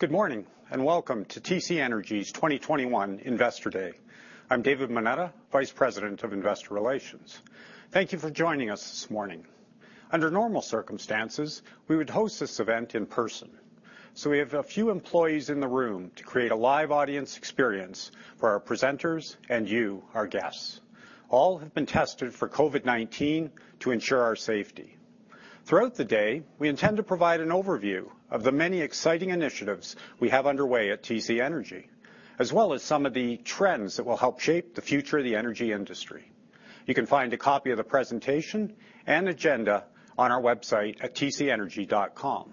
Good morning, and welcome to TC Energy's 2021 Investor Day. I'm David Moneta, Vice President of Investor Relations. Thank you for joining us this morning. Under normal circumstances, we would host this event in person, so we have a few employees in the room to create a live audience experience for our presenters and you, our guests. All have been tested for COVID-19 to ensure our safety. Throughout the day, we intend to provide an overview of the many exciting initiatives we have underway at TC Energy, as well as some of the trends that will help shape the future of the energy industry. You can find a copy of the presentation and agenda on our website at tcenergy.com.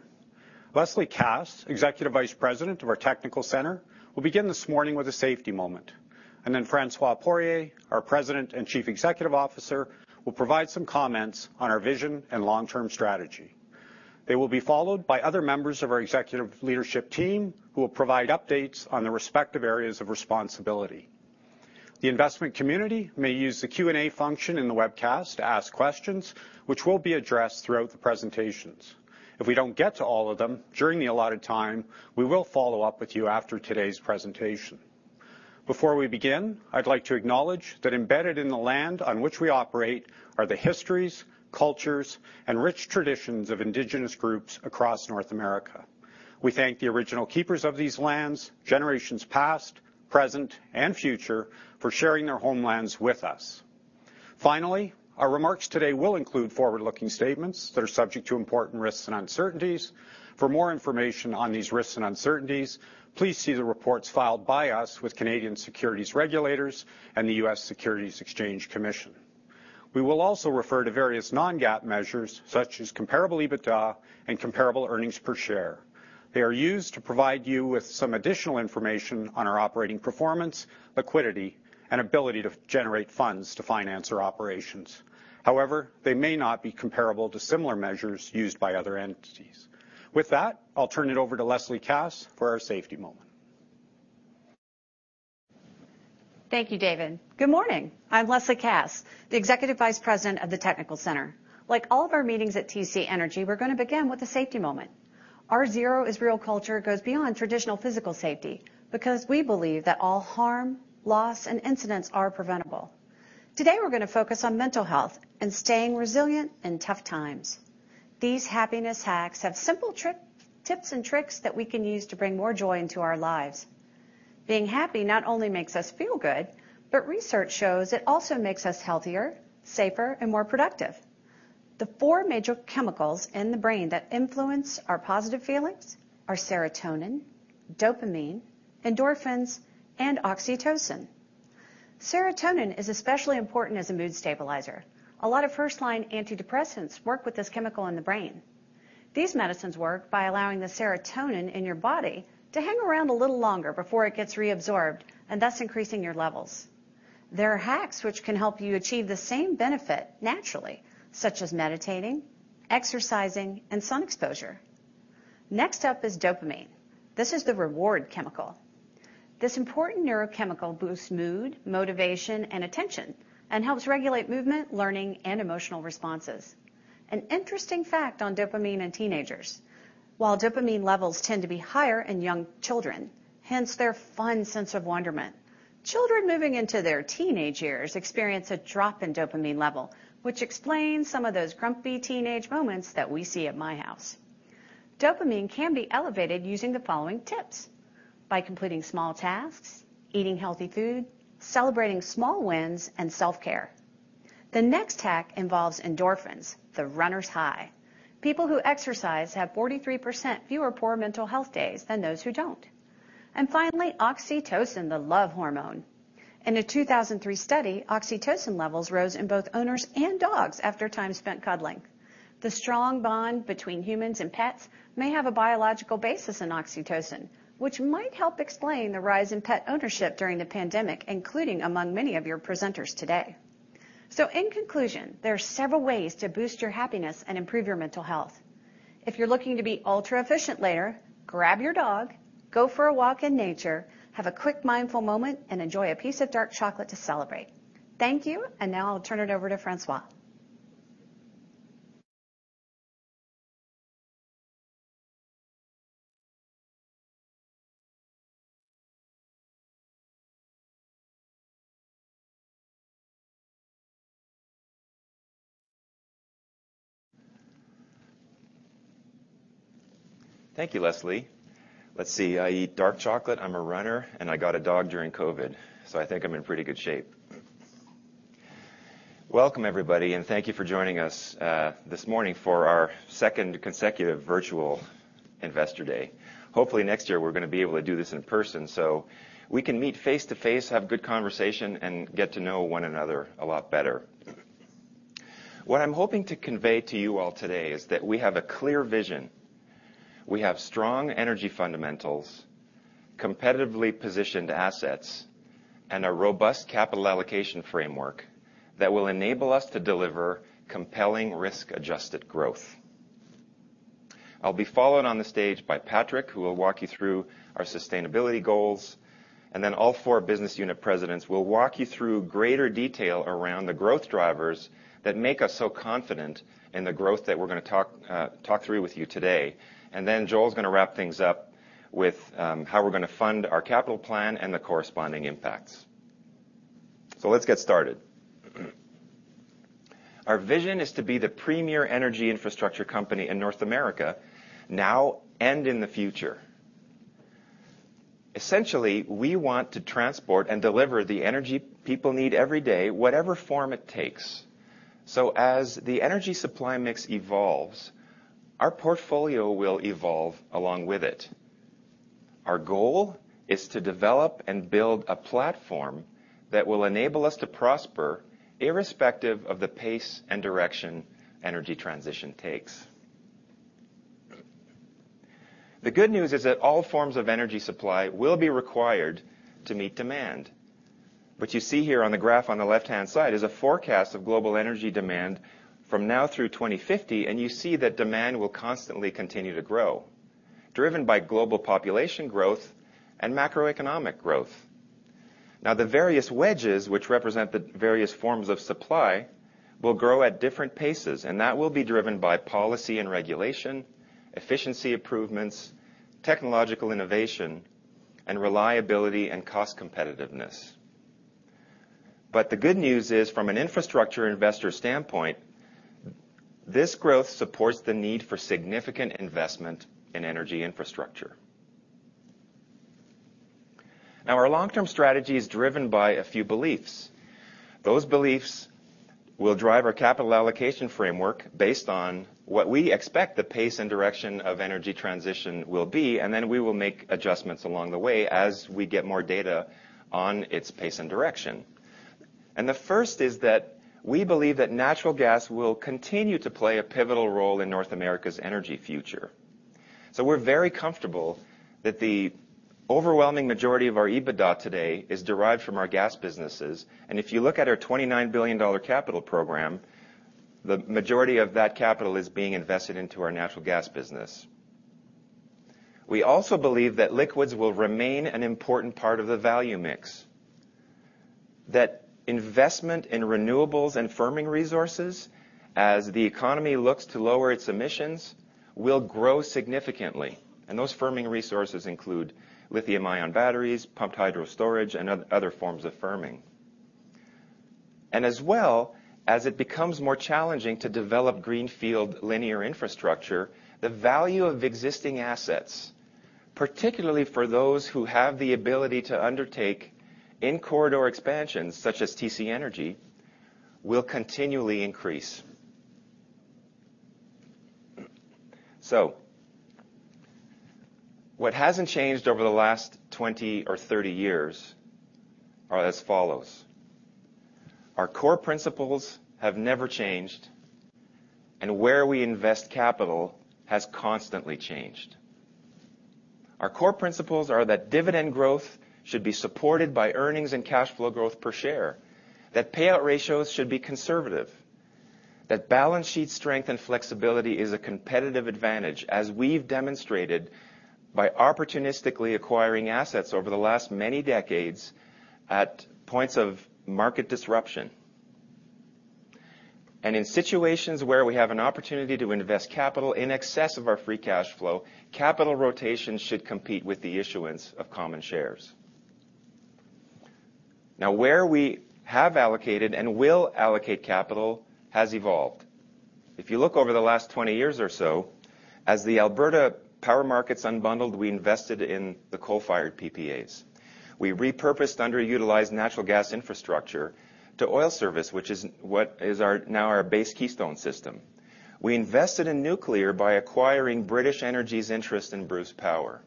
Leslie Kass, Executive Vice President of our Technical Centre, will begin this morning with a safety moment, and then François Poirier, our President and Chief Executive Officer, will provide some comments on our vision and long-term strategy. They will be followed by other members of our executive leadership team, who will provide updates on their respective areas of responsibility. The investment community may use the Q&A function in the webcast to ask questions which will be addressed throughout the presentations. If we don't get to all of them during the allotted time, we will follow up with you after today's presentation. Before we begin, I'd like to acknowledge that embedded in the land on which we operate are the histories, cultures, and rich traditions of Indigenous groups across North America. We thank the original keepers of these lands, generations past, present, and future, for sharing their homelands with us. Finally, our remarks today will include forward-looking statements that are subject to important risks and uncertainties. For more information on these risks and uncertainties, please see the reports filed by us with Canadian Securities Administrators and the U.S. Securities and Exchange Commission. We will also refer to various non-GAAP measures such as comparable EBITDA and comparable earnings per share. They are used to provide you with some additional information on our operating performance, liquidity, and ability to generate funds to finance our operations. However, they may not be comparable to similar measures used by other entities. With that, I'll turn it over to Leslie Kass for our safety moment. Thank you, David. Good morning. I'm Leslie Kass, the Executive Vice President of the Technical Centre. Like all of our meetings at TC Energy, we're gonna begin with a safety moment. Our zero-harm culture goes beyond traditional physical safety because we believe that all harm, loss, and incidents are preventable. Today, we're gonna focus on mental health and staying resilient in tough times. These happiness hacks have simple tips and tricks that we can use to bring more joy into our lives. Being happy not only makes us feel good, but research shows it also makes us healthier, safer, and more productive. The four major chemicals in the brain that influence our positive feelings are serotonin, dopamine, endorphins, and oxytocin. Serotonin is especially important as a mood stabilizer. A lot of first-line antidepressants work with this chemical in the brain. These medicines work by allowing the serotonin in your body to hang around a little longer before it gets reabsorbed, and thus increasing your levels. There are hacks which can help you achieve the same benefit naturally, such as meditating, exercising, and sun exposure. Next up is dopamine. This is the reward chemical. This important neurochemical boosts mood, motivation, and attention and helps regulate movement, learning, and emotional responses. An interesting fact on dopamine and teenagers. While dopamine levels tend to be higher in young children, hence their fun sense of wonderment, children moving into their teenage years experience a drop in dopamine level, which explains some of those grumpy teenage moments that we see at my house. Dopamine can be elevated using the following tips, by completing small tasks, eating healthy food, celebrating small wins, and self-care. The next hack involves endorphins, the runner's high. People who exercise have 43% fewer poor mental health days than those who don't. Finally, oxytocin, the love hormone. In a 2003 study, oxytocin levels rose in both owners and dogs after time spent cuddling. The strong bond between humans and pets may have a biological basis in oxytocin, which might help explain the rise in pet ownership during the pandemic, including among many of your presenters today. In conclusion, there are several ways to boost your happiness and improve your mental health. If you're looking to be ultra-efficient later, grab your dog, go for a walk in nature, have a quick mindful moment, and enjoy a piece of dark chocolate to celebrate. Thank you, and now I'll turn it over to François. Thank you, Leslie. Let's see. I eat dark chocolate, I'm a runner, and I got a dog during COVID, so I think I'm in pretty good shape. Welcome, everybody, and thank you for joining us this morning for our second consecutive virtual Investor Day. Hopefully next year we're gonna be able to do this in person, so we can meet face to face, have good conversation, and get to know one another a lot better. What I'm hoping to convey to you all today is that we have a clear vision. We have strong energy fundamentals, competitively positioned assets, and a robust capital allocation framework that will enable us to deliver compelling risk-adjusted growth. I'll be followed on the stage by Patrick, who will walk you through our sustainability goals. All four business unit presidents will walk you through greater detail around the growth drivers that make us so confident in the growth that we're gonna talk through with you today. Joel's gonna wrap things up with how we're gonna fund our capital plan and the corresponding impacts. Let's get started. Our vision is to be the premier energy infrastructure company in North America now and in the future. Essentially, we want to transport and deliver the energy people need every day, whatever form it takes. As the energy supply mix evolves, our portfolio will evolve along with it. Our goal is to develop and build a platform that will enable us to prosper irrespective of the pace and direction energy transition takes. The good news is that all forms of energy supply will be required to meet demand. What you see here on the graph on the left-hand side is a forecast of global energy demand from now through 2050, and you see that demand will constantly continue to grow, driven by global population growth and macroeconomic growth. Now the various wedges, which represent the various forms of supply, will grow at different paces, and that will be driven by policy and regulation, efficiency improvements, technological innovation, and reliability and cost competitiveness. The good news is, from an infrastructure investor standpoint, this growth supports the need for significant investment in energy infrastructure. Now our long-term strategy is driven by a few beliefs. Those beliefs will drive our capital allocation framework based on what we expect the pace and direction of energy transition will be, and then we will make adjustments along the way as we get more data on its pace and direction. The first is that we believe that natural gas will continue to play a pivotal role in North America's energy future. We're very comfortable that the overwhelming majority of our EBITDA today is derived from our gas businesses. If you look at our $29 billion capital program, the majority of that capital is being invested into our natural gas business. We also believe that liquids will remain an important part of the value mix, that investment in renewables and firming resources, as the economy looks to lower its emissions, will grow significantly. Those firming resources include lithium-ion batteries, pumped hydro storage, and other forms of firming. As well, as it becomes more challenging to develop greenfield linear infrastructure, the value of existing assets, particularly for those who have the ability to undertake in-corridor expansions, such as TC Energy, will continually increase. What hasn't changed over the last 20 or 30 years are as follows. Our core principles have never changed, and where we invest capital has constantly changed. Our core principles are that dividend growth should be supported by earnings and cash flow growth per share, that payout ratios should be conservative, that balance sheet strength and flexibility is a competitive advantage, as we've demonstrated by opportunistically acquiring assets over the last many decades at points of market disruption. In situations where we have an opportunity to invest capital in excess of our free cash flow, capital rotation should compete with the issuance of common shares. Now where we have allocated and will allocate capital has evolved. If you look over the last 20 years or so, as the Alberta power markets unbundled, we invested in the coal-fired PPAs. We repurposed underutilized natural gas infrastructure to oil service, which is now our base Keystone system. We invested in nuclear by acquiring British Energy's interest in Bruce Power.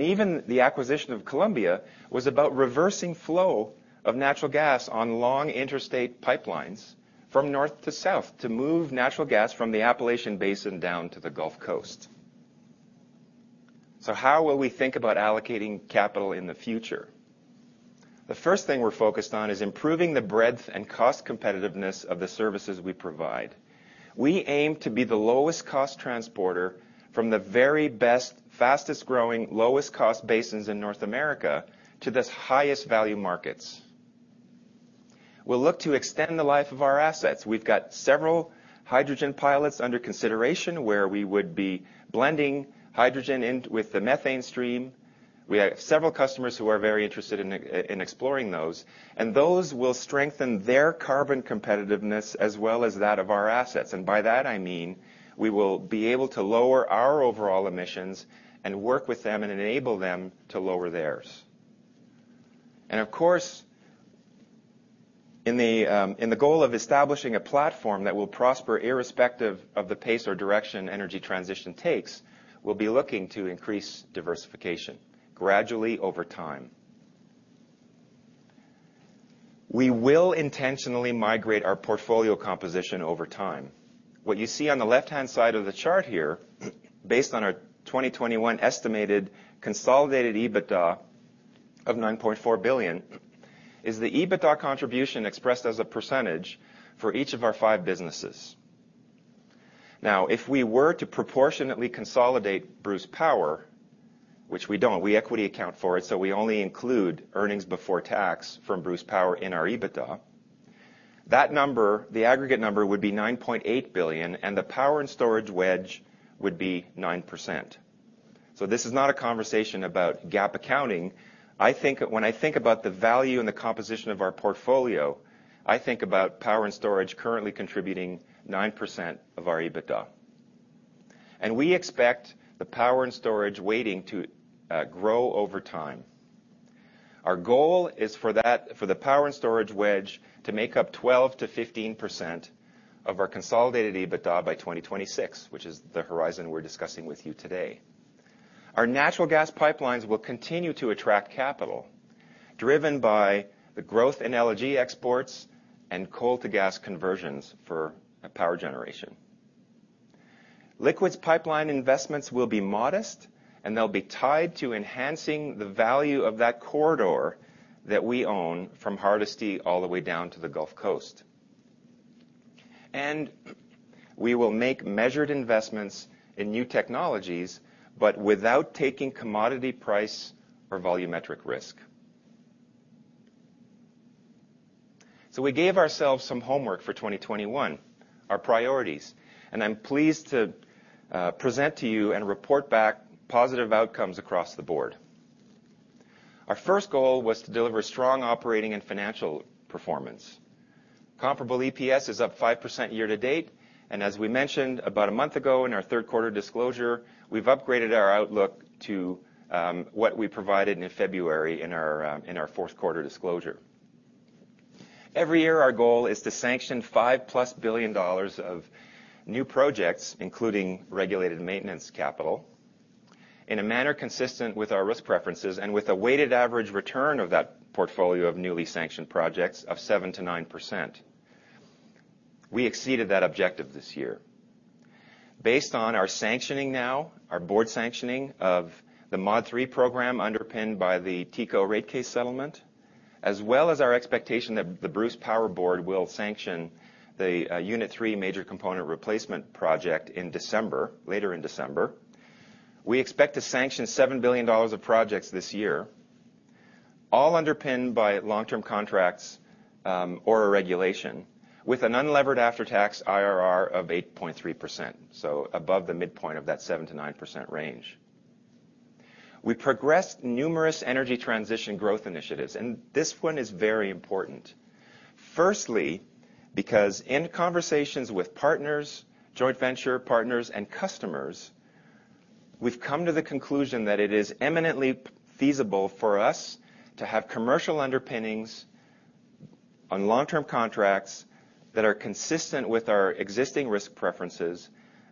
Even the acquisition of Columbia was about reversing flow of natural gas on long interstate pipelines from north to south to move natural gas from the Appalachian Basin down to the Gulf Coast. How will we think about allocating capital in the future? The first thing we're focused on is improving the breadth and cost competitiveness of the services we provide. We aim to be the lowest cost transporter from the very best, fastest-growing, lowest-cost basins in North America to the highest value markets. We'll look to extend the life of our assets. We've got several hydrogen pilots under consideration where we would be blending hydrogen in with the methane stream. We have several customers who are very interested in exploring those, and those will strengthen their carbon competitiveness as well as that of our assets. By that, I mean we will be able to lower our overall emissions and work with them and enable them to lower theirs. Of course, in the goal of establishing a platform that will prosper irrespective of the pace or direction energy transition takes, we'll be looking to increase diversification gradually over time. We will intentionally migrate our portfolio composition over time. What you see on the left-hand side of the chart here, based on our 2021 estimated consolidated EBITDA of $9.4 billion is the EBITDA contribution expressed as a percentage for each of our five businesses. Now, if we were to proportionately consolidate Bruce Power, which we don't, we equity account for it, so we only include earnings before tax from Bruce Power in our EBITDA. That number, the aggregate number would be $9.8 billion, and the Power and Storage wedge would be 9%. This is not a conversation about GAAP accounting. I think when I think about the value and the composition of our portfolio, I think about Power and Storage currently contributing 9% of our EBITDA. We expect the Power and Storage weighting to grow over time. Our goal is for the Power and Storage wedge to make up 12%-15% of our consolidated EBITDA by 2026, which is the horizon we're discussing with you today. Our natural gas pipelines will continue to attract capital driven by the growth in LNG exports and coal to gas conversions for power generation. Liquids Pipelines investments will be modest, and they'll be tied to enhancing the value of that corridor that we own from Hardisty all the way down to the Gulf Coast. We will make measured investments in new technologies, but without taking commodity price or volumetric risk. We gave ourselves some homework for 2021, our priorities, and I'm pleased to present to you and report back positive outcomes across the board. Our first goal was to deliver strong operating and financial performance. Comparable EPS is up 5% year-to-date. As we mentioned about a month ago in our third quarter disclosure, we've upgraded our outlook to what we provided in February in our fourth quarter disclosure. Every year, our goal is to sanction $5+ billion of new projects, including regulated maintenance capital, in a manner consistent with our risk preferences and with a weighted average return of that portfolio of newly sanctioned projects of 7%-9%. We exceeded that objective this year. Based on our sanctioning now, our board sanctioning of the Modernization III program underpinned by the TCO rate case settlement, as well as our expectation that the Bruce Power Board will sanction the unit three major component replacement project in December, later in December. We expect to sanction $7 billion of projects this year, all underpinned by long-term contracts or a regulation with an unlevered after-tax IRR of 8.3%, so above the midpoint of that 7%-9% range. We progressed numerous energy transition growth initiatives, and this one is very important. Firstly, because in conversations with partners, joint venture partners, and customers, we've come to the conclusion that it is eminently feasible for us to have commercial underpinnings on long-term contracts that are consistent with our existing risk preferences,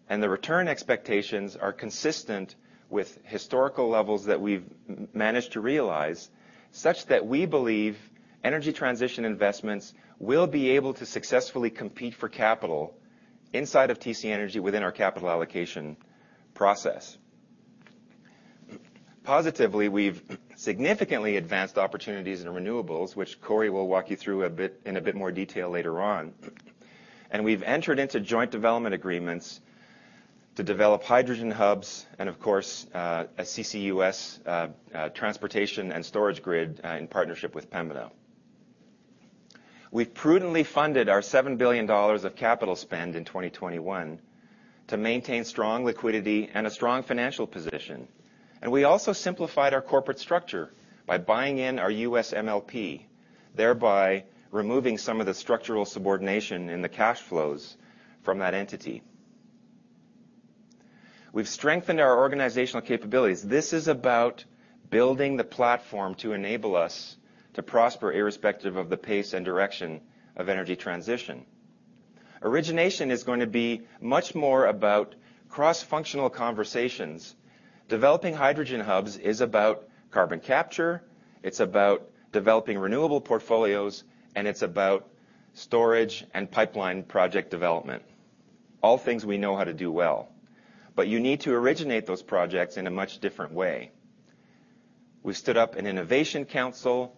and the return expectations are consistent with historical levels that we've managed to realize, such that we believe energy transition investments will be able to successfully compete for capital inside of TC Energy within our capital allocation process. Positively, we've significantly advanced opportunities in renewables, which Corey will walk you through in a bit more detail later on. We've entered into joint development agreements to develop hydrogen hubs and of course, a CCUS transportation and storage grid in partnership with Pembina. We've prudently funded our $7 billion of capital spend in 2021 to maintain strong liquidity and a strong financial position. We also simplified our corporate structure by buying in our U.S. MLP, thereby removing some of the structural subordination in the cash flows from that entity. We've strengthened our organizational capabilities. This is about building the platform to enable us to prosper irrespective of the pace and direction of energy transition. Origination is going to be much more about cross-functional conversations. Developing hydrogen hubs is about carbon capture, it's about developing renewable portfolios, and it's about storage and pipeline project development. All things we know how to do well. You need to originate those projects in a much different way. We stood up an innovation council.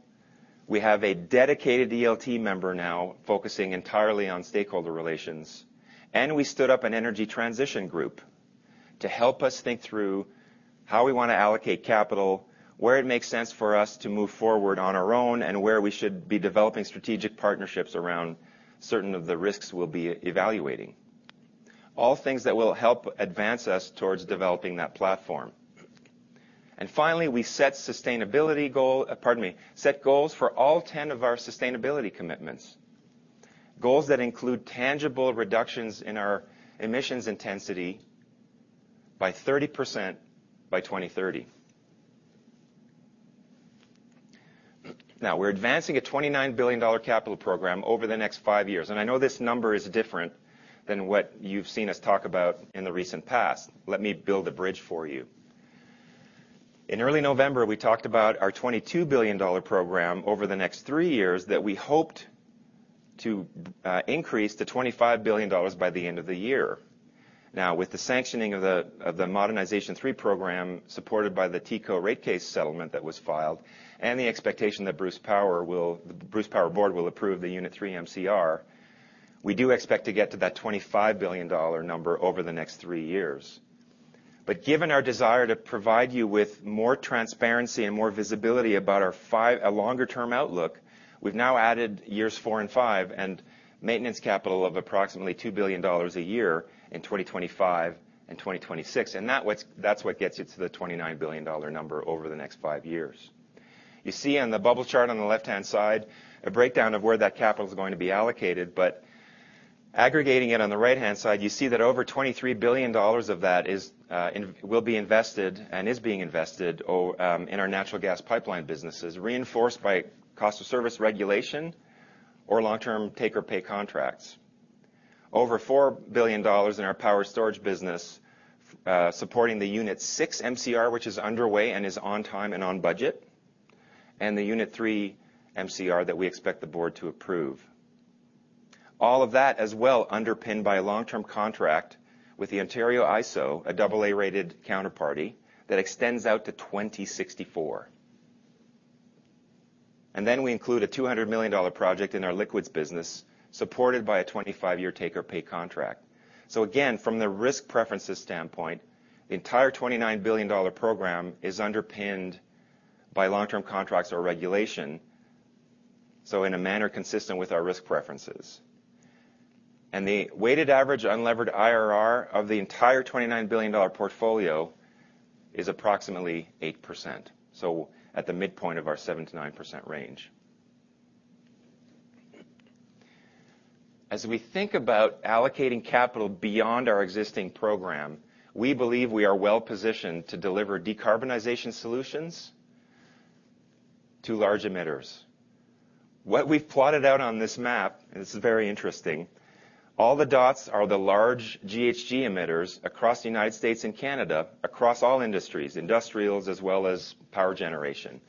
We have a dedicated ELT member now focusing entirely on stakeholder relations, and we stood up an energy transition group to help us think through how we want to allocate capital, where it makes sense for us to move forward on our own, and where we should be developing strategic partnerships around certain of the risks we'll be evaluating. All things that will help advance us towards developing that platform. Finally, Pardon me, we set goals for all 10 of our sustainability commitments. Goals that include tangible reductions in our emissions intensity by 30% by 2030. Now, we're advancing a $29 billion capital program over the next 5 years. I know this number is different than what you've seen us talk about in the recent past. Let me build a bridge for you. In early November, we talked about our $22 billion program over the next three years that we hoped to increase to $25 billion by the end of the year. Now, with the sanctioning of the Modernization III program, supported by the TCO rate case settlement that was filed, and the expectation that the Bruce Power board will approve the Unit 3 MCR, we do expect to get to that $25 billion number over the next three years. Given our desire to provide you with more transparency and more visibility about our five-year, a longer-term outlook, we've now added years four and five, and maintenance capital of approximately $2 billion a year in 2025 and 2026. That's what gets it to the $29 billion number over the next five years. You see on the bubble chart on the left-hand side, a breakdown of where that capital is going to be allocated. Aggregating it on the right-hand side, you see that over $23 billion of that is will be invested and is being invested in our natural gas pipeline businesses, reinforced by cost of service regulation or long-term take-or-pay contracts. Over $4 billion in Power and Storage business, supporting the Unit 6 MCR, which is underway and is on time and on budget, and the Unit 3 MCR that we expect the board to approve. All of that as well underpinned by a long-term contract with the IESO, a AA-rated counterparty that extends out to 2064. Then we include a $200 million project in our liquids business, supported by a 25-year take-or-pay contract. Again, from the risk preferences standpoint, the entire $29 billion program is underpinned by long-term contracts or regulation, so in a manner consistent with our risk preferences. The weighted average unlevered IRR of the entire $29 billion portfolio is approximately 8%. At the midpoint of our 7%-9% range. As we think about allocating capital beyond our existing program, we believe we are well-positioned to deliver decarbonization solutions to large emitters. What we've plotted out on this map, and this is very interesting, all the dots are the large GHG emitters across the United States and Canada, across all industries, industrials as well as power generation.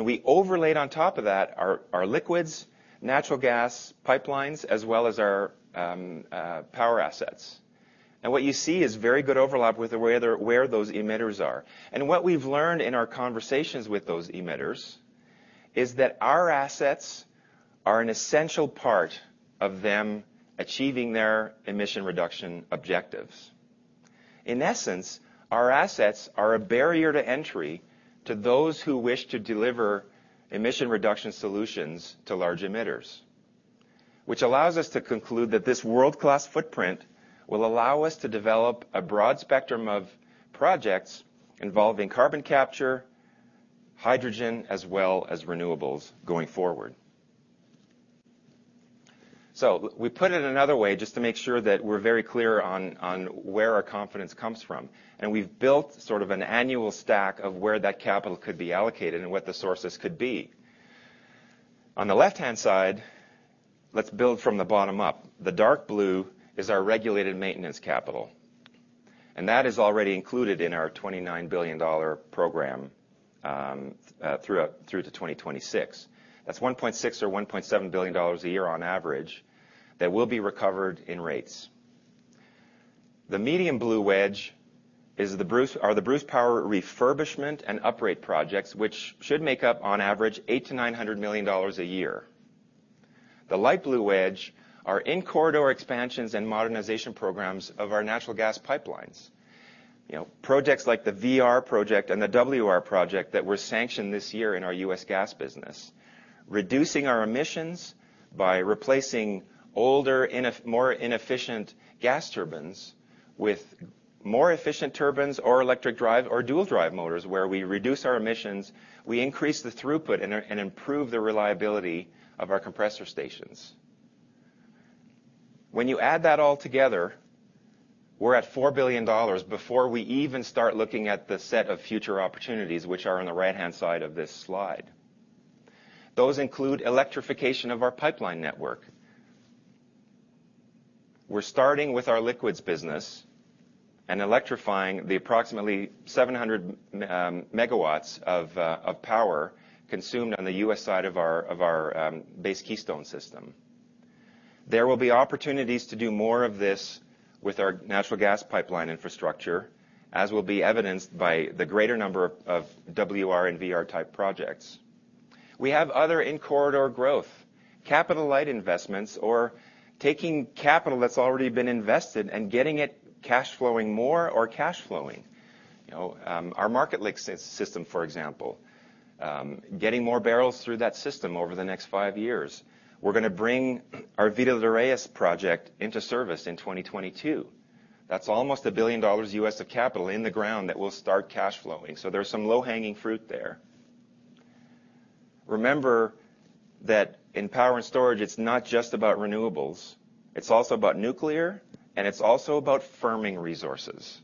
We overlaid on top of that our liquids, natural gas pipelines, as well as our power assets. What you see is very good overlap with the way they're. where those emitters are. What we've learned in our conversations with those emitters is that our assets are an essential part of them achieving their emission reduction objectives. In essence, our assets are a barrier to entry to those who wish to deliver emission reduction solutions to large emitters, which allows us to conclude that this world-class footprint will allow us to develop a broad spectrum of projects involving carbon capture, hydrogen, as well as renewables going forward. We put it another way just to make sure that we're very clear on where our confidence comes from. We've built sort of an annual stack of where that capital could be allocated and what the sources could be. On the left-hand side, let's build from the bottom up. The dark blue is our regulated maintenance capital, and that is already included in our $29 billion program, through to 2026. That's $1.6 billion or $1.7 billion a year on average that will be recovered in rates. The medium blue wedge is the Bruce Power refurbishment and upgrade projects, which should make up on average $800 million-$900 million a year. The light blue wedge are in-corridor expansions and modernization programs of our natural gas pipelines. You know, projects like the VR project and the WR project that were sanctioned this year in our U.S. gas business. Reducing our emissions by replacing older, more inefficient gas turbines with more efficient turbines or electric drive or dual drive motors, where we reduce our emissions, we increase the throughput and improve the reliability of our compressor stations. When you add that all together, we're at $4 billion before we even start looking at the set of future opportunities, which are on the right-hand side of this slide. Those include electrification of our pipeline network. We're starting with our liquids business and electrifying the approximately 700 MW of power consumed on the U.S. side of our base Keystone system. There will be opportunities to do more of this with our natural gas pipeline infrastructure, as will be evidenced by the greater number of WR and VR-type projects. We have other in-corridor growth. Capital-light investments or taking capital that's already been invested and getting it cash flowing more or cash flowing. You know, our Marketlink system, for example, getting more barrels through that system over the next 5 years. We're gonna bring our Villa de Reyes project into service in 2022. That's almost $1 billion of capital in the ground that will start cash flowing. So there's some low-hanging fruit there. Remember that in Power and Storage, it's not just about renewables, it's also about nuclear, and it's also about firming resources.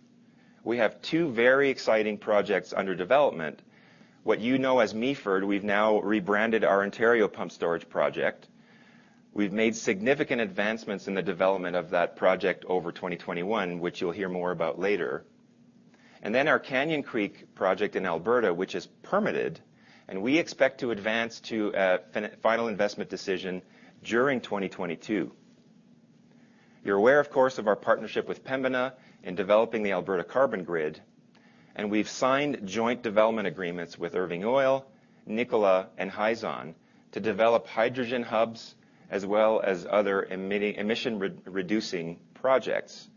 We have two very exciting projects under development. What you know as Meaford, we've now rebranded our Ontario Pumped Storage project. We've made significant advancements in the development of that project over 2021, which you'll hear more about later. Then our Canyon Creek project in Alberta, which is permitted, and we expect to advance to a final investment decision during 2022. You're aware, of course, of our partnership with Pembina in developing the Alberta Carbon Grid, and we've signed joint development agreements with Irving Oil, Nikola, and Hyzon to develop hydrogen hubs as well as other emission-reducing projects.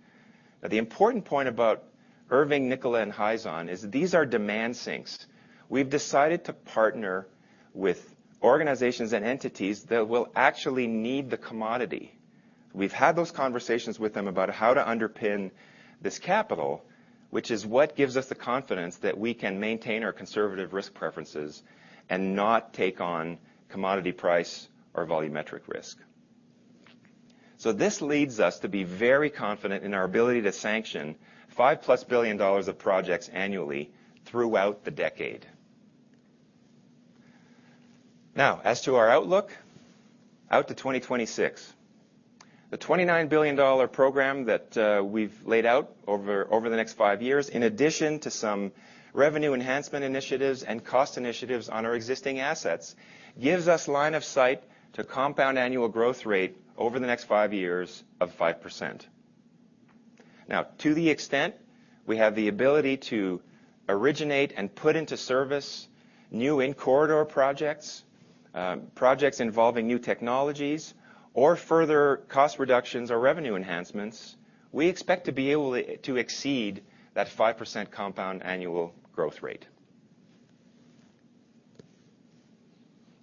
The important point about Irving, Nikola, and Hyzon is these are demand sinks. We've decided to partner with organizations and entities that will actually need the commodity. We've had those conversations with them about how to underpin this capital, which is what gives us the confidence that we can maintain our conservative risk preferences and not take on commodity price or volumetric risk. This leads us to be very confident in our ability to sanction $5+ billion of projects annually throughout the decade. Now, as to our outlook out to 2026. The $29 billion program that we've laid out over the next five years, in addition to some revenue enhancement initiatives and cost initiatives on our existing assets, gives us line of sight to compound annual growth rate over the next five years of 5%. Now, to the extent we have the ability to originate and put into service new in-corridor projects involving new technologies or further cost reductions or revenue enhancements, we expect to be able to exceed that 5% compound annual growth rate.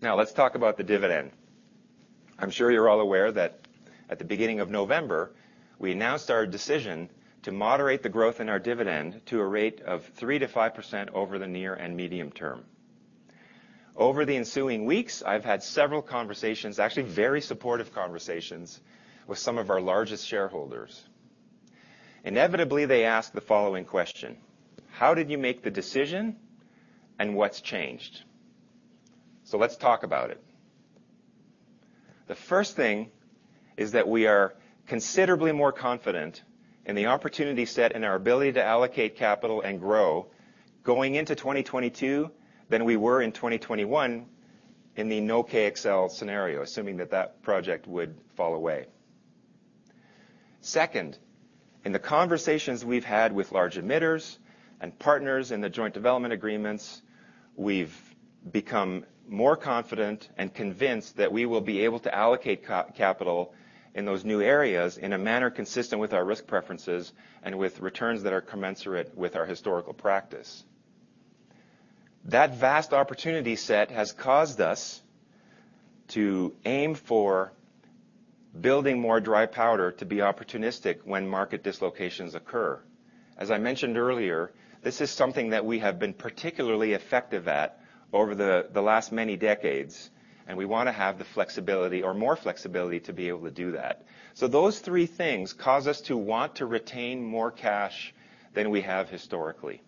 Now let's talk about the dividend. I'm sure you're all aware that at the beginning of November, we announced our decision to moderate the growth in our dividend to a rate of 3%-5% over the near and medium term. Over the ensuing weeks, I've had several conversations, actually very supportive conversations, with some of our largest shareholders. Inevitably, they ask the following question: How did you make the decision, and what's changed? So let's talk about it. The first thing is that we are considerably more confident in the opportunity set and our ability to allocate capital and grow going into 2022 than we were in 2021 in the no KXL scenario, assuming that that project would fall away. Second, in the conversations we've had with large emitters and partners in the joint development agreements, we've become more confident and convinced that we will be able to allocate capital in those new areas in a manner consistent with our risk preferences and with returns that are commensurate with our historical practice. That vast opportunity set has caused us to aim for building more dry powder to be opportunistic when market dislocations occur. As I mentioned earlier, this is something that we have been particularly effective at over the last many decades, and we wanna have the flexibility or more flexibility to be able to do that. Those three things cause us to want to retain more cash than we have historically.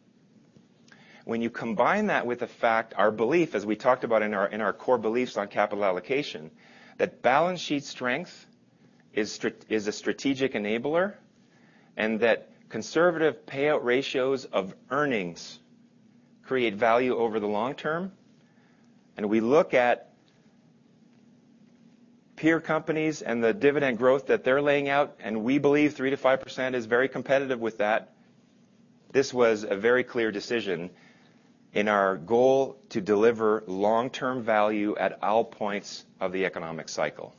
When you combine that with the fact our belief, as we talked about in our core beliefs on capital allocation, that balance sheet strength is a strategic enabler and that conservative payout ratios of earnings create value over the long term, and we look at peer companies and the dividend growth that they're laying out, and we believe 3%-5% is very competitive with that, this was a very clear decision in our goal to deliver long-term value at all points of the economic cycle.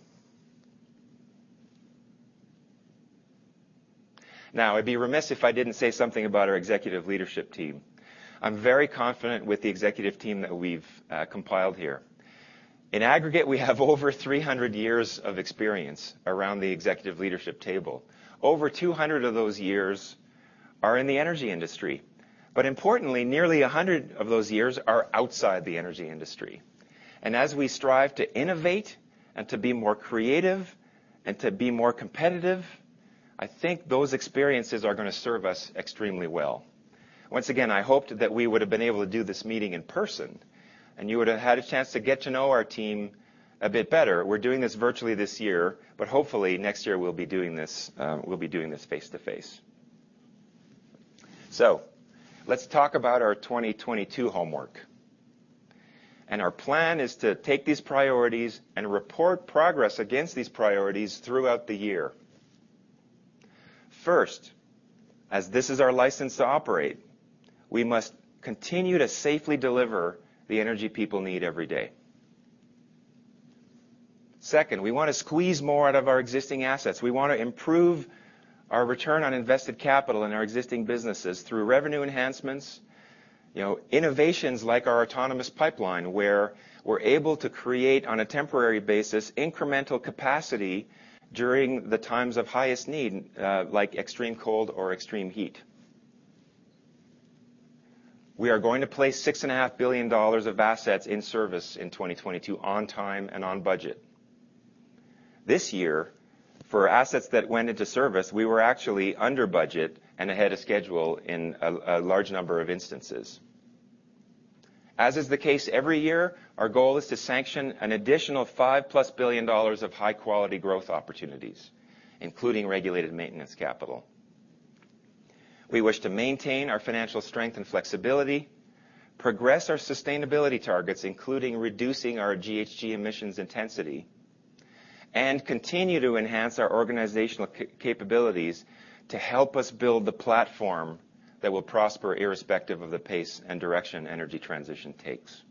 Now, I'd be remiss if I didn't say something about our executive leadership team. I'm very confident with the executive team that we've compiled here. In aggregate, we have over 300 years of experience around the executive leadership table. Over 200 of those years are in the energy industry. Importantly, nearly a hundred of those years are outside the energy industry. As we strive to innovate and to be more creative and to be more competitive, I think those experiences are gonna serve us extremely well. Once again, I hoped that we would have been able to do this meeting in person, and you would have had a chance to get to know our team a bit better. We're doing this virtually this year, but hopefully next year we'll be doing this face-to-face. Let's talk about our 2022 homework. Our plan is to take these priorities and report progress against these priorities throughout the year. First, as this is our license to operate, we must continue to safely deliver the energy people need every day. Second, we wanna squeeze more out of our existing assets. We wanna improve our return on invested capital in our existing businesses through revenue enhancements, you know, innovations like our Autonomous Pipeline, where we're able to create, on a temporary basis, incremental capacity during the times of highest need, like extreme cold or extreme heat. We are going to place $6.5 billion of assets in service in 2022 on time and on budget. This year, for assets that went into service, we were actually under budget and ahead of schedule in a large number of instances. As is the case every year, our goal is to sanction an additional $5+ billion of high-quality growth opportunities, including regulated maintenance capital. We wish to maintain our financial strength and flexibility, progress our sustainability targets, including reducing our GHG emissions intensity, and continue to enhance our organizational capabilities to help us build the platform that will prosper irrespective of the pace and direction energy transition takes.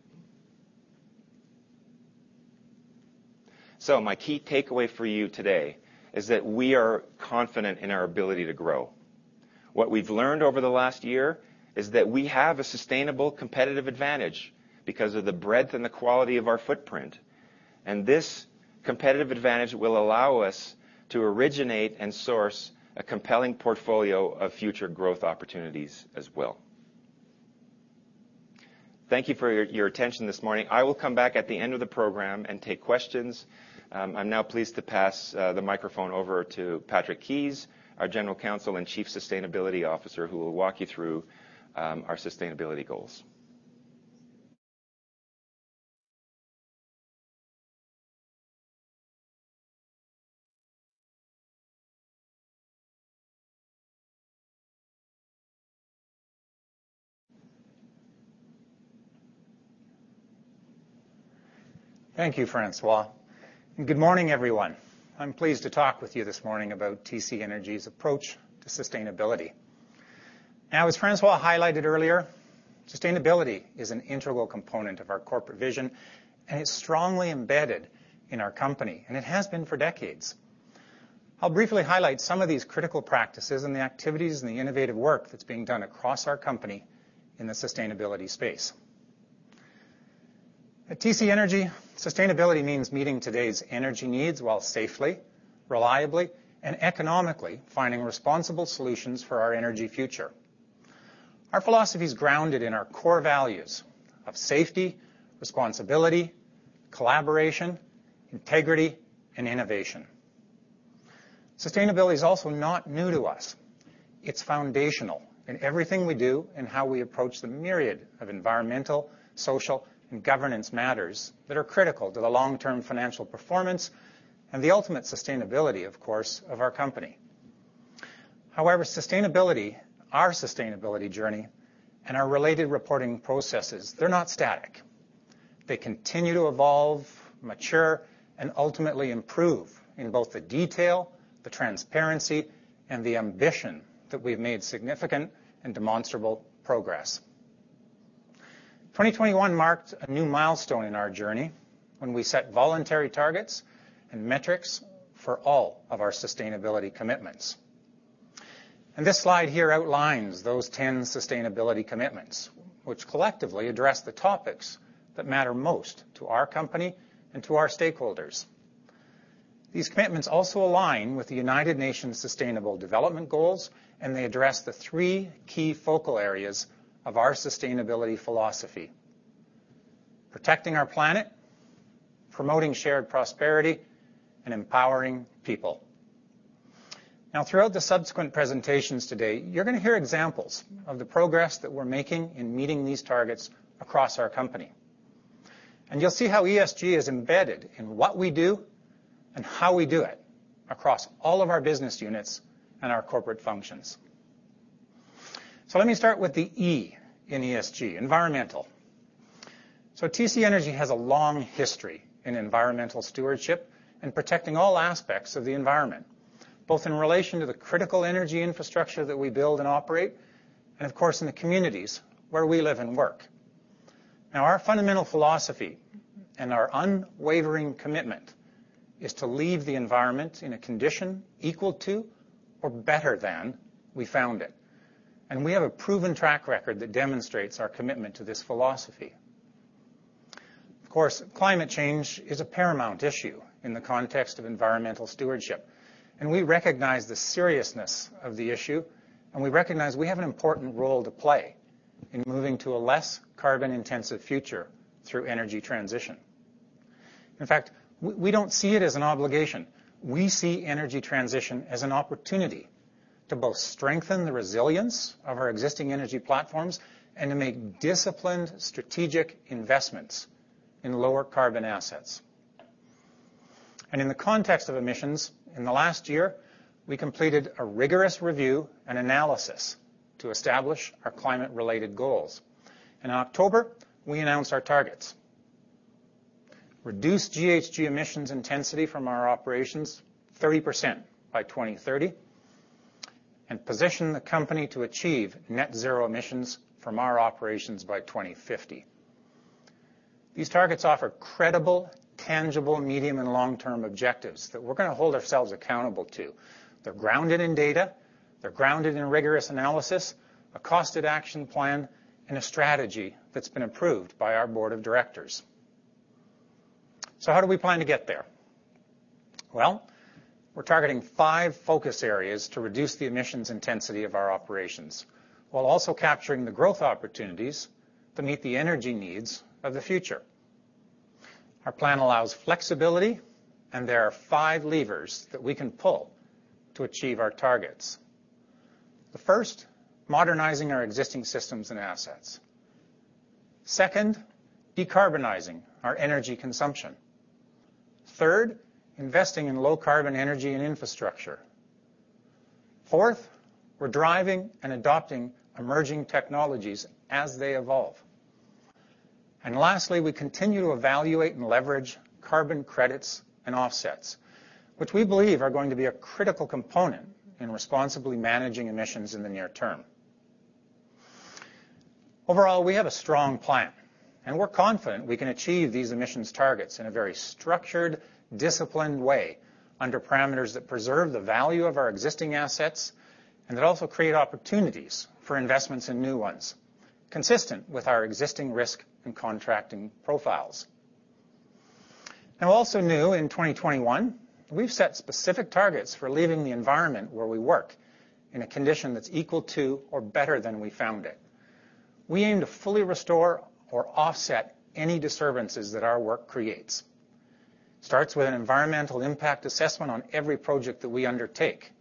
My key takeaway for you today is that we are confident in our ability to grow. What we've learned over the last year is that we have a sustainable competitive advantage because of the breadth and the quality of our footprint, and this competitive advantage will allow us to originate and source a compelling portfolio of future growth opportunities as well. Thank you for your attention this morning. I will come back at the end of the program and take questions. I'm now pleased to pass the microphone over to Patrick Keys, our General Counsel and Chief Sustainability Officer, who will walk you through our sustainability goals. Thank you, François. Good morning, everyone. I'm pleased to talk with you this morning about TC Energy's approach to sustainability. Now, as François highlighted earlier, sustainability is an integral component of our corporate vision, and it's strongly embedded in our company, and it has been for decades. I'll briefly highlight some of these critical practices and the activities and the innovative work that's being done across our company in the sustainability space. At TC Energy, sustainability means meeting today's energy needs while safely, reliably, and economically finding responsible solutions for our energy future. Our philosophy is grounded in our core values of safety, responsibility, collaboration, integrity, and innovation. Sustainability is also not new to us. It's foundational in everything we do and how we approach the myriad of environmental, social, and governance matters that are critical to the long-term financial performance and the ultimate sustainability, of course, of our company. However, sustainability, our sustainability journey, and our related reporting processes, they're not static. They continue to evolve, mature, and ultimately improve in both the detail, the transparency, and the ambition. We've made significant and demonstrable progress. 2021 marked a new milestone in our journey when we set voluntary targets and metrics for all of our sustainability commitments. This slide here outlines those 10 sustainability commitments, which collectively address the topics that matter most to our company and to our stakeholders. These commitments also align with the United Nations Sustainable Development Goals, and they address the three key focal areas of our sustainability philosophy, protecting our planet, promoting shared prosperity, and empowering people. Now, throughout the subsequent presentations today, you're gonna hear examples of the progress that we're making in meeting these targets across our company. You'll see how ESG is embedded in what we do and how we do it across all of our business units and our corporate functions. Let me start with the E in ESG, environmental. TC Energy has a long history in environmental stewardship and protecting all aspects of the environment, both in relation to the critical energy infrastructure that we build and operate, and of course, in the communities where we live and work. Now, our fundamental philosophy and our unwavering commitment is to leave the environment in a condition equal to or better than we found it, and we have a proven track record that demonstrates our commitment to this philosophy. Of course, climate change is a paramount issue in the context of environmental stewardship, and we recognize the seriousness of the issue, and we recognize we have an important role to play in moving to a less carbon-intensive future through energy transition. In fact, we don't see it as an obligation. We see energy transition as an opportunity to both strengthen the resilience of our existing energy platforms and to make disciplined strategic investments in lower carbon assets. In the context of emissions, in the last year, we completed a rigorous review and analysis to establish our climate-related goals. In October, we announced our targets to reduce GHG emissions intensity from our operations 30% by 2030, and to position the company to achieve Net Zero emissions from our operations by 2050. These targets offer credible, tangible, medium- and long-term objectives that we're gonna hold ourselves accountable to. They're grounded in data, they're grounded in rigorous analysis, a costed action plan, and a strategy that's been approved by our Board of Directors. How do we plan to get there? Well, we're targeting five focus areas to reduce the emissions intensity of our operations while also capturing the growth opportunities to meet the energy needs of the future. Our plan allows flexibility, and there are five levers that we can pull to achieve our targets. The first, modernizing our existing systems and assets. Second, decarbonizing our energy consumption. Third, investing in low-carbon energy and infrastructure. Fourth, we're driving and adopting emerging technologies as they evolve. Lastly, we continue to evaluate and leverage carbon credits and offsets, which we believe are going to be a critical component in responsibly managing emissions in the near term. Overall, we have a strong plan, and we're confident we can achieve these emissions targets in a very structured, disciplined way under parameters that preserve the value of our existing assets and that also create opportunities for investments in new ones, consistent with our existing risk and contracting profiles. Now, also new in 2021, we've set specific targets for leaving the environment where we work in a condition that's equal to or better than we found it. We aim to fully restore or offset any disturbances that our work creates. It starts with an environmental impact assessment on every project that we undertake.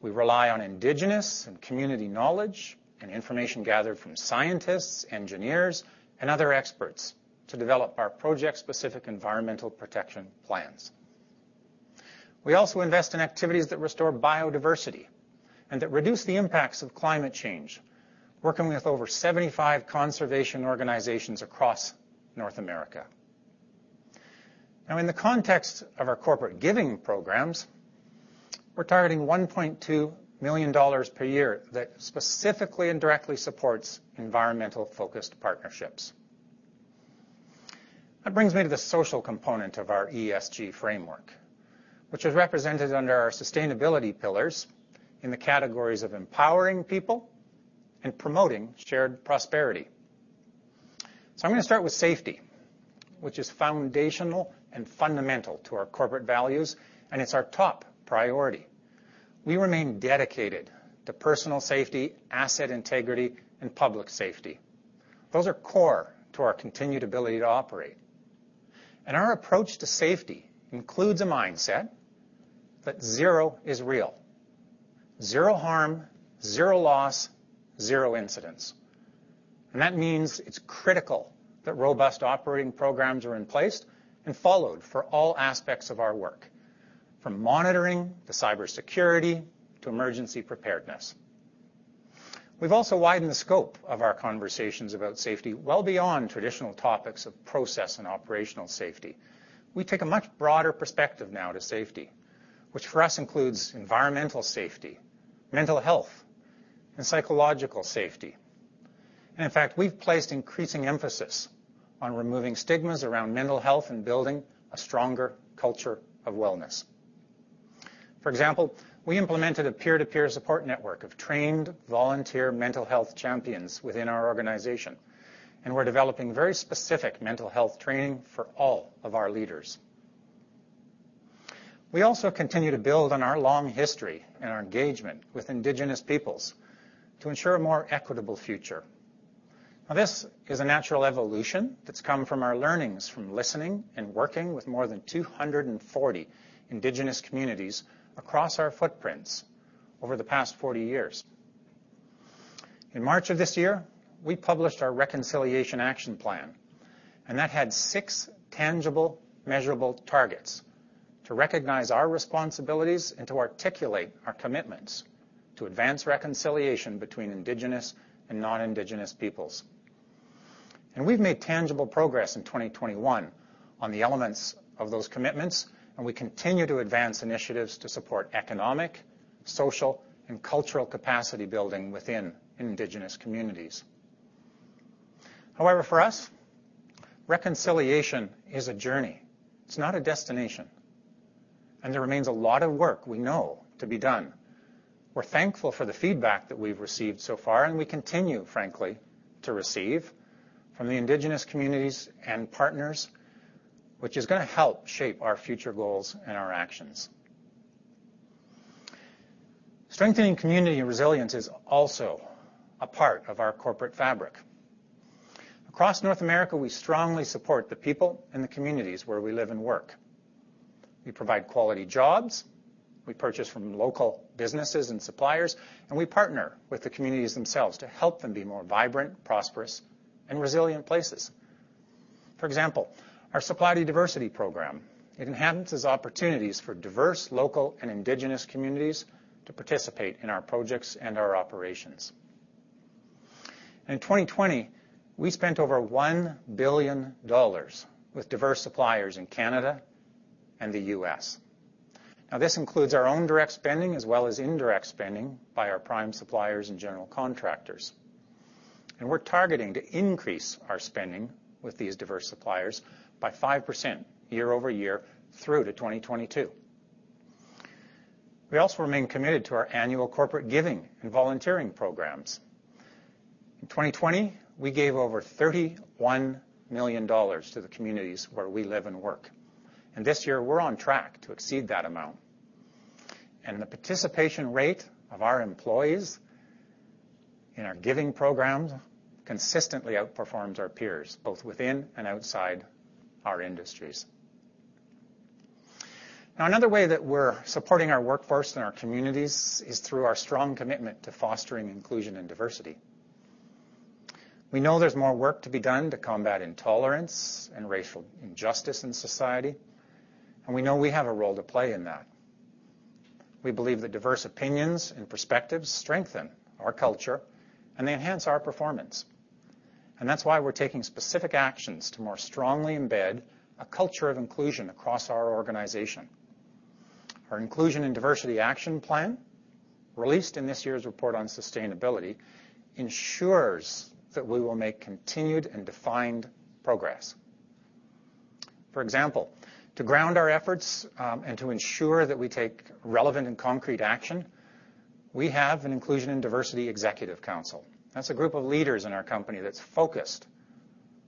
We rely on Indigenous and community knowledge and information gathered from scientists, engineers, and other experts to develop our project-specific environmental protection plans. We also invest in activities that restore biodiversity and that reduce the impacts of climate change, working with over 75 conservation organizations across North America. Now, in the context of our corporate giving programs, we're targeting $1.2 million per year that specifically and directly supports environmental-focused partnerships. That brings me to the social component of our ESG framework, which is represented under our sustainability pillars in the categories of empowering people and promoting shared prosperity. I'm gonna start with safety, which is foundational and fundamental to our corporate values, and it's our top priority. We remain dedicated to personal safety, asset integrity, and public safety. Those are core to our continued ability to operate. Our approach to safety includes a mindset that zero is real. Zero harm, zero loss, zero incidents. That means it's critical that robust operating programs are in place and followed for all aspects of our work, from monitoring to cybersecurity to emergency preparedness. We've also widened the scope of our conversations about safety well beyond traditional topics of process and operational safety. We take a much broader perspective now to safety, which for us includes environmental safety, mental health, and psychological safety. In fact, we've placed increasing emphasis on removing stigmas around mental health and building a stronger culture of wellness. For example, we implemented a peer-to-peer support network of trained volunteer mental health champions within our organization, and we're developing very specific mental health training for all of our leaders. We also continue to build on our long history and our engagement with Indigenous Peoples to ensure a more equitable future. Now, this is a natural evolution that's come from our learnings from listening and working with more than 240 indigenous communities across our footprints over the past 40 years. In March of this year, we published our Reconciliation Action Plan, and that had 6 tangible, measurable targets to recognize our responsibilities and to articulate our commitments to advance reconciliation between indigenous and non-indigenous peoples. We've made tangible progress in 2021 on the elements of those commitments, and we continue to advance initiatives to support economic, social, and cultural capacity building within indigenous communities. However, for us, reconciliation is a journey. It's not a destination, and there remains a lot of work we know to be done. We're thankful for the feedback that we've received so far, and we continue, frankly, to receive from the Indigenous communities and partners, which is gonna help shape our future goals and our actions. Strengthening community resilience is also a part of our corporate fabric. Across North America, we strongly support the people and the communities where we live and work. We provide quality jobs, we purchase from local businesses and suppliers, and we partner with the communities themselves to help them be more vibrant, prosperous, and resilient places. For example, our Supplier Diversity Program, it enhances opportunities for diverse local and Indigenous communities to participate in our projects and our operations. In 2020, we spent over $1 billion with diverse suppliers in Canada and the U.S. Now, this includes our own direct spending as well as indirect spending by our prime suppliers and general contractors. We're targeting to increase our spending with these diverse suppliers by 5% YoY through 2022. We also remain committed to our annual corporate giving and volunteering programs. In 2020, we gave over $31 million to the communities where we live and work. This year, we're on track to exceed that amount. The participation rate of our employees in our giving programs consistently outperforms our peers, both within and outside our industries. Now, another way that we're supporting our workforce and our communities is through our strong commitment to fostering inclusion and diversity. We know there's more work to be done to combat intolerance and racial injustice in society, and we know we have a role to play in that. We believe that diverse opinions and perspectives strengthen our culture and they enhance our performance. That's why we're taking specific actions to more strongly embed a culture of inclusion across our organization. Our inclusion and diversity action plan, released in this year's report on sustainability, ensures that we will make continued and defined progress. For example, to ground our efforts, and to ensure that we take relevant and concrete action, we have an inclusion and diversity executive council. That's a group of leaders in our company that's focused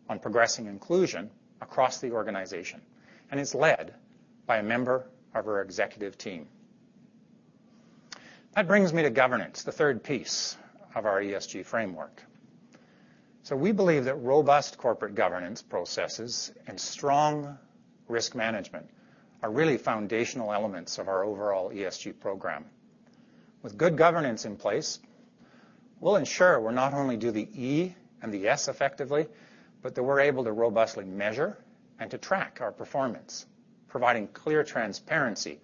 on progressing inclusion across the organization, and it's led by a member of our executive team. That brings me to governance, the third piece of our ESG framework. We believe that robust corporate governance processes and strong risk management are really foundational elements of our overall ESG program. With good governance in place, we'll ensure we not only do the E and the S effectively, but that we're able to robustly measure and to track our performance, providing clear transparency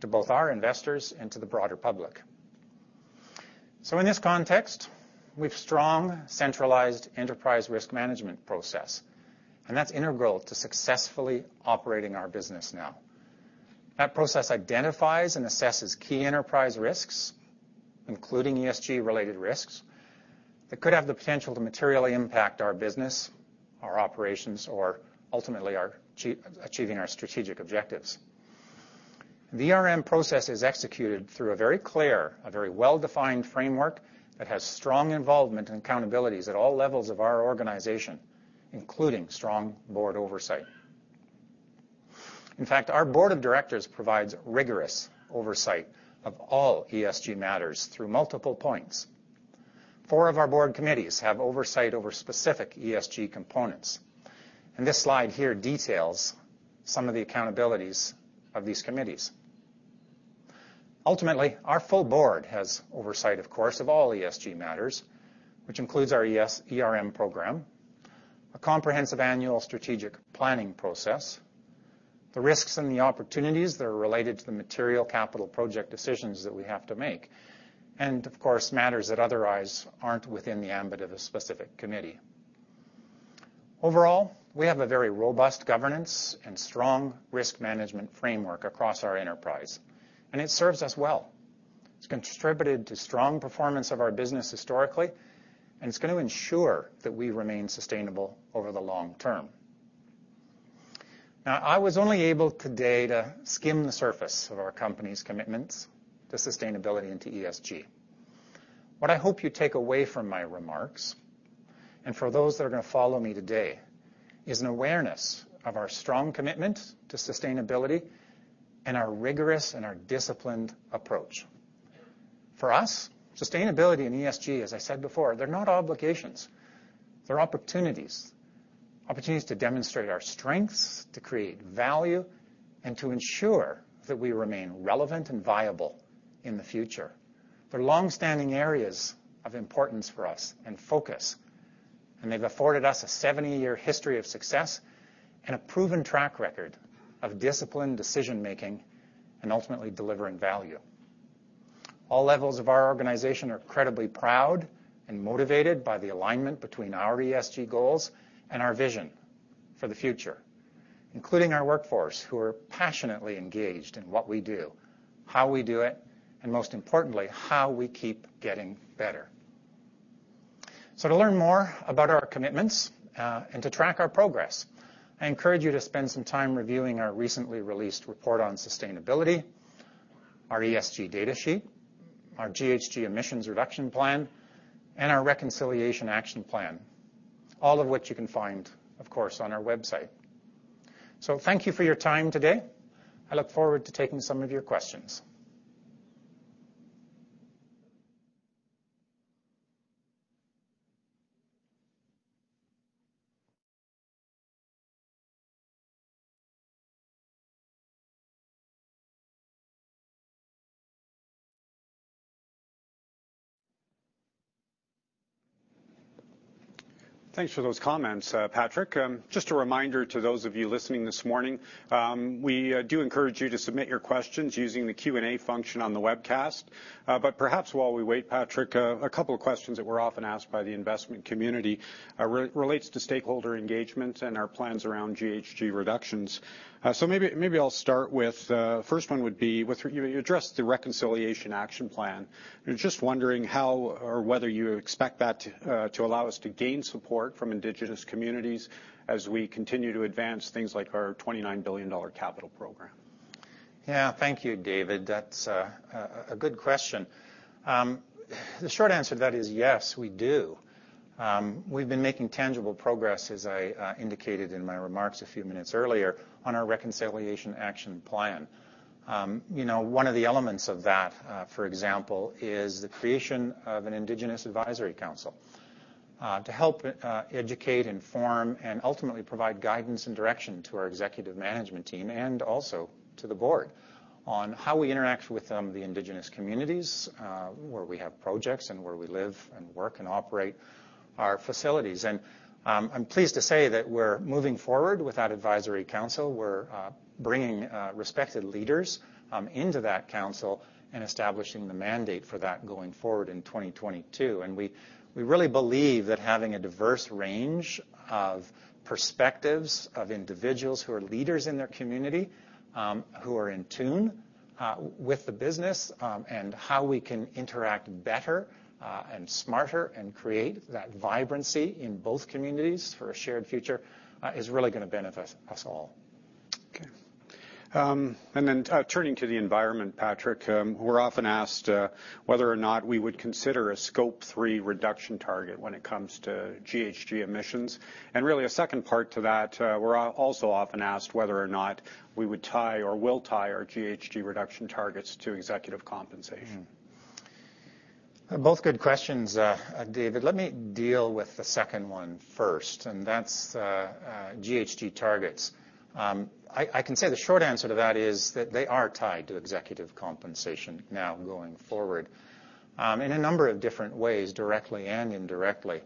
to both our investors and to the broader public. In this context, we have a strong centralized enterprise risk management process, and that's integral to successfully operating our business now. That process identifies and assesses key enterprise risks, including ESG related risks that could have the potential to materially impact our business, our operations, or ultimately our achieving our strategic objectives. The ERM process is executed through a very clear, a very well-defined framework that has strong involvement and accountabilities at all levels of our organization, including strong board oversight. In fact, our Board of Directors provides rigorous oversight of all ESG matters through multiple points. Four of our board committees have oversight over specific ESG components, and this slide here details some of the accountabilities of these committees. Ultimately, our full board has oversight, of course, of all ESG matters, which includes our ERM program, a comprehensive annual strategic planning process, the risks and the opportunities that are related to the material capital project decisions that we have to make, and of course, matters that otherwise aren't within the ambit of a specific committee. Overall, we have a very robust governance and strong risk management framework across our enterprise, and it serves us well. It's contributed to strong performance of our business historically, and it's going to ensure that we remain sustainable over the long term. Now, I was only able today to skim the surface of our company's commitments to sustainability and to ESG. What I hope you take away from my remarks, and for those that are gonna follow me today, is an awareness of our strong commitment to sustainability and our rigorous and disciplined approach. For us, sustainability and ESG, as I said before, they're not obligations, they're opportunities. Opportunities to demonstrate our strengths, to create value, and to ensure that we remain relevant and viable in the future. They're longstanding areas of importance for us and focus, and they've afforded us a 70-year history of success and a proven track record of disciplined decision-making and ultimately delivering value. All levels of our organization are incredibly proud and motivated by the alignment between our ESG goals and our vision for the future, including our workforce, who are passionately engaged in what we do, how we do it, and most importantly, how we keep getting better. To learn more about our commitments, and to track our progress, I encourage you to spend some time reviewing our recently released report on sustainability, our ESG data sheet, our GHG emissions reduction plan, and our Reconciliation Action Plan, all of which you can find, of course, on our website. Thank you for your time today. I look forward to taking some of your questions. Thanks for those comments, Patrick. Just a reminder to those of you listening this morning, we do encourage you to submit your questions using the Q&A function on the webcast. But perhaps while we wait, Patrick, a couple of questions that we're often asked by the investment community relates to stakeholder engagement and our plans around GHG reductions. So maybe I'll start with first one would be with, you know, you addressed the Reconciliation Action Plan. I'm just wondering how or whether you expect that to allow us to gain support from Indigenous communities as we continue to advance things like our $29 billion capital program. Yeah. Thank you, David. That's a good question. The short answer to that is yes, we do. We've been making tangible progress, as I indicated in my remarks a few minutes earlier, on our Reconciliation Action Plan. You know, one of the elements of that, for example, is the creation of an Indigenous advisory council to help educate, inform, and ultimately provide guidance and direction to our executive management team and also to the board on how we interact with the Indigenous communities where we have projects and where we live and work and operate our facilities. I'm pleased to say that we're moving forward with that advisory council. We're bringing respected leaders into that council and establishing the mandate for that going forward in 2022. We really believe that having a diverse range of perspectives of individuals who are leaders in their community, who are in tune with the business, and how we can interact better and smarter and create that vibrancy in both communities for a shared future is really gonna benefit us all. Okay, turning to the environment, Patrick, we're often asked whether or not we would consider a Scope 3 reduction target when it comes to GHG emissions. Really a second part to that, we're also often asked whether or not we would tie or will tie our GHG reduction targets to executive compensation. Both good questions, David. Let me deal with the second one first, and that's GHG targets. I can say the short answer to that is that they are tied to executive compensation now going forward, in a number of different ways, directly and indirectly.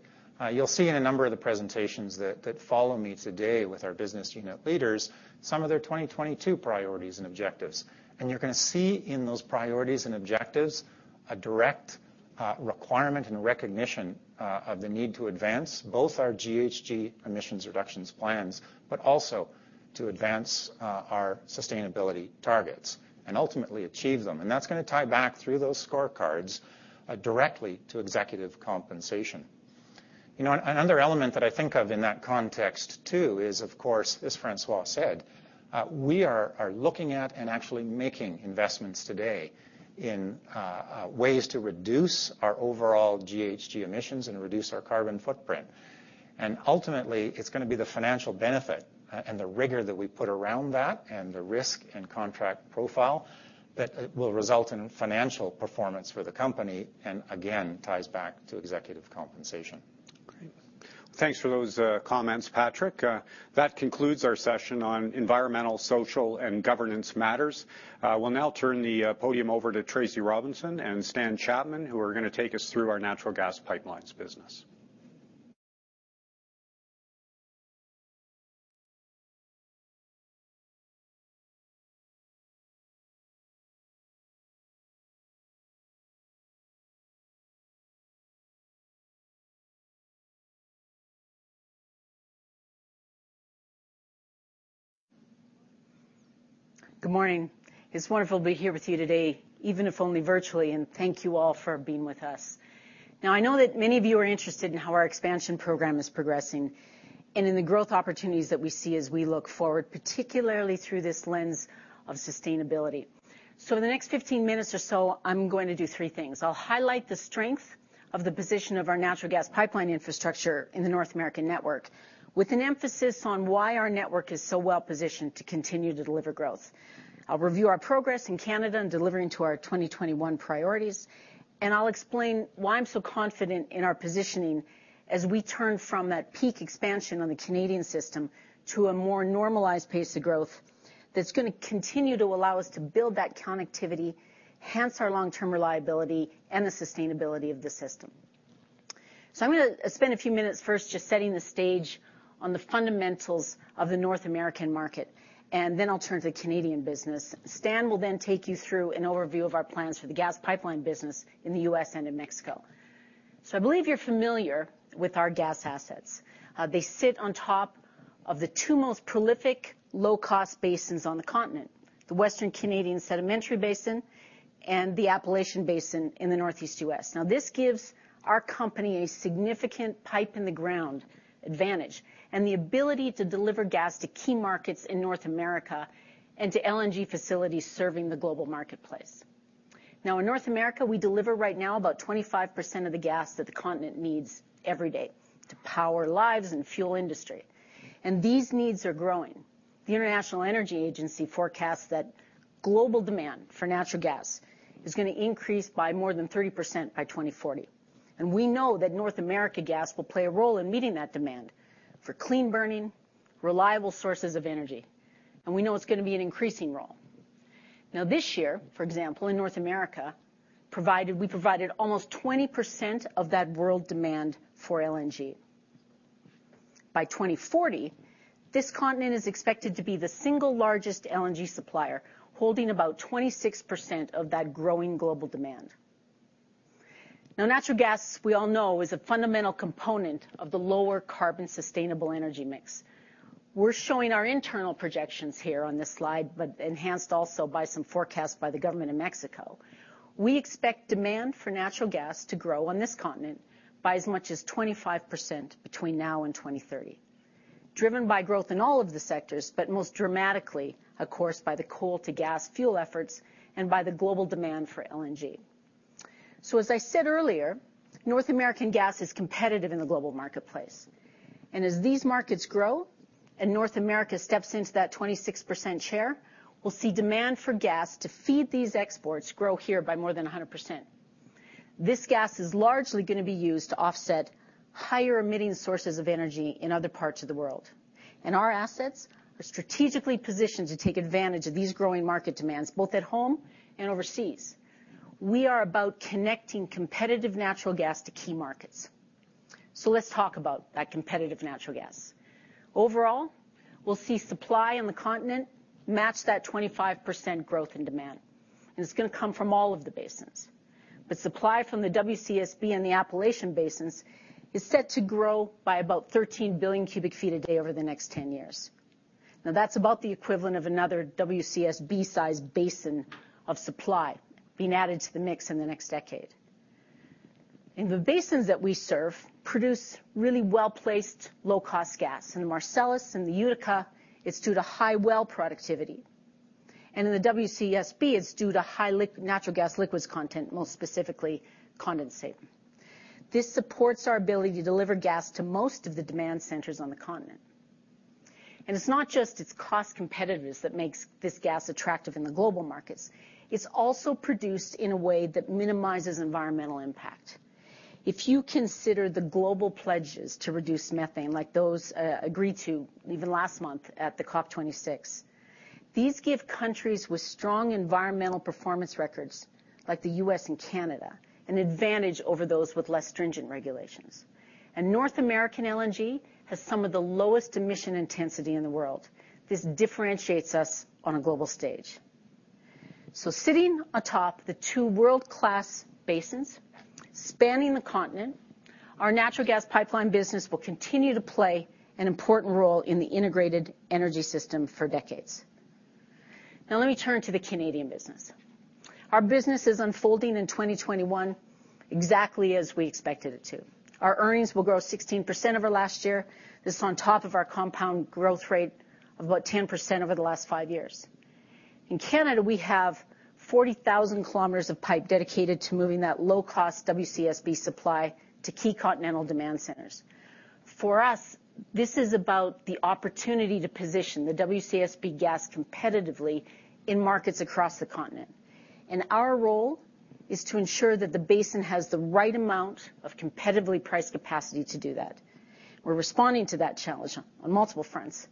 You'll see in a number of the presentations that follow me today with our business unit leaders some of their 2022 priorities and objectives, and you're gonna see in those priorities and objectives a direct requirement and recognition of the need to advance both our GHG emissions reductions plans, but also to advance our sustainability targets and ultimately achieve them. That's gonna tie back through those scorecards directly to executive compensation. You know, another element that I think of in that context too is, of course, as François said, we are looking at and actually making investments today in ways to reduce our overall GHG emissions and reduce our carbon footprint. Ultimately, it's gonna be the financial benefit, and the rigor that we put around that and the risk and contract profile that will result in financial performance for the company, and again, ties back to executive compensation. Great. Thanks for those comments, Patrick. That concludes our session on environmental, social, and governance matters. We'll now turn the podium over to Tracy Robinson and Stan Chapman, who are gonna take us through our natural gas pipelines business. Good morning. It's wonderful to be here with you today, even if only virtually, and thank you all for being with us. Now, I know that many of you are interested in how our expansion program is progressing and in the growth opportunities that we see as we look forward, particularly through this lens of sustainability. In the next 15 minutes or so, I'm going to do three things. I'll highlight the strength of the position of our natural gas pipeline infrastructure in the North American network, with an emphasis on why our network is so well-positioned to continue to deliver growth. I'll review our progress in Canada in delivering to our 2021 priorities, and I'll explain why I'm so confident in our positioning as we turn from that peak expansion on the Canadian system to a more normalized pace of growth that's gonna continue to allow us to build that connectivity, enhance our long-term reliability, and the sustainability of the system. I'm gonna spend a few minutes first just setting the stage on the fundamentals of the North American market, and then I'll turn to Canadian business. Stan will then take you through an overview of our plans for the gas pipeline business in the U.S. and in Mexico. I believe you're familiar with our gas assets. They sit on top of the two most prolific low-cost basins on the continent, the Western Canadian Sedimentary Basin and the Appalachian Basin in the Northeast U.S. Now, this gives our company a significant pipe-in-the-ground advantage and the ability to deliver gas to key markets in North America and to LNG facilities serving the global marketplace. Now, in North America, we deliver right now about 25% of the gas that the continent needs every day to power lives and fuel industry, and these needs are growing. The International Energy Agency forecasts that global demand for natural gas is gonna increase by more than 30% by 2040, and we know that North America gas will play a role in meeting that demand for clean-burning, reliable sources of energy, and we know it's gonna be an increasing role. Now, this year, for example, in North America, we provided almost 20% of that world demand for LNG. By 2040, this continent is expected to be the single largest LNG supplier, holding about 26% of that growing global demand. Now, natural gas, we all know, is a fundamental component of the lower carbon sustainable energy mix. We're showing our internal projections here on this slide, but enhanced also by some forecasts by the government of Mexico. We expect demand for natural gas to grow on this continent by as much as 25% between now and 2030, driven by growth in all of the sectors, but most dramatically, of course, by the coal to gas fuel efforts and by the global demand for LNG. As I said earlier, North American gas is competitive in the global marketplace, and as these markets grow and North America steps into that 26% share, we'll see demand for gas to feed these exports grow here by more than 100%. This gas is largely gonna be used to offset higher emitting sources of energy in other parts of the world. Our assets are strategically positioned to take advantage of these growing market demands, both at home and overseas. We are about connecting competitive natural gas to key markets. Let's talk about that competitive natural gas. Overall, we'll see supply in the continent match that 25% growth in demand, and it's gonna come from all of the basins. Supply from the WCSB and the Appalachian basins is set to grow by about 13 billion cubic feet a day over the next 10 years. Now, that's about the equivalent of another WCSB-sized basin of supply being added to the mix in the next decade. In the basins that we serve produce really well-placed, low-cost gas. In the Marcellus and the Utica, it's due to high well productivity. And in the WCSB, it's due to high natural gas liquids content, more specifically condensate. This supports our ability to deliver gas to most of the demand centers on the continent. It's not just its cost competitiveness that makes this gas attractive in the global markets. It's also produced in a way that minimizes environmental impact. If you consider the global pledges to reduce methane, like those agreed to even last month at the COP26, these give countries with strong environmental performance records, like the U.S. and Canada, an advantage over those with less stringent regulations. North American LNG has some of the lowest emission intensity in the world. This differentiates us on a global stage. Sitting atop the two world-class basins, spanning the continent, our natural gas pipeline business will continue to play an important role in the integrated energy system for decades. Now let me turn to the Canadian business. Our business is unfolding in 2021 exactly as we expected it to. Our earnings will grow 16% over last year. This is on top of our compound growth rate of about 10% over the last five years. In Canada, we have 40,000 km of pipe dedicated to moving that low-cost WCSB supply to key continental demand centers. For us, this is about the opportunity to position the WCSB gas competitively in markets across the continent. Our role is to ensure that the basin has the right amount of competitively priced capacity to do that. We're responding to that challenge on multiple fronts.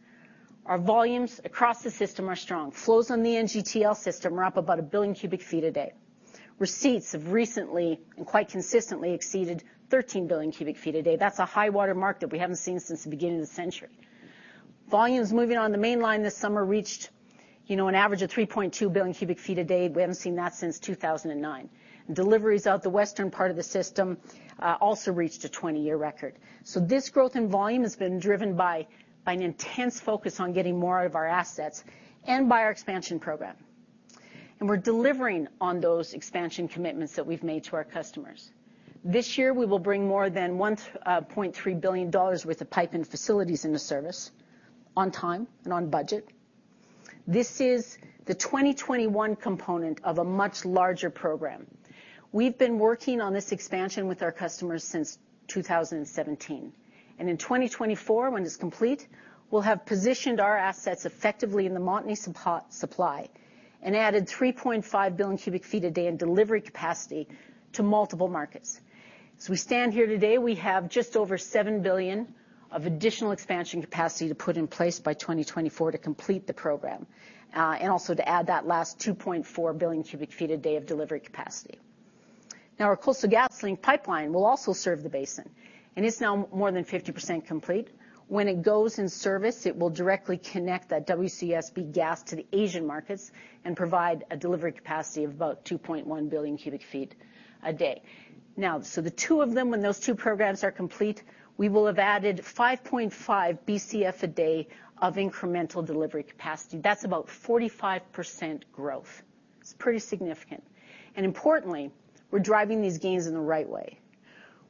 Our volumes across the system are strong. Flows on the NGTL system are up about 1 billion cubic feet a day. Receipts have recently and quite consistently exceeded 13 billion cubic feet a day. That's a high-water mark that we haven't seen since the beginning of the century. Volumes moving on the mainline this summer reached, you know, an average of 3.2 billion cubic feet a day. We haven't seen that since 2009. Deliveries out the western part of the system also reached a 20-year record. This growth in volume has been driven by an intense focus on getting more out of our assets and by our expansion program. We're delivering on those expansion commitments that we've made to our customers. This year, we will bring more than $1.3 billion worth of pipe and facilities into service on time and on budget. This is the 2021 component of a much larger program. We've been working on this expansion with our customers since 2017, and in 2024, when it's complete, we'll have positioned our assets effectively in the Montney supply and added 3.5 billion cubic feet a day in delivery capacity to multiple markets. As we stand here today, we have just over $7 billion of additional expansion capacity to put in place by 2024 to complete the program, and also to add that last 2.4 billion cubic feet a day of delivery capacity. Now, our Coastal GasLink pipeline will also serve the basin, and it's now more than 50% complete. When it goes in service, it will directly connect that WCSB gas to the Asian markets and provide a delivery capacity of about 2.1 billion cubic feet a day. Now, the two of them, when those two programs are complete, we will have added 5.5 BCF a day of incremental delivery capacity. That's about 45% growth. It's pretty significant. Importantly, we're driving these gains in the right way.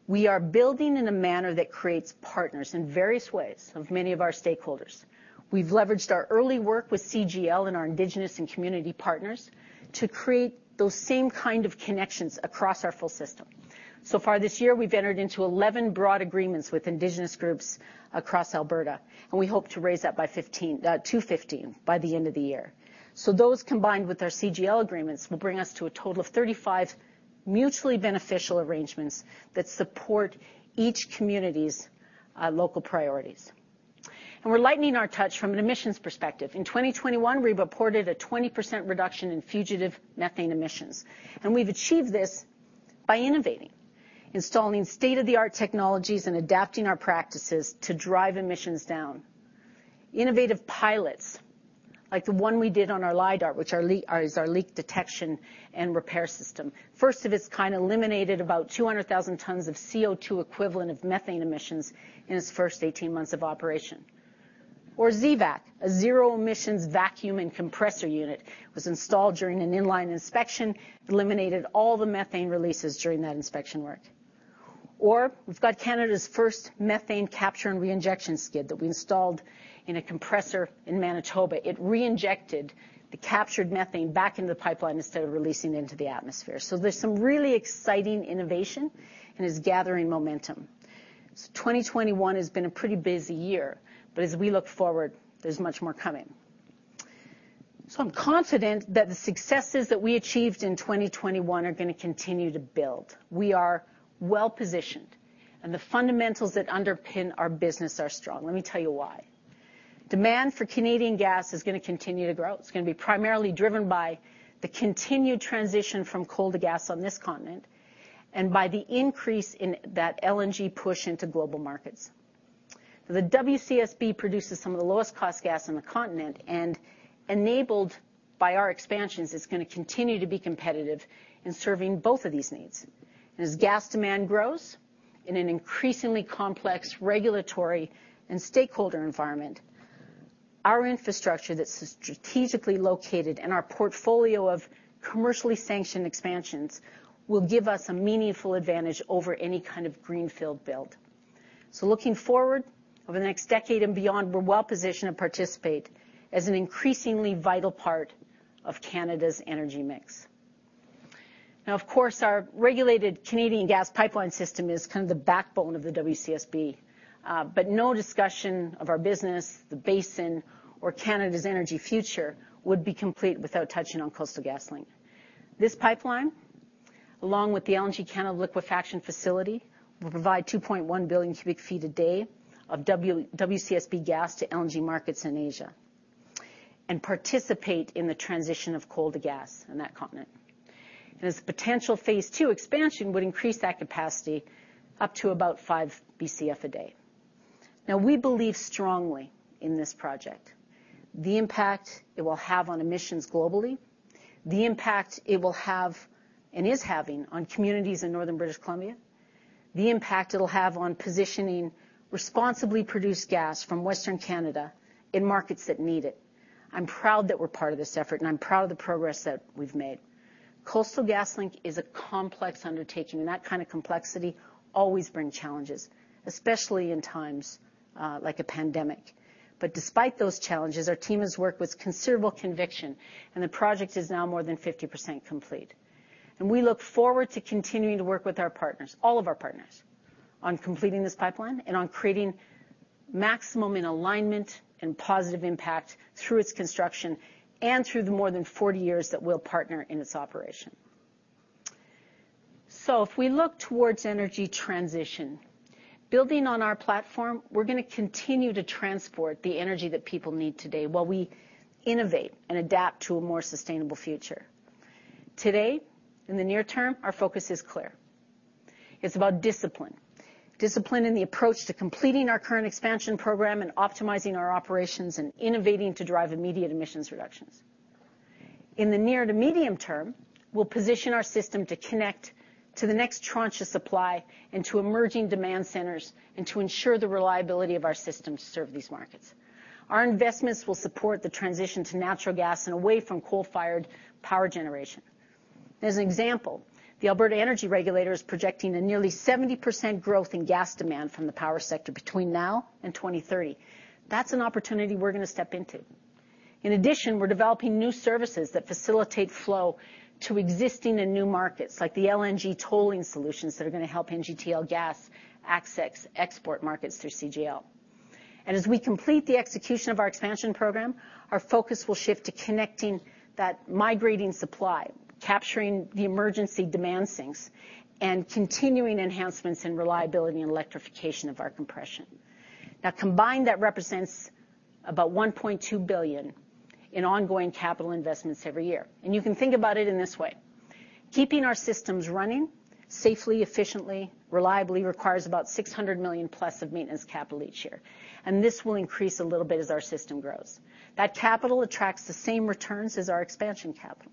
We are building in a manner that creates partners in various ways of many of our stakeholders. We've leveraged our early work with CGL and our Indigenous and community partners to create those same kind of connections across our full system. So far this year, we've entered into 11 broad agreements with Indigenous groups across Alberta, and we hope to raise that to 15 by the end of the year. Those, combined with our CGL agreements, will bring us to a total of 35 mutually beneficial arrangements that support each community's local priorities. We're lightening our touch from an emissions perspective. In 2021, we reported a 20% reduction in fugitive methane emissions, and we've achieved this by innovating, installing state-of-the-art technologies and adapting our practices to drive emissions down. Innovative pilots like the one we did on our LDAR, which is our leak detection and repair system. First of its kind, it eliminated about 200,000 tons of CO₂ equivalent of methane emissions in its first 18 months of operation. ZEVAC, a zero-emissions vacuum and compressor unit, was installed during an in-line inspection. It eliminated all the methane releases during that inspection work. We've got Canada's first methane capture and reinjection skid that we installed in a compressor in Manitoba. It reinjected the captured methane back into the pipeline instead of releasing it into the atmosphere. There's some really exciting innovation, and it's gathering momentum. 2021 has been a pretty busy year, but as we look forward, there's much more coming. I'm confident that the successes that we achieved in 2021 are gonna continue to build. We are well-positioned, and the fundamentals that underpin our business are strong. Let me tell you why. Demand for Canadian gas is gonna continue to grow. It's gonna be primarily driven by the continued transition from coal to gas on this continent and by the increase in that LNG push into global markets. The WCSB produces some of the lowest cost gas on the continent, and enabled by our expansions, it's gonna continue to be competitive in serving both of these needs. As gas demand grows in an increasingly complex regulatory and stakeholder environment, our infrastructure that's strategically located and our portfolio of commercially sanctioned expansions will give us a meaningful advantage over any kind of greenfield build. Looking forward over the next decade and beyond, we're well-positioned to participate as an increasingly vital part of Canada's energy mix. Now, of course, our regulated Canadian gas pipeline system is kind of the backbone of the WCSB. But no discussion of our business, the basin, or Canada's energy future would be complete without touching on Coastal GasLink. This pipeline, along with the LNG Canada liquefaction facility, will provide 2.1 billion cubic feet a day of WCSB gas to LNG markets in Asia and participate in the transition of coal to gas on that continent. Its potential phase II expansion would increase that capacity up to about 5 BCF a day. Now, we believe strongly in this project, the impact it will have on emissions globally, the impact it will have and is having on communities in Northern British Columbia, the impact it'll have on positioning responsibly produced gas from Western Canada in markets that need it. I'm proud that we're part of this effort, and I'm proud of the progress that we've made. Coastal GasLink is a complex undertaking, and that kind of complexity always brings challenges, especially in times like a pandemic. Despite those challenges, our team has worked with considerable conviction, and the project is now more than 50% complete. We look forward to continuing to work with our partners, all of our partners, on completing this pipeline and on creating maximum in alignment and positive impact through its construction and through the more than 40 years that we'll partner in its operation. If we look towards energy transition, building on our platform, we're gonna continue to transport the energy that people need today while we innovate and adapt to a more sustainable future. Today, in the near term, our focus is clear. It's about discipline in the approach to completing our current expansion program and optimizing our operations and innovating to drive immediate emissions reductions. In the near to medium term, we'll position our system to connect to the next tranche of supply and to emerging demand centers and to ensure the reliability of our system to serve these markets. Our investments will support the transition to natural gas and away from coal-fired power generation. As an example, the Alberta Energy Regulator is projecting a nearly 70% growth in gas demand from the power sector between now and 2030. That's an opportunity we're gonna step into. In addition, we're developing new services that facilitate flow to existing and new markets, like the LNG tolling solutions that are gonna help NGTL Gas access export markets through CGL. As we complete the execution of our expansion program, our focus will shift to connecting that migrating supply, capturing the emergency demand sinks, and continuing enhancements in reliability and electrification of our compression. Now, combined, that represents about $1.2 billion in ongoing capital investments every year. You can think about it in this way. Keeping our systems running safely, efficiently, reliably requires about $600 million+ of maintenance capital each year, and this will increase a little bit as our system grows. That capital attracts the same returns as our expansion capital.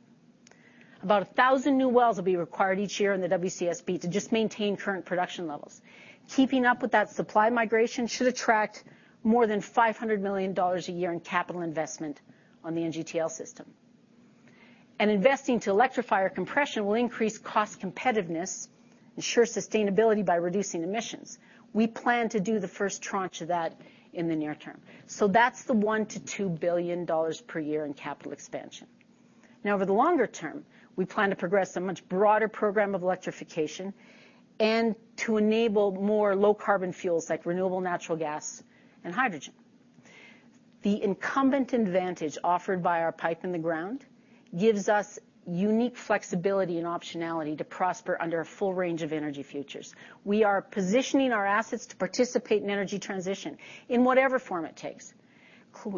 About 1,000 new wells will be required each year in the WCSB to just maintain current production levels. Keeping up with that supply migration should attract more than $500 million a year in capital investment on the NGTL system. Investing to electrify our compression will increase cost competitiveness, ensure sustainability by reducing emissions. We plan to do the first tranche of that in the near term. That's the $1 billion-$2 billion per year in capital expansion. Now, over the longer term, we plan to progress a much broader program of electrification and to enable more low-carbon fuels like renewable natural gas and hydrogen. The incumbent advantage offered by our pipe in the ground gives us unique flexibility and optionality to prosper under a full range of energy futures. We are positioning our assets to participate in energy transition in whatever form it takes.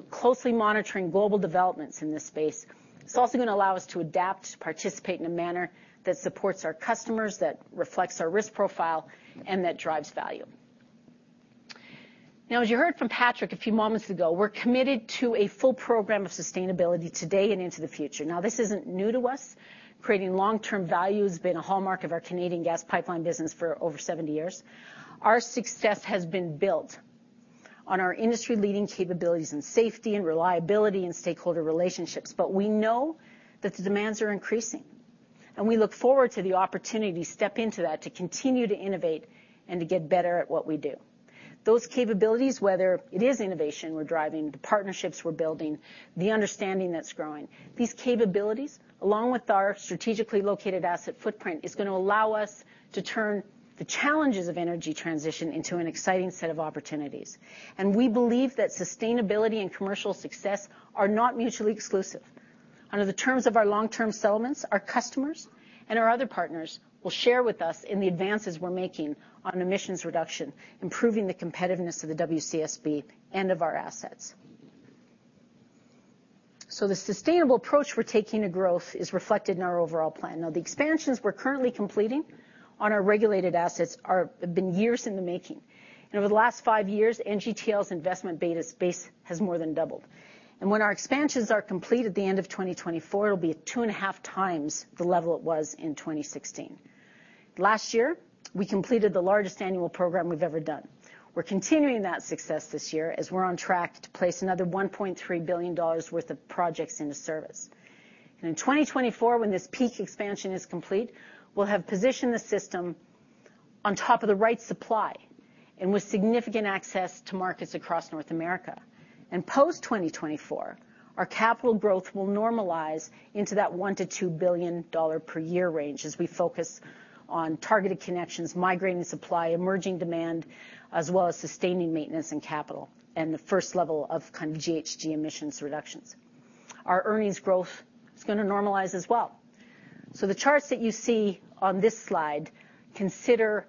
Closely monitoring global developments in this space. It's also gonna allow us to adapt, to participate in a manner that supports our customers, that reflects our risk profile, and that drives value. Now, as you heard from Patrick a few moments ago, we're committed to a full program of sustainability today and into the future. Now, this isn't new to us. Creating long-term value has been a hallmark of our Canadian gas pipeline business for over 70 years. Our success has been built on our industry-leading capabilities in safety and reliability and stakeholder relationships. We know that the demands are increasing, and we look forward to the opportunity to step into that, to continue to innovate and to get better at what we do. Those capabilities, whether it is innovation we're driving, the partnerships we're building, the understanding that's growing, these capabilities, along with our strategically located asset footprint, is gonna allow us to turn the challenges of energy transition into an exciting set of opportunities. We believe that sustainability and commercial success are not mutually exclusive. Under the terms of our long-term settlements, our customers and our other partners will share with us in the advances we're making on emissions reduction, improving the competitiveness of the WCSB and of our assets. The sustainable approach we're taking to growth is reflected in our overall plan. Now, the expansions we're currently completing on our regulated assets have been years in the making. Over the last 5 years, NGTL's investment base has more than doubled. When our expansions are complete at the end of 2024, it'll be 2.5x the level it was in 2016. Last year, we completed the largest annual program we've ever done. We're continuing that success this year as we're on track to place another $1.3 billion worth of projects into service. In 2024, when this peak expansion is complete, we'll have positioned the system on top of the right supply and with significant access to markets across North America. Post 2024, our capital growth will normalize into that $1 billion-$2 billion per year range as we focus on targeted connections, migrating supply, emerging demand, as well as sustaining maintenance and capital, and the first level of kind of GHG emissions reductions. Our earnings growth is gonna normalize as well. The charts that you see on this slide consider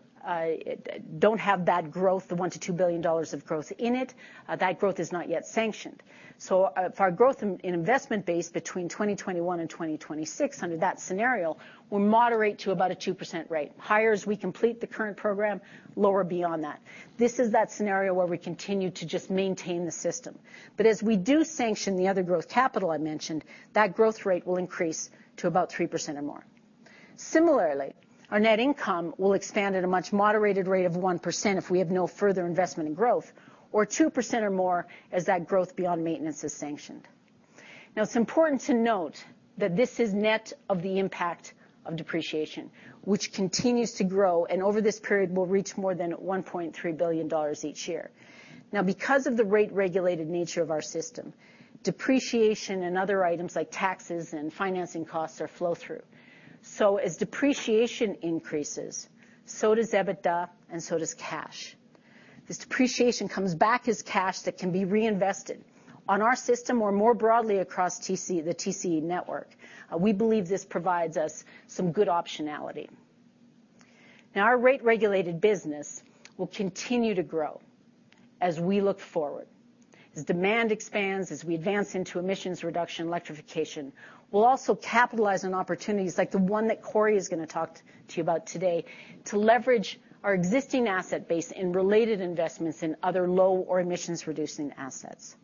don't have that growth, the $1 billion-$2 billion of growth in it. That growth is not yet sanctioned. For our growth in investment base between 2021 and 2026, under that scenario, we'll moderate to about a 2% rate. Higher as we complete the current program, lower beyond that. This is that scenario where we continue to just maintain the system. As we do sanction the other growth capital I mentioned, that growth rate will increase to about 3% or more. Similarly, our net income will expand at a much moderated rate of 1% if we have no further investment in growth or 2% or more as that growth beyond maintenance is sanctioned. Now, it's important to note that this is net of the impact of depreciation, which continues to grow, and over this period will reach more than $1.3 billion each year. Now, because of the rate-regulated nature of our system, depreciation and other items like taxes and financing costs are flow through. As depreciation increases, so does EBITDA and so does cash. This depreciation comes back as cash that can be reinvested on our system or more broadly across TC, the TC network. We believe this provides us some good optionality. Now, our rate-regulated business will continue to grow as we look forward. As demand expands, as we advance into emissions reduction and electrification, we'll also capitalize on opportunities like the one that Corey is gonna talk to you about today to leverage our existing asset base in related investments in other low or emissions-reducing assets.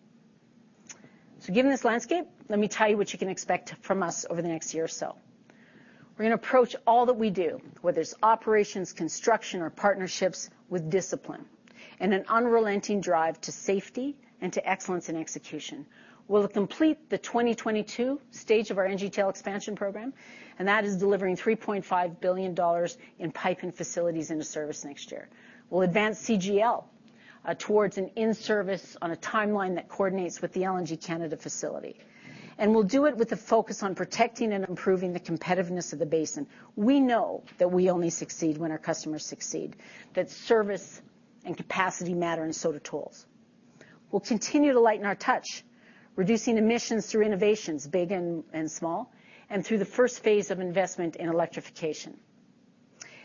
Given this landscape, let me tell you what you can expect from us over the next year or so. We're gonna approach all that we do, whether it's operations, construction, or partnerships, with discipline and an unrelenting drive to safety and to excellence in execution. We'll complete the 2022 stage of our NGTL expansion program, and that is delivering $3.5 billion in pipe and facilities into service next year. We'll advance CGL towards an in-service on a timeline that coordinates with the LNG Canada facility. We'll do it with a focus on protecting and improving the competitiveness of the basin. We know that we only succeed when our customers succeed, that service and capacity matter, and so do tools. We'll continue to lighten our touch, reducing emissions through innovations big and small, and through the first phase of investment in electrification.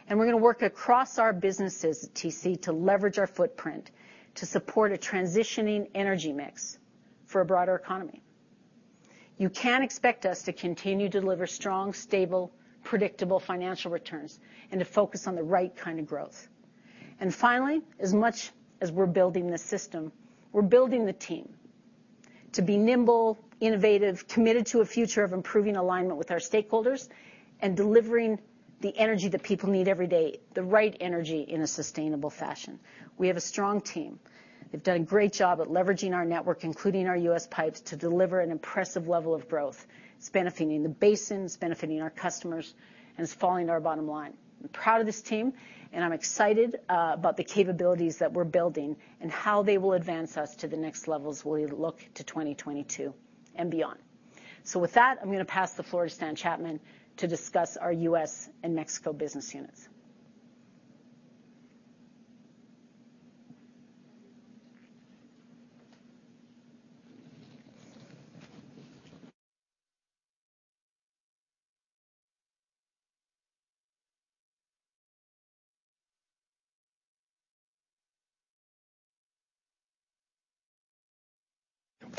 We're gonna work across our businesses at TC to leverage our footprint to support a transitioning energy mix for a broader economy. You can expect us to continue to deliver strong, stable, predictable financial returns and to focus on the right kind of growth. Finally, as much as we're building this system, we're building the team to be nimble, innovative, committed to a future of improving alignment with our stakeholders and delivering the energy that people need every day, the right energy in a sustainable fashion. We have a strong team. They've done a great job at leveraging our network, including our U.S. pipes, to deliver an impressive level of growth. It's benefiting the basin, it's benefiting our customers, and it's falling to our bottom line. I'm proud of this team, and I'm excited about the capabilities that we're building and how they will advance us to the next levels as we look to 2022 and beyond. With that, I'm gonna pass the floor to Stan Chapman to discuss our U.S. and Mexico business units.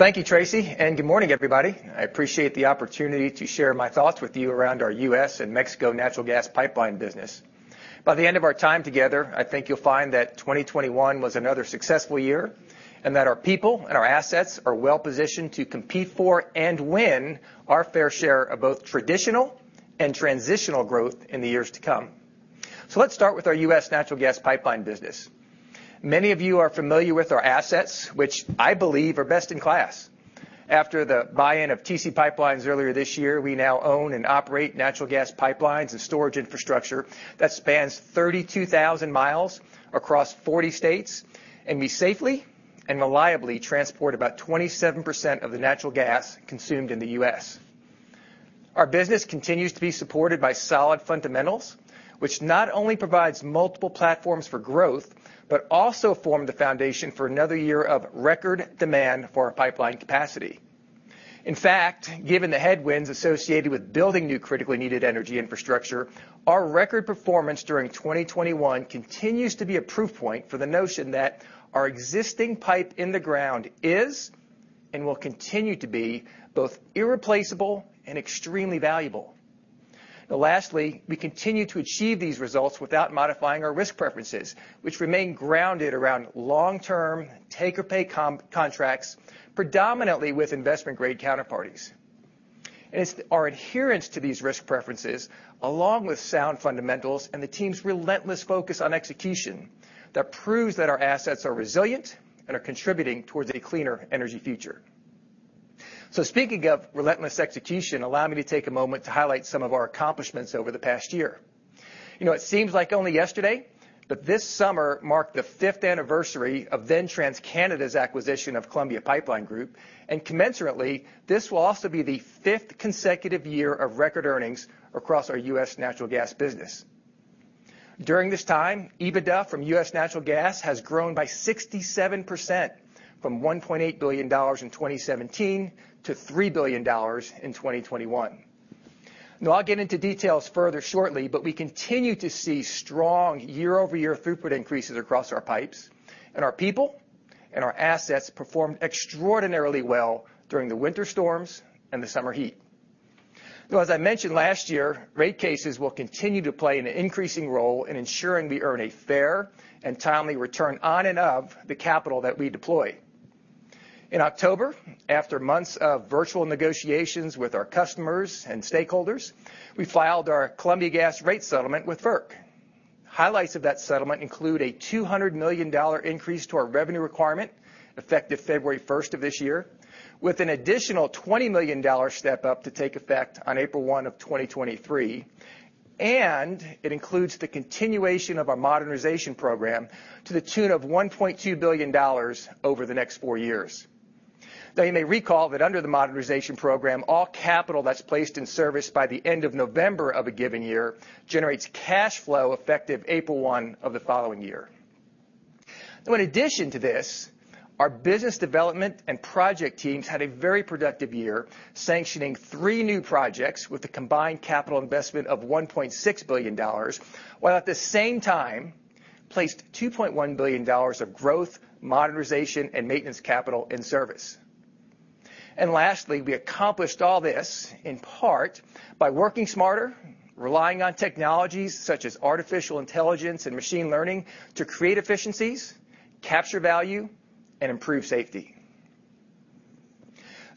Thank you, Tracy, and good morning, everybody. I appreciate the opportunity to share my thoughts with you around our U.S. and Mexico natural gas pipeline business. By the end of our time together, I think you'll find that 2021 was another successful year and that our people and our assets are well-positioned to compete for and win our fair share of both traditional and transitional growth in the years to come. Let's start with our U.S. natural gas pipeline business. Many of you are familiar with our assets, which I believe are best in class. After the buy-in of TC PipeLines earlier this year, we now own and operate natural gas pipelines and storage infrastructure that spans 32,000 miles across 40 states, and we safely and reliably transport about 27% of the natural gas consumed in the U.S. Our business continues to be supported by solid fundamentals, which not only provide multiple platforms for growth, but also form the foundation for another year of record demand for our pipeline capacity. In fact, given the headwinds associated with building new critically needed energy infrastructure, our record performance during 2021 continues to be a proof point for the notion that our existing pipe in the ground is and will continue to be both irreplaceable and extremely valuable. Lastly, we continue to achieve these results without modifying our risk preferences, which remain grounded around long-term take-or-pay contracts, predominantly with investment-grade counterparties. It's our adherence to these risk preferences, along with sound fundamentals and the team's relentless focus on execution that proves that our assets are resilient and are contributing towards a cleaner energy future. Speaking of relentless execution, allow me to take a moment to highlight some of our accomplishments over the past year. You know, it seems like only yesterday, but this summer marked the fifth anniversary of then TransCanada's acquisition of Columbia Pipeline Group, and commensurately, this will also be the fifth consecutive year of record earnings across our U.S. Natural Gas business. During this time, EBITDA from U.S. Natural Gas has grown by 67% from $1.8 billion in 2017 to $3 billion in 2021. Now, I'll get into details further shortly, but we continue to see strong year-over-year throughput increases across our pipes, and our people and our assets performed extraordinarily well during the winter storms and the summer heat. As I mentioned last year, rate cases will continue to play an increasing role in ensuring we earn a fair and timely return on and of the capital that we deploy. In October, after months of virtual negotiations with our customers and stakeholders, we filed our Columbia Gas rate settlement with FERC. Highlights of that settlement include a $200 million increase to our revenue requirement, effective February 1st of this year, with an additional $20 million step-up to take effect on April 1, 2023, and it includes the continuation of our modernization program to the tune of $1.2 billion over the next 4 years. Now, you may recall that under the modernization program, all capital that's placed in service by the end of November of a given year generates cash flow effective April 1 of the following year. In addition to this, our business development and project teams had a very productive year sanctioning three new projects with a combined capital investment of $1.6 billion, while at the same time placed $2.1 billion of growth, modernization, and maintenance capital in service. Lastly, we accomplished all this in part by working smarter, relying on technologies such as artificial intelligence and machine learning to create efficiencies, capture value, and improve safety.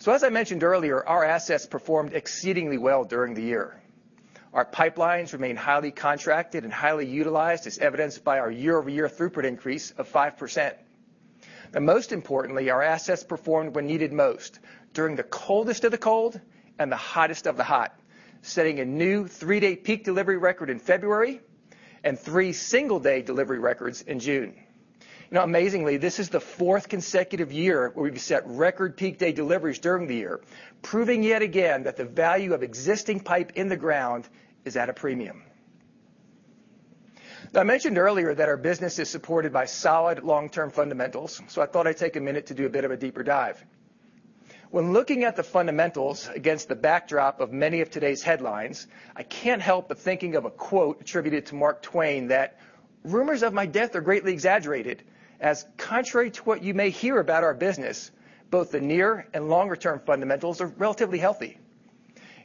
As I mentioned earlier, our assets performed exceedingly well during the year. Our pipelines remain highly contracted and highly utilized as evidenced by our year-over-year throughput increase of 5%. Most importantly, our assets performed when needed most during the coldest of the cold and the hottest of the hot, setting a new 3-day peak delivery record in February and three single-day delivery records in June. Now, amazingly, this is the fourth consecutive year where we've set record peak day deliveries during the year, proving yet again that the value of existing pipe in the ground is at a premium. Now, I mentioned earlier that our business is supported by solid long-term fundamentals, so I thought I'd take a minute to do a bit of a deeper dive. When looking at the fundamentals against the backdrop of many of today's headlines, I can't help but thinking of a quote attributed to Mark Twain that, "Rumors of my death are greatly exaggerated," as contrary to what you may hear about our business, both the near and longer-term fundamentals are relatively healthy.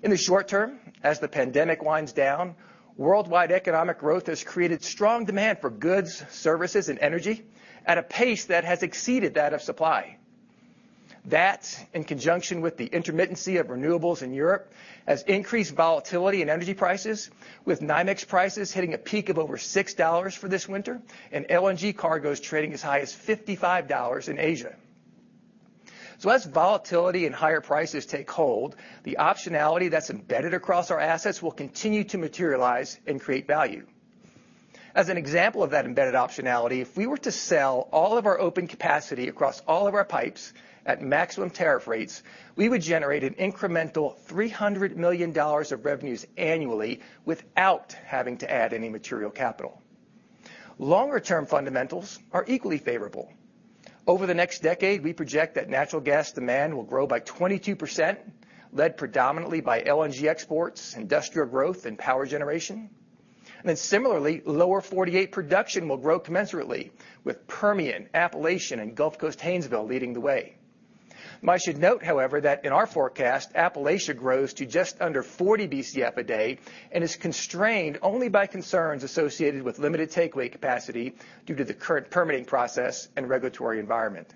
In the short term, as the pandemic winds down, worldwide economic growth has created strong demand for goods, services, and energy at a pace that has exceeded that of supply. That, in conjunction with the intermittency of renewables in Europe, has increased volatility in energy prices, with NYMEX prices hitting a peak of over $6 for this winter and LNG cargoes trading as high as $55 in Asia. As volatility and higher prices take hold, the optionality that's embedded across our assets will continue to materialize and create value. As an example of that embedded optionality, if we were to sell all of our open capacity across all of our pipes at maximum tariff rates, we would generate an incremental $300 million of revenues annually without having to add any material capital. Longer-term fundamentals are equally favorable. Over the next decade, we project that natural gas demand will grow by 22%, led predominantly by LNG exports, industrial growth, and power generation. Similarly, lower 48 production will grow commensurately with Permian, Appalachian, and Gulf Coast Haynesville leading the way. I should note, however, that in our forecast, Appalachia grows to just under 40 BCF a day and is constrained only by concerns associated with limited takeaway capacity due to the current permitting process and regulatory environment.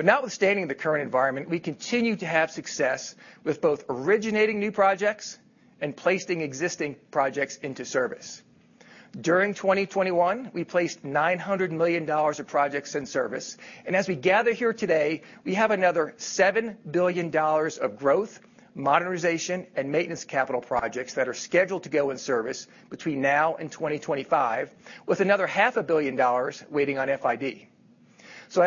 Notwithstanding the current environment, we continue to have success with both originating new projects and placing existing projects into service. During 2021, we placed $900 million of projects in service. As we gather here today, we have another $7 billion of growth, modernization, and maintenance capital projects that are scheduled to go in service between now and 2025, with another $500 million waiting on FID.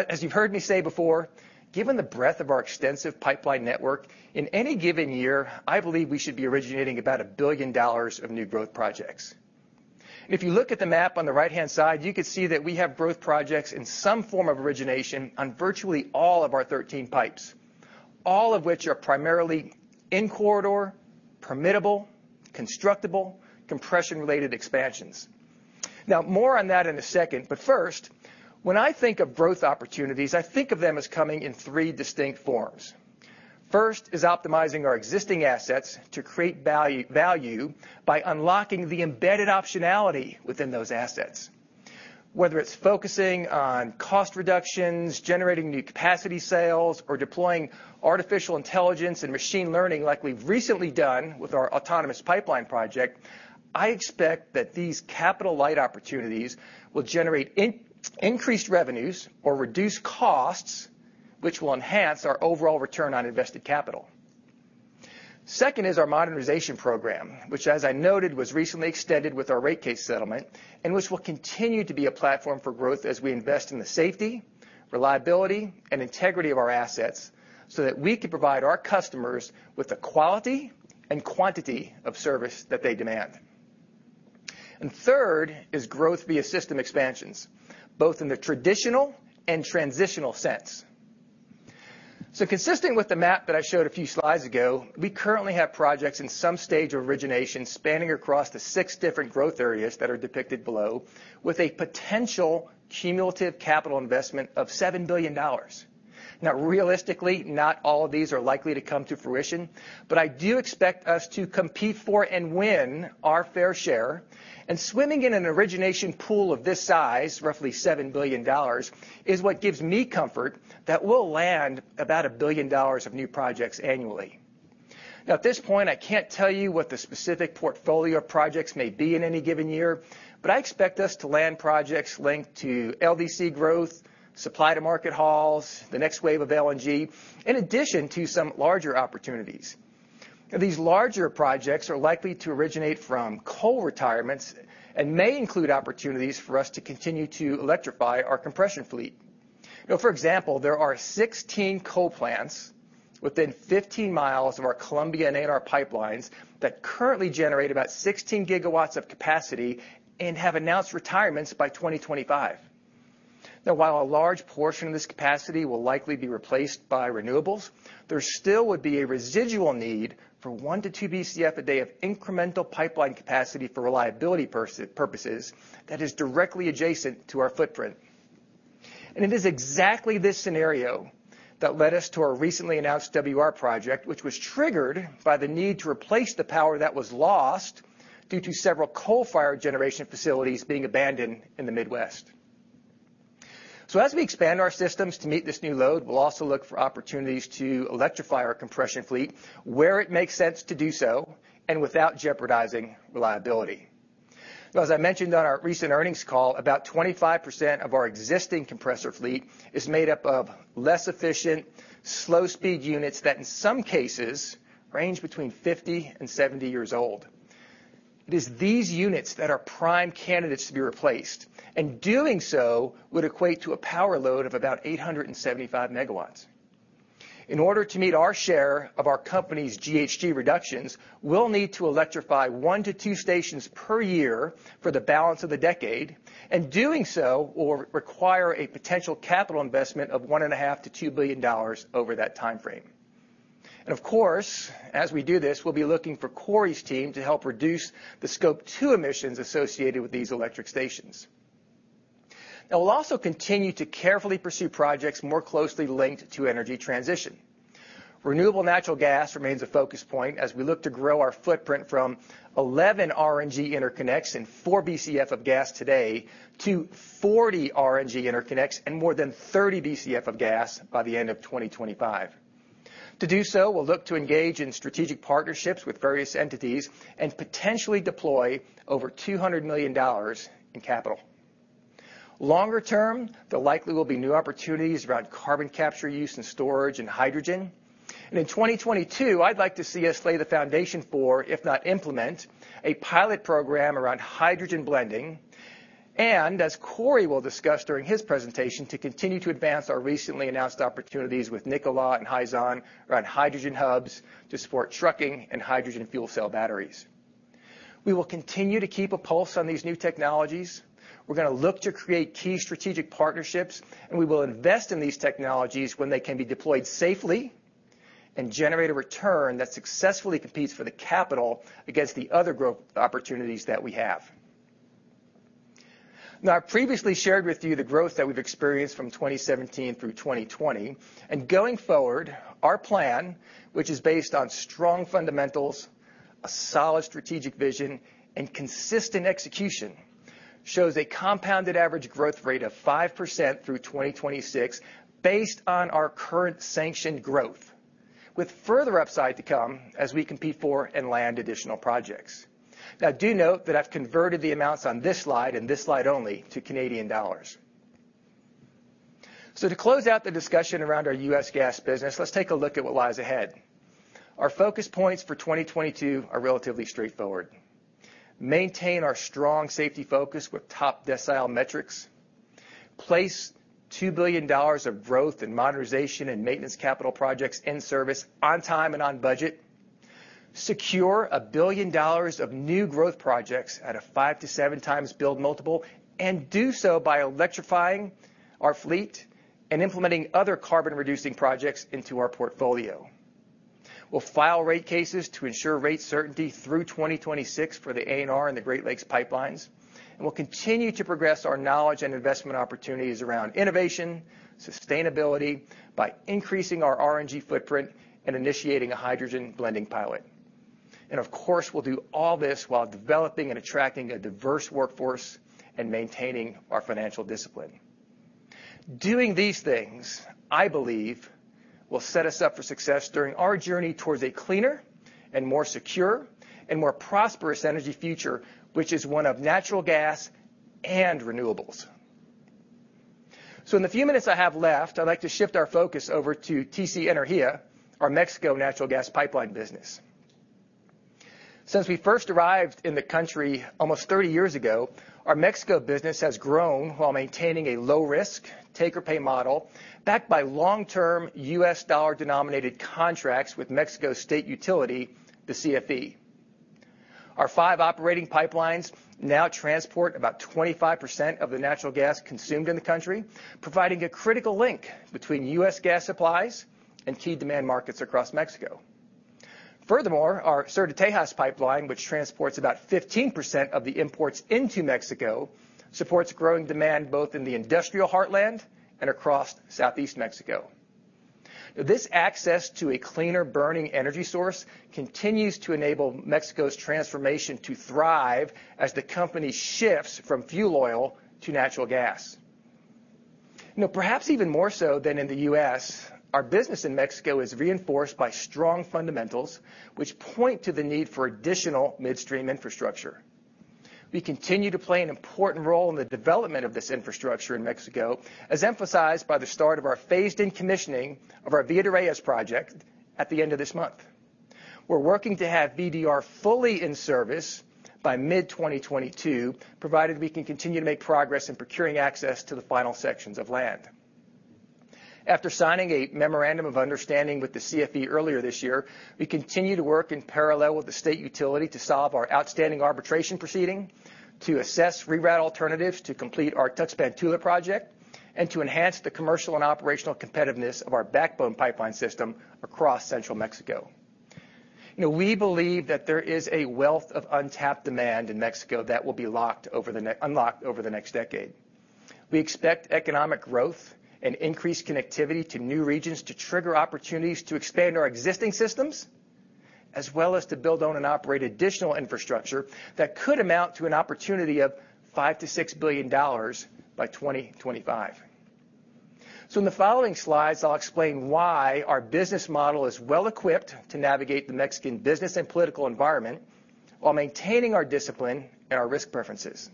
As you've heard me say before, given the breadth of our extensive pipeline network, in any given year, I believe we should be originating about $1 billion of new growth projects. If you look at the map on the right-hand side, you could see that we have growth projects in some form of origination on virtually all of our 13 pipes, all of which are primarily in corridor, permittable, constructible, compression-related expansions. Now, more on that in a second, but first, when I think of growth opportunities, I think of them as coming in 3 distinct forms. First is optimizing our existing assets to create value by unlocking the embedded optionality within those assets. Whether it's focusing on cost reductions, generating new capacity sales, or deploying artificial intelligence and machine learning like we've recently done with our Autonomous Pipeline project, I expect that these capital light opportunities will generate increased revenues or reduce costs, which will enhance our overall return on invested capital. Second is our modernization program, which as I noted, was recently extended with our rate case settlement, and which will continue to be a platform for growth as we invest in the safety, reliability, and integrity of our assets, so that we can provide our customers with the quality and quantity of service that they demand. Third is growth via system expansions, both in the traditional and transitional sense. Consistent with the map that I showed a few slides ago, we currently have projects in some stage of origination spanning across the six different growth areas that are depicted below, with a potential cumulative capital investment of $7 billion. Now, realistically, not all of these are likely to come to fruition, but I do expect us to compete for and win our fair share. Swimming in an origination pool of this size, roughly $7 billion, is what gives me comfort that we'll land about $1 billion of new projects annually. Now at this point, I can't tell you what the specific portfolio of projects may be in any given year, but I expect us to land projects linked to LDC growth, supply-to-market hauls, the next wave of LNG, in addition to some larger opportunities. These larger projects are likely to originate from coal retirements and may include opportunities for us to continue to electrify our compression fleet. You know, for example, there are 16 coal plants within 15 miles of our Columbia and ANR pipelines that currently generate about 16 GW of capacity and have announced retirements by 2025. Now while a large portion of this capacity will likely be replaced by renewables, there still would be a residual need for 1-2 BCF a day of incremental pipeline capacity for reliability purposes that is directly adjacent to our footprint. It is exactly this scenario that led us to our recently announced WR project, which was triggered by the need to replace the power that was lost due to several coal-fired generation facilities being abandoned in the Midwest. As we expand our systems to meet this new load, we'll also look for opportunities to electrify our compression fleet, where it makes sense to do so and without jeopardizing reliability. Now, as I mentioned on our recent earnings call, about 25% of our existing compressor fleet is made up of less efficient, slow speed units that in some cases range between 50-70 years old. It is these units that are prime candidates to be replaced, and doing so would equate to a power load of about 875 MW. In order to meet our share of our company's GHG reductions, we'll need to electrify 1-2 stations per year for the balance of the decade, and doing so will require a potential capital investment of $1.5 billion-$2 billion over that time frame. Of course, as we do this, we'll be looking for Corey's team to help reduce the Scope 2 emissions associated with these electric stations. Now we'll also continue to carefully pursue projects more closely linked to energy transition. Renewable natural gas remains a focus point as we look to grow our footprint from 11 RNG interconnects and 4 BCF of gas today to 40 RNG interconnects and more than 30 BCF of gas by the end of 2025. To do so, we'll look to engage in strategic partnerships with various entities and potentially deploy over $200 million in capital. Longer term, there likely will be new opportunities around carbon capture use and storage and hydrogen. In 2022, I'd like to see us lay the foundation for, if not implement, a pilot program around hydrogen blending, and as Corey will discuss during his presentation, to continue to advance our recently announced opportunities with Nikola and Hyzon around hydrogen hubs to support trucking and hydrogen fuel cell batteries. We will continue to keep a pulse on these new technologies. We're gonna look to create key strategic partnerships, and we will invest in these technologies when they can be deployed safely and generate a return that successfully competes for the capital against the other growth opportunities that we have. Now, I previously shared with you the growth that we've experienced from 2017 through 2020, and going forward, our plan, which is based on strong fundamentals, a solid strategic vision and consistent execution shows a compounded average growth rate of 5% through 2026 based on our current sanctioned growth, with further upside to come as we compete for and land additional projects. Now, do note that I've converted the amounts on this slide, and this slide only, to Canadian dollars. To close out the discussion around our U.S. gas business, let's take a look at what lies ahead. Our focus points for 2022 are relatively straightforward. Maintain our strong safety focus with top decile metrics. Place $2 billion of growth in modernization and maintenance capital projects in service on time and on budget. Secure $1 billion of new growth projects at a 5x-7x build multiple, and do so by electrifying our fleet and implementing other carbon-reducing projects into our portfolio. We'll file rate cases to ensure rate certainty through 2026 for the ANR and the Great Lakes pipelines, and we'll continue to progress our knowledge and investment opportunities around innovation, sustainability by increasing our RNG footprint and initiating a hydrogen blending pilot. Of course, we'll do all this while developing and attracting a diverse workforce and maintaining our financial discipline. Doing these things, I believe, will set us up for success during our journey towards a cleaner and more secure and more prosperous energy future, which is one of natural gas and renewables. In the few minutes I have left, I'd like to shift our focus over to TC Energía, our Mexico natural gas pipeline business. Since we first arrived in the country almost 30 years ago, our Mexico business has grown while maintaining a low risk, take or pay model, backed by long-term U.S. dollar-denominated contracts with Mexico state utility, the CFE. Our 5 operating pipelines now transport about 25% of the natural gas consumed in the country, providing a critical link between U.S. gas supplies and key demand markets across Mexico. Furthermore, our Sur de Texas pipeline, which transports about 15% of the imports into Mexico, supports growing demand both in the industrial heartland and across Southeast Mexico. This access to a cleaner burning energy source continues to enable Mexico's transformation to thrive as the company shifts from fuel oil to natural gas. Now perhaps even more so than in the U.S., our business in Mexico is reinforced by strong fundamentals, which point to the need for additional midstream infrastructure. We continue to play an important role in the development of this infrastructure in Mexico, as emphasized by the start of our phased-in commissioning of our Villa de Reyes project at the end of this month. We're working to have VDR fully in service by mid-2022, provided we can continue to make progress in procuring access to the final sections of land. After signing a memorandum of understanding with the CFE earlier this year, we continue to work in parallel with the state utility to solve our outstanding arbitration proceeding, to assess reroute alternatives to complete our Tuxpan-Tula project, and to enhance the commercial and operational competitiveness of our backbone pipeline system across central Mexico. You know, we believe that there is a wealth of untapped demand in Mexico that will be unlocked over the next decade. We expect economic growth and increased connectivity to new regions to trigger opportunities to expand our existing systems, as well as to build, own and operate additional infrastructure that could amount to an opportunity of $5 billion-$6 billion by 2025. In the following slides, I'll explain why our business model is well-equipped to navigate the Mexican business and political environment while maintaining our discipline and our risk preferences.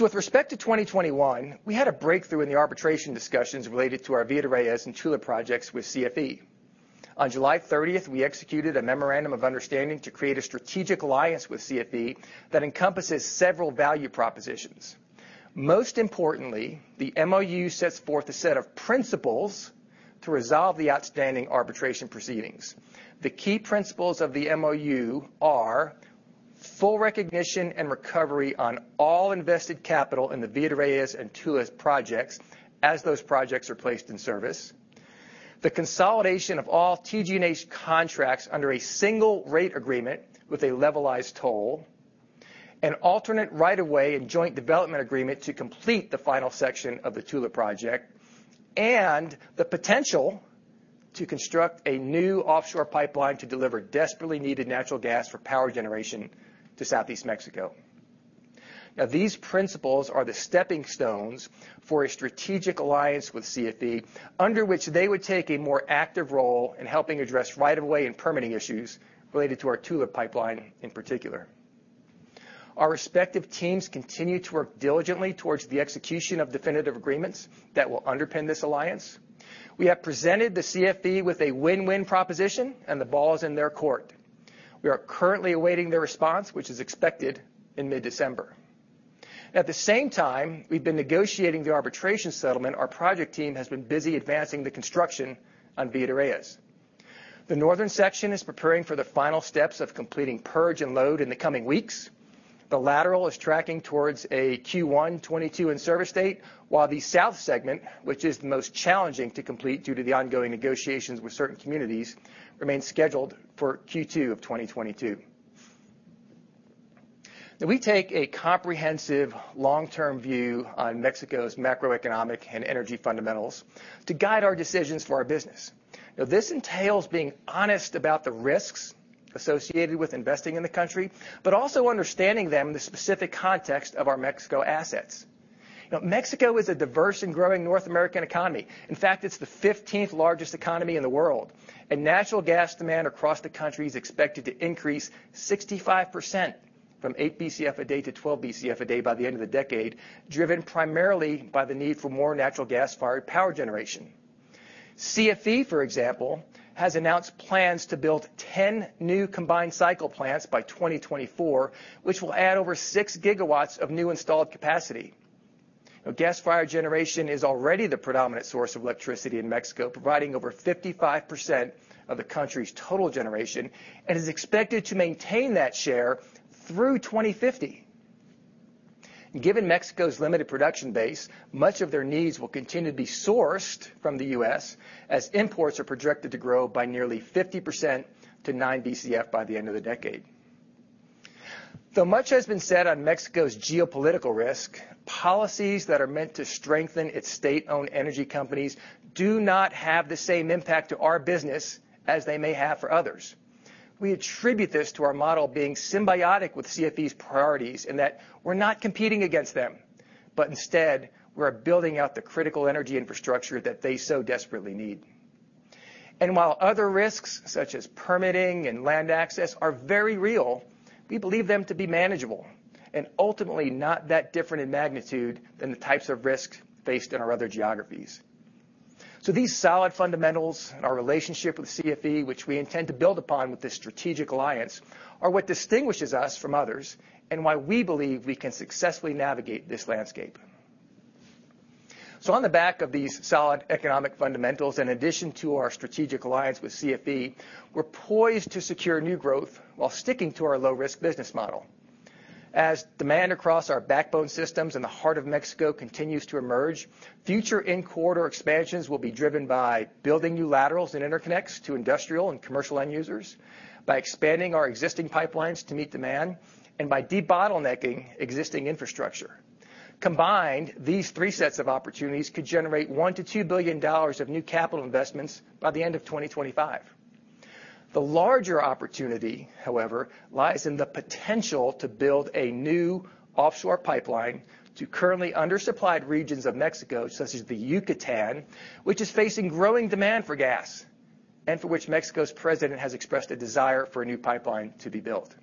With respect to 2021, we had a breakthrough in the arbitration discussions related to our Villa de Reyes and Tuxpan-Tula projects with CFE. On July 30th, we executed a memorandum of understanding to create a strategic alliance with CFE that encompasses several value propositions. Most importantly, the MoU sets forth a set of principles to resolve the outstanding arbitration proceedings. The key principles of the MoU are full recognition and recovery on all invested capital in the Villa de Reyes and Tula projects as those projects are placed in service, the consolidation of all TGNH contracts under a single rate agreement with a levelized toll, an alternate right-of-way and joint development agreement to complete the final section of the Tula project, and the potential to construct a new offshore pipeline to deliver desperately-needed natural gas for power generation to southeast Mexico. These principles are the stepping stones for a strategic alliance with CFE, under which they would take a more active role in helping address right-of-way and permitting issues related to our Tula pipeline in particular. Our respective teams continue to work diligently towards the execution of definitive agreements that will underpin this alliance. We have presented the CFE with a win-win proposition, and the ball is in their court. We are currently awaiting their response, which is expected in mid-December. At the same time, we've been negotiating the arbitration settlement. Our project team has been busy advancing the construction on Villa de Reyes. The northern section is preparing for the final steps of completing purge and load in the coming weeks. The lateral is tracking towards a Q1 2022 in service state, while the south segment, which is the most challenging to complete due to the ongoing negotiations with certain communities, remains scheduled for Q2 2022. Now we take a comprehensive long-term view on Mexico's macroeconomic and energy fundamentals to guide our decisions for our business. Now, this entails being honest about the risks associated with investing in the country, but also understanding them in the specific context of our Mexico assets. Mexico is a diverse and growing North American economy. In fact, it's the 15th-largest economy in the world. Natural gas demand across the country is expected to increase 65% from 8 BCF a day to 12 BCF a day by the end of the decade, driven primarily by the need for more natural gas-fired power generation. CFE, for example, has announced plans to build 10 new combined cycle plants by 2024, which will add over 6 GW of new installed capacity. Gas-fired generation is already the predominant source of electricity in Mexico, providing over 55% of the country's total generation, and is expected to maintain that share through 2050. Given Mexico's limited production base, much of their needs will continue to be sourced from the U.S. Imports are projected to grow by nearly 50% to 9 BCF by the end of the decade. Though much has been said on Mexico's geopolitical risk, policies that are meant to strengthen its state-owned energy companies do not have the same impact to our business as they may have for others. We attribute this to our model being symbiotic with CFE's priorities, in that we're not competing against them, but instead we are building out the critical energy infrastructure that they so desperately need. While other risks, such as permitting and land access, are very real, we believe them to be manageable and ultimately not that different in magnitude than the types of risks faced in our other geographies. These solid fundamentals and our relationship with CFE, which we intend to build upon with this strategic alliance, are what distinguishes us from others and why we believe we can successfully navigate this landscape. On the back of these solid economic fundamentals, in addition to our strategic alliance with CFE, we're poised to secure new growth while sticking to our low-risk business model. As demand across our backbone systems in the heart of Mexico continues to emerge, future in-quarter expansions will be driven by building new laterals and interconnects to industrial and commercial end users, by expanding our existing pipelines to meet demand, and by debottlenecking existing infrastructure. Combined, these three sets of opportunities could generate $1 billion-$2 billion of new capital investments by the end of 2025. The larger opportunity, however, lies in the potential to build a new offshore pipeline to currently undersupplied regions of Mexico, such as the Yucatán, which is facing growing demand for gas, and for which Mexico's president has expressed a desire for a new pipeline to be built.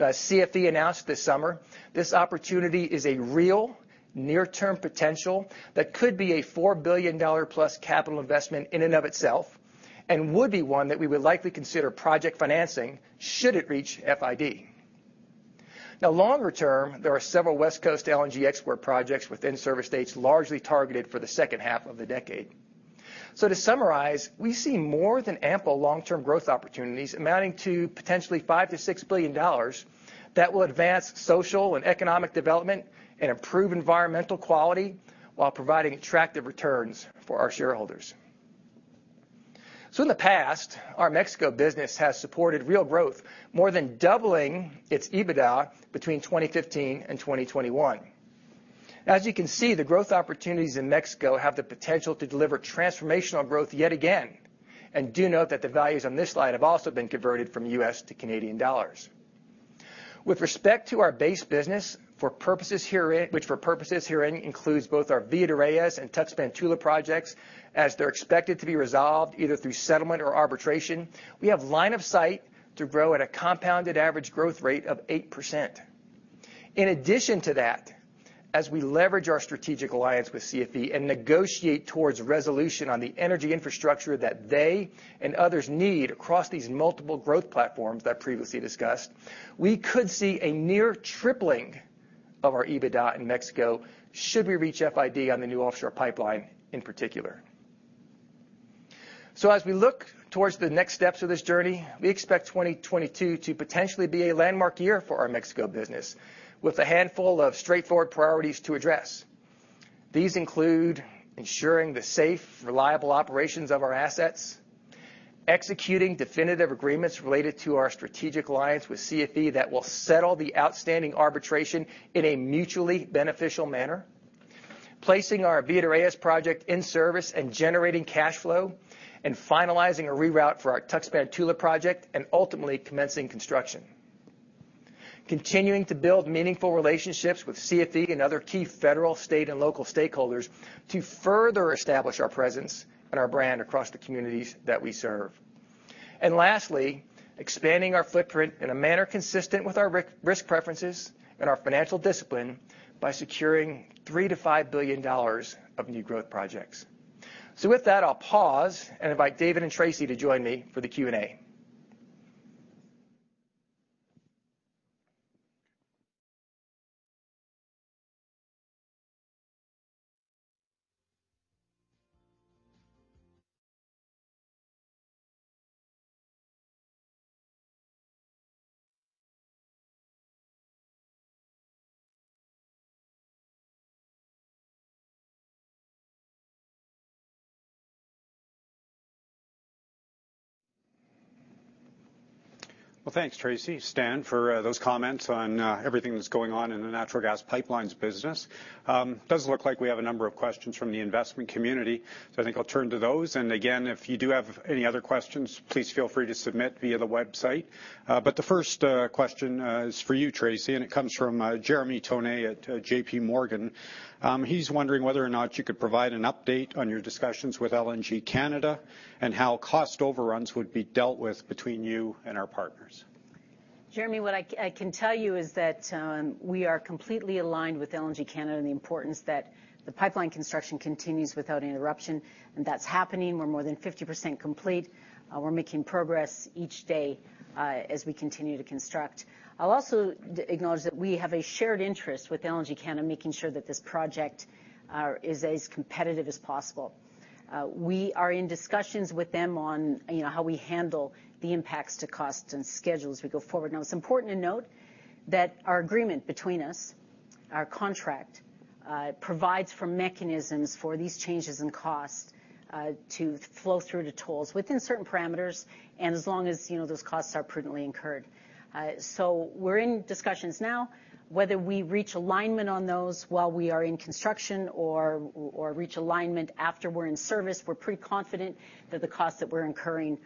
As CFE announced this summer, this opportunity is a real near-term potential that could be a $4 billion+ capital investment in and of itself and would be one that we would likely consider project financing should it reach FID. Now longer term, there are several West Coast LNG export projects within service states largely targeted for the second half of the decade. To summarize, we see more than ample long-term growth opportunities amounting to potentially $5 billion-$6 billion that will advance social and economic development and improve environmental quality while providing attractive returns for our shareholders. In the past, our Mexico business has supported real growth, more than doubling its EBITDA between 2015 and 2021. As you can see, the growth opportunities in Mexico have the potential to deliver transformational growth yet again. Do note that the values on this slide have also been converted from U.S. to Canadian dollars. With respect to our base business for purposes herein, which for purposes herein includes both our Villa de Reyes and Tuxpan-Tula projects, as they're expected to be resolved either through settlement or arbitration, we have line of sight to grow at a compound annual growth rate of 8%. In addition to that, as we leverage our strategic alliance with CFE and negotiate towards resolution on the energy infrastructure that they and others need across these multiple growth platforms that I previously discussed, we could see a near tripling of our EBITDA in Mexico should we reach FID on the new offshore pipeline in particular. As we look towards the next steps of this journey, we expect 2022 to potentially be a landmark year for our Mexico business with a handful of straightforward priorities to address. These include ensuring the safe, reliable operations of our assets, executing definitive agreements related to our strategic alliance with CFE that will settle the outstanding arbitration in a mutually beneficial manner, placing our Villa de Reyes project in service and generating cash flow, and finalizing a reroute for our Tuxpan-Tula project and ultimately commencing construction. Continuing to build meaningful relationships with CFE and other key federal, state, and local stakeholders to further establish our presence and our brand across the communities that we serve. Lastly, expanding our footprint in a manner consistent with our risk preferences and our financial discipline by securing $3 billion-$5 billion of new growth projects. With that, I'll pause and invite David and Tracy to join me for the Q&A. Well, thanks, Tracy, Stan, for those comments on everything that's going on in the natural gas pipelines business. Does look like we have a number of questions from the investment community, so I think I'll turn to those. Again, if you do have any other questions, please feel free to submit via the website. The first question is for you, Tracy, and it comes from Jeremy Tonet at JPMorgan. He's wondering whether or not you could provide an update on your discussions with LNG Canada and how cost overruns would be dealt with between you and our partners. Jeremy, what I can tell you is that we are completely aligned with LNG Canada in the importance that the pipeline construction continues without any interruption, and that's happening. We're more than 50% complete. We're making progress each day as we continue to construct. I'll also acknowledge that we have a shared interest with LNG Canada in making sure that this project is as competitive as possible. We are in discussions with them on, you know, how we handle the impacts to costs and schedules as we go forward. Now, it's important to note that our agreement between us, our contract, provides for mechanisms for these changes in cost to flow through to tolls within certain parameters, and as long as, you know, those costs are prudently incurred. We're in discussions now. Whether we reach alignment on those while we are in construction or reach alignment after we're in service, we're pretty confident that the costs that we're incurring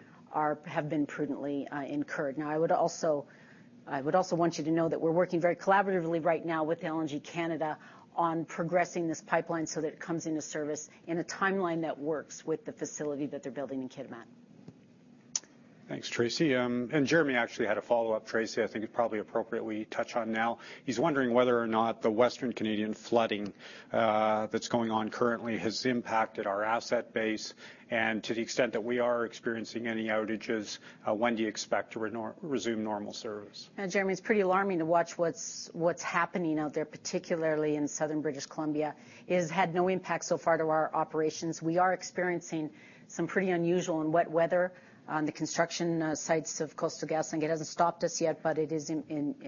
have been prudently incurred. I would also want you to know that we're working very collaboratively right now with LNG Canada on progressing this pipeline so that it comes into service in a timeline that works with the facility that they're building in Kitimat. Thanks, Tracy. Jeremy actually had a follow-up, Tracy. I think it's probably appropriate we touch on now. He's wondering whether or not the Western Canadian flooding that's going on currently has impacted our asset base, and to the extent that we are experiencing any outages, when do you expect to resume normal service? Jeremy, it's pretty alarming to watch what's happening out there, particularly in Southern British Columbia. It has had no impact so far to our operations. We are experiencing some pretty unusual and wet weather on the construction sites of Coastal GasLink. It hasn't stopped us yet, but it is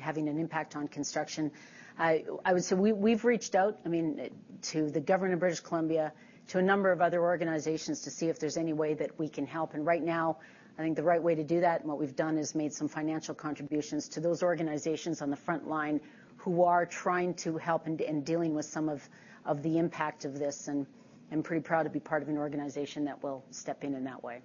having an impact on construction. I would say we've reached out, I mean, to the government of British Columbia, to a number of other organizations to see if there's any way that we can help. Right now, I think the right way to do that, and what we've done, is made some financial contributions to those organizations on the front line who are trying to help in dealing with some of the impact of this. I'm pretty proud to be part of an organization that will step in in that way.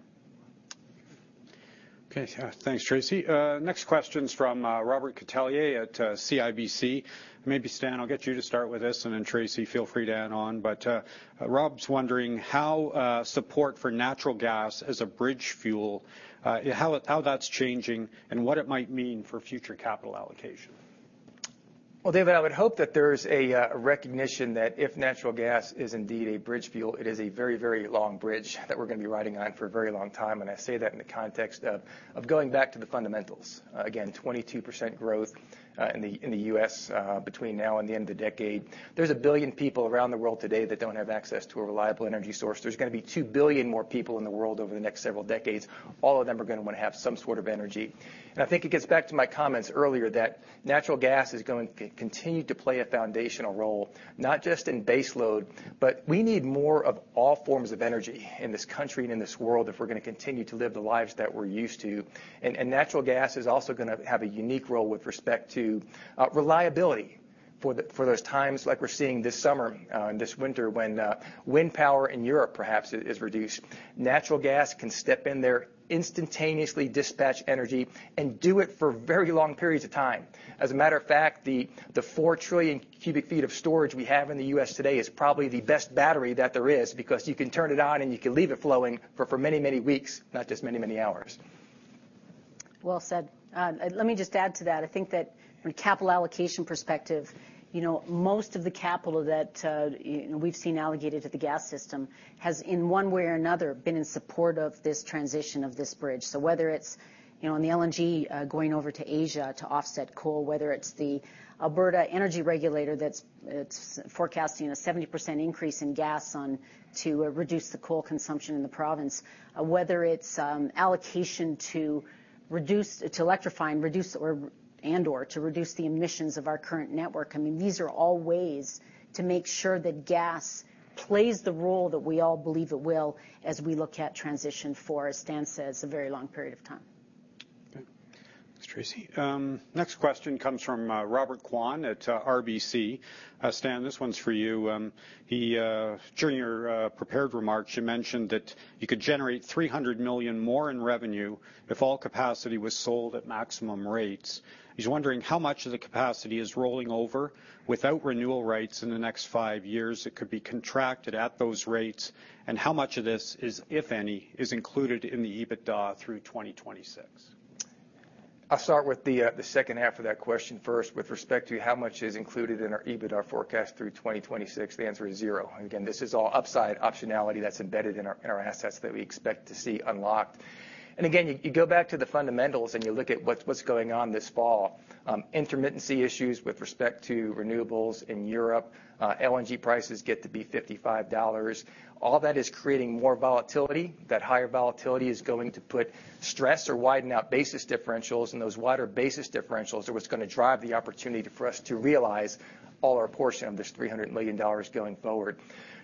Okay. Thanks, Tracy. Next question's from Robert Catellier at CIBC. Maybe, Stan, I'll get you to start with this, and then Tracy, feel free to add on. Rob's wondering how support for natural gas as a bridge fuel, how that's changing and what it might mean for future capital allocation. Well, David, I would hope that there's a recognition that if natural gas is indeed a bridge fuel, it is a very, very long bridge that we're gonna be riding on for a very long time, and I say that in the context of going back to the fundamentals. Again, 22% growth in the U.S. between now and the end of the decade. There's 1 billion people around the world today that don't have access to a reliable energy source. There's gonna be 2 billion more people in the world over the next several decades. All of them are gonna wanna have some sort of energy. I think it gets back to my comments earlier that natural gas is going to continue to play a foundational role, not just in base load, but we need more of all forms of energy in this country and in this world if we're gonna continue to live the lives that we're used to. Natural gas is also gonna have a unique role with respect to reliability for those times like we're seeing this summer and this winter when wind power in Europe perhaps is reduced. Natural gas can step in there, instantaneously dispatch energy and do it for very long periods of time. As a matter of fact, the 4 trillion cubic feet of storage we have in the U.S. today is probably the best battery that there is because you can turn it on, and you can leave it flowing for many weeks, not just many hours. Well said. Let me just add to that. I think that from a capital allocation perspective, you know, most of the capital that we've seen allocated to the gas system has, in one way or another, been in support of this transition of this bridge. Whether it's, you know, in the LNG going over to Asia to offset coal, whether it's the Alberta Energy Regulator that's forecasting a 70% increase in gas on to reduce the coal consumption in the province, whether it's allocation to electrify and reduce or and/or reduce the emissions of our current network, I mean, these are all ways to make sure that gas plays the role that we all believe it will as we look at transition for, as Stan says, a very long period of time. Okay. Thanks, Tracy. Next question comes from Robert Kwan at RBC. Stan, this one's for you. During your prepared remarks, you mentioned that you could generate $300 million more in revenue if all capacity was sold at maximum rates. He's wondering how much of the capacity is rolling over without renewal rates in the next five years that could be contracted at those rates, and how much of this is, if any, included in the EBITDA through 2026. I'll start with the second half of that question first. With respect to how much is included in our EBITDA forecast through 2026, the answer is zero. Again, this is all upside optionality that's embedded in our assets that we expect to see unlocked. Again, you go back to the fundamentals, and you look at what's going on this fall, intermittency issues with respect to renewables in Europe, LNG prices get to be $55. All that is creating more volatility. That higher volatility is going to put stress or widen out basis differentials, and those wider basis differentials are what's gonna drive the opportunity for us to realize all our portion of this $300 million going forward.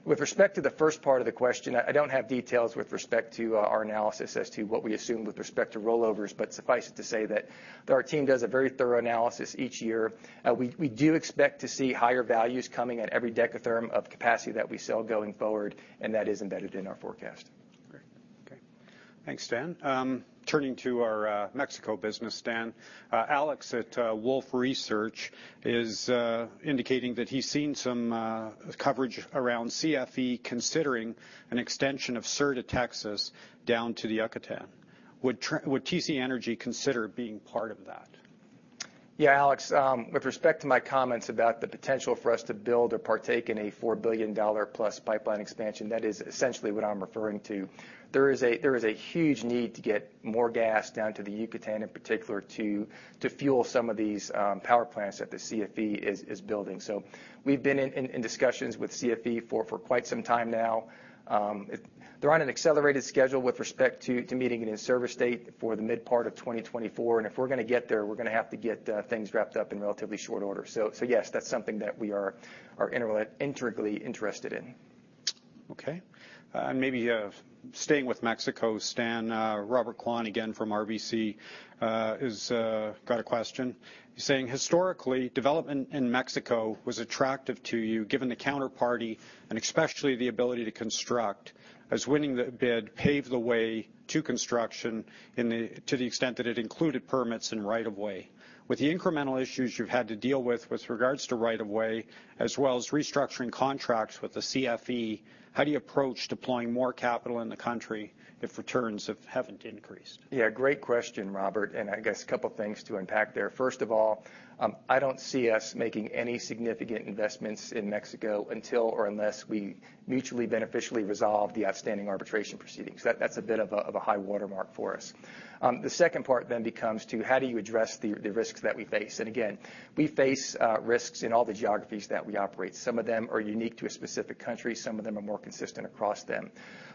With respect to the first part of the question, I don't have details with respect to our analysis as to what we assume with respect to rollovers, but suffice it to say that our team does a very thorough analysis each year. We do expect to see higher values coming at every dekatherm of capacity that we sell going forward, and that is embedded in our forecast. Thanks, Stan. Turning to our Mexico business, Stan. Alex at Wolfe Research is indicating that he's seen some coverage around CFE considering an extension of Sur de Texas down to the Yucatán. Would TC Energy consider being part of that? Yeah, Alex, with respect to my comments about the potential for us to build or partake in a $4 billion plus pipeline expansion, that is essentially what I'm referring to. There is a huge need to get more gas down to the Yucatán in particular to fuel some of these power plants that the CFE is building. We've been in discussions with CFE for quite some time now. They're on an accelerated schedule with respect to meeting an in-service date for the mid part of 2024, and if we're gonna get there, we're gonna have to get things wrapped up in relatively short order. Yes, that's something that we are integrally interested in. Okay. And maybe staying with Mexico, Stan, Robert Kwan again from RBC has got a question. He's saying historically, development in Mexico was attractive to you given the counterparty and especially the ability to construct as winning the bid paved the way to construction to the extent that it included permits and right of way. With the incremental issues you've had to deal with regards to right of way, as well as restructuring contracts with the CFE, how do you approach deploying more capital in the country if returns haven't increased? Yeah, great question, Robert, and I guess a couple things to unpack there. First of all, I don't see us making any significant investments in Mexico until or unless we mutually beneficial resolve the outstanding arbitration proceedings. That's a bit of a high watermark for us. The second part then becomes how do you address the risks that we face? Again, we face risks in all the geographies that we operate. Some of them are unique to a specific country, some of them are more consistent across them.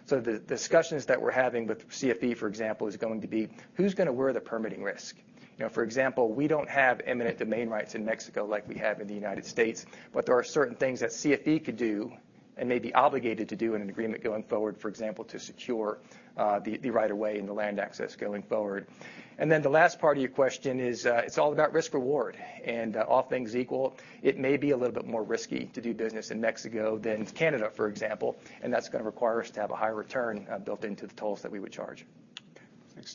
The discussions that we're having with CFE, for example, is going to be who's gonna wear the permitting risk? You know, for example, we don't have eminent domain rights in Mexico like we have in the United States, but there are certain things that CFE could do and may be obligated to do in an agreement going forward, for example, to secure the right of way and the land access going forward. Then the last part of your question is, it's all about risk reward, and, all things equal, it may be a little bit more risky to do business in Mexico than Canada, for example, and that's gonna require us to have a higher return built into the tolls that we would charge. Okay. Thanks,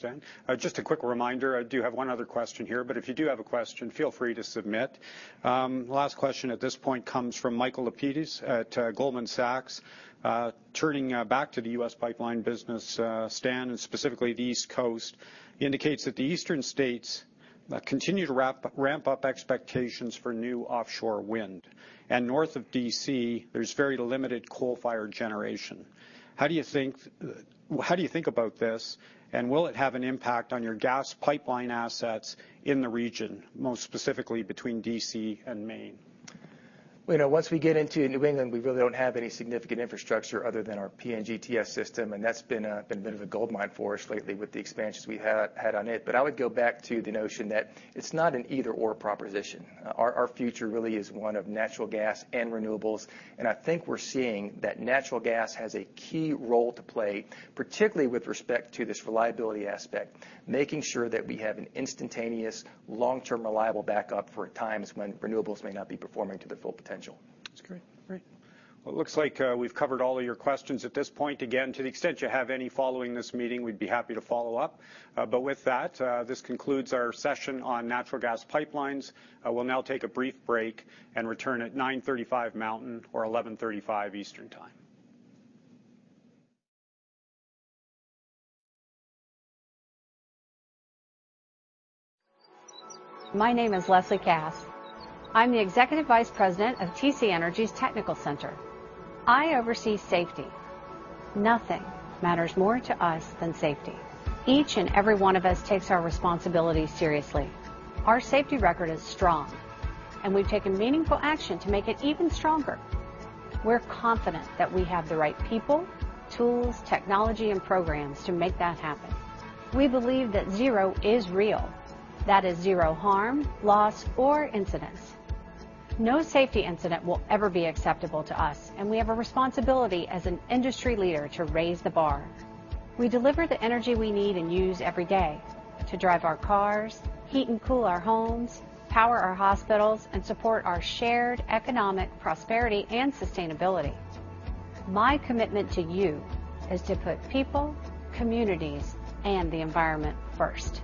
Stan. Just a quick reminder, I do have one other question here, but if you do have a question, feel free to submit. Last question at this point comes from Michael Lapides at Goldman Sachs. Turning back to the U.S. pipeline business, Stan, and specifically the East Coast, indicates that the eastern states continue to ramp up expectations for new offshore wind. North of D.C., there's very limited coal-fired generation. How do you think about this, and will it have an impact on your gas pipeline assets in the region, most specifically between D.C. and Maine? You know, once we get into New England, we really don't have any significant infrastructure other than our PNGTS system, and that's been a bit of a goldmine for us lately with the expansions we had on it. I would go back to the notion that it's not an either/or proposition. Our future really is one of natural gas and renewables, and I think we're seeing that natural gas has a key role to play, particularly with respect to this reliability aspect, making sure that we have an instantaneous, long-term, reliable backup for times when renewables may not be performing to their full potential. That's great. Great. Well, it looks like we've covered all of your questions at this point. Again, to the extent you have any following this meeting, we'd be happy to follow up. With that, this concludes our session on natural gas pipelines. We'll now take a brief break and return at 9:35 A.M. Mountain Time or 11:35 A.M. Eastern Time. My name is Leslie Cass. I'm the Executive Vice President of TC Energy's Technical Center. I oversee safety. Nothing matters more to us than safety. Each and every one of us takes our responsibility seriously. Our safety record is strong, and we've taken meaningful action to make it even stronger. We're confident that we have the right people, tools, technology, and programs to make that happen. We believe that zero is real. That is zero harm, loss, or incidents. No safety incident will ever be acceptable to us, and we have a responsibility as an industry leader to raise the bar. We deliver the energy we need and use every day to drive our cars, heat and cool our homes, power our hospitals, and support our shared economic prosperity and sustainability. My commitment to you is to put people, communities, and the environment first.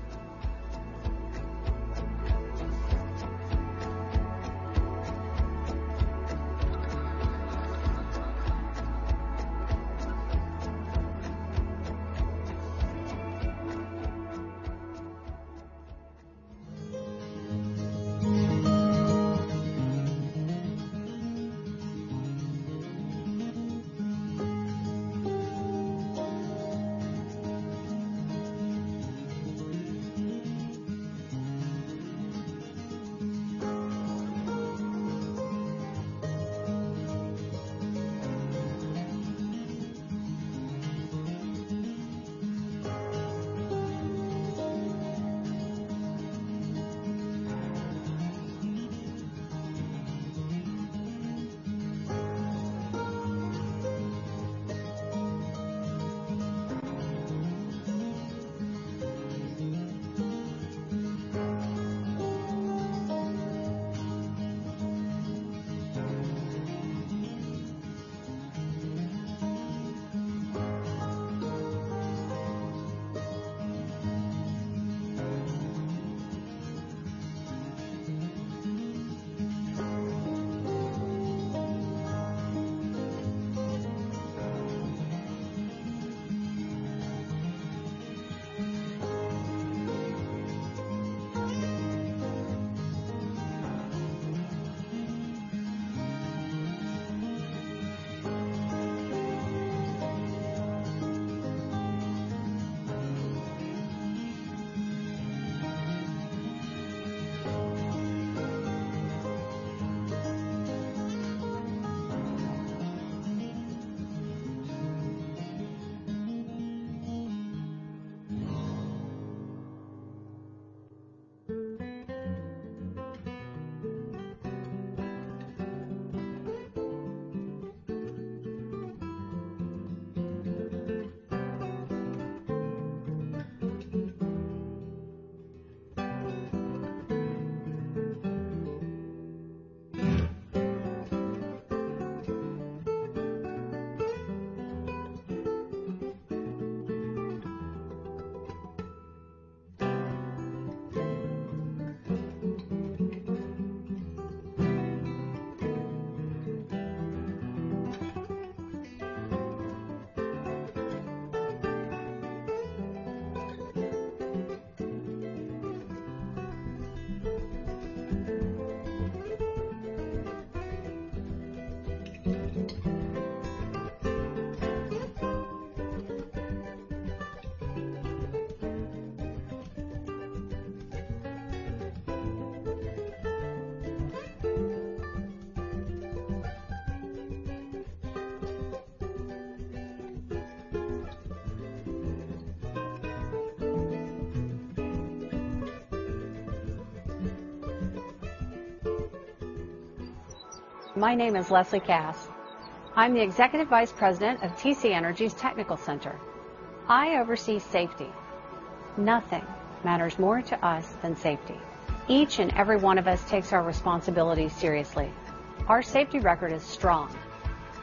My name is Leslie Kass. I'm the Executive Vice President of TC Energy's Technical Center. I oversee safety. Nothing matters more to us than safety. Each and every one of us takes our responsibility seriously. Our safety record is strong,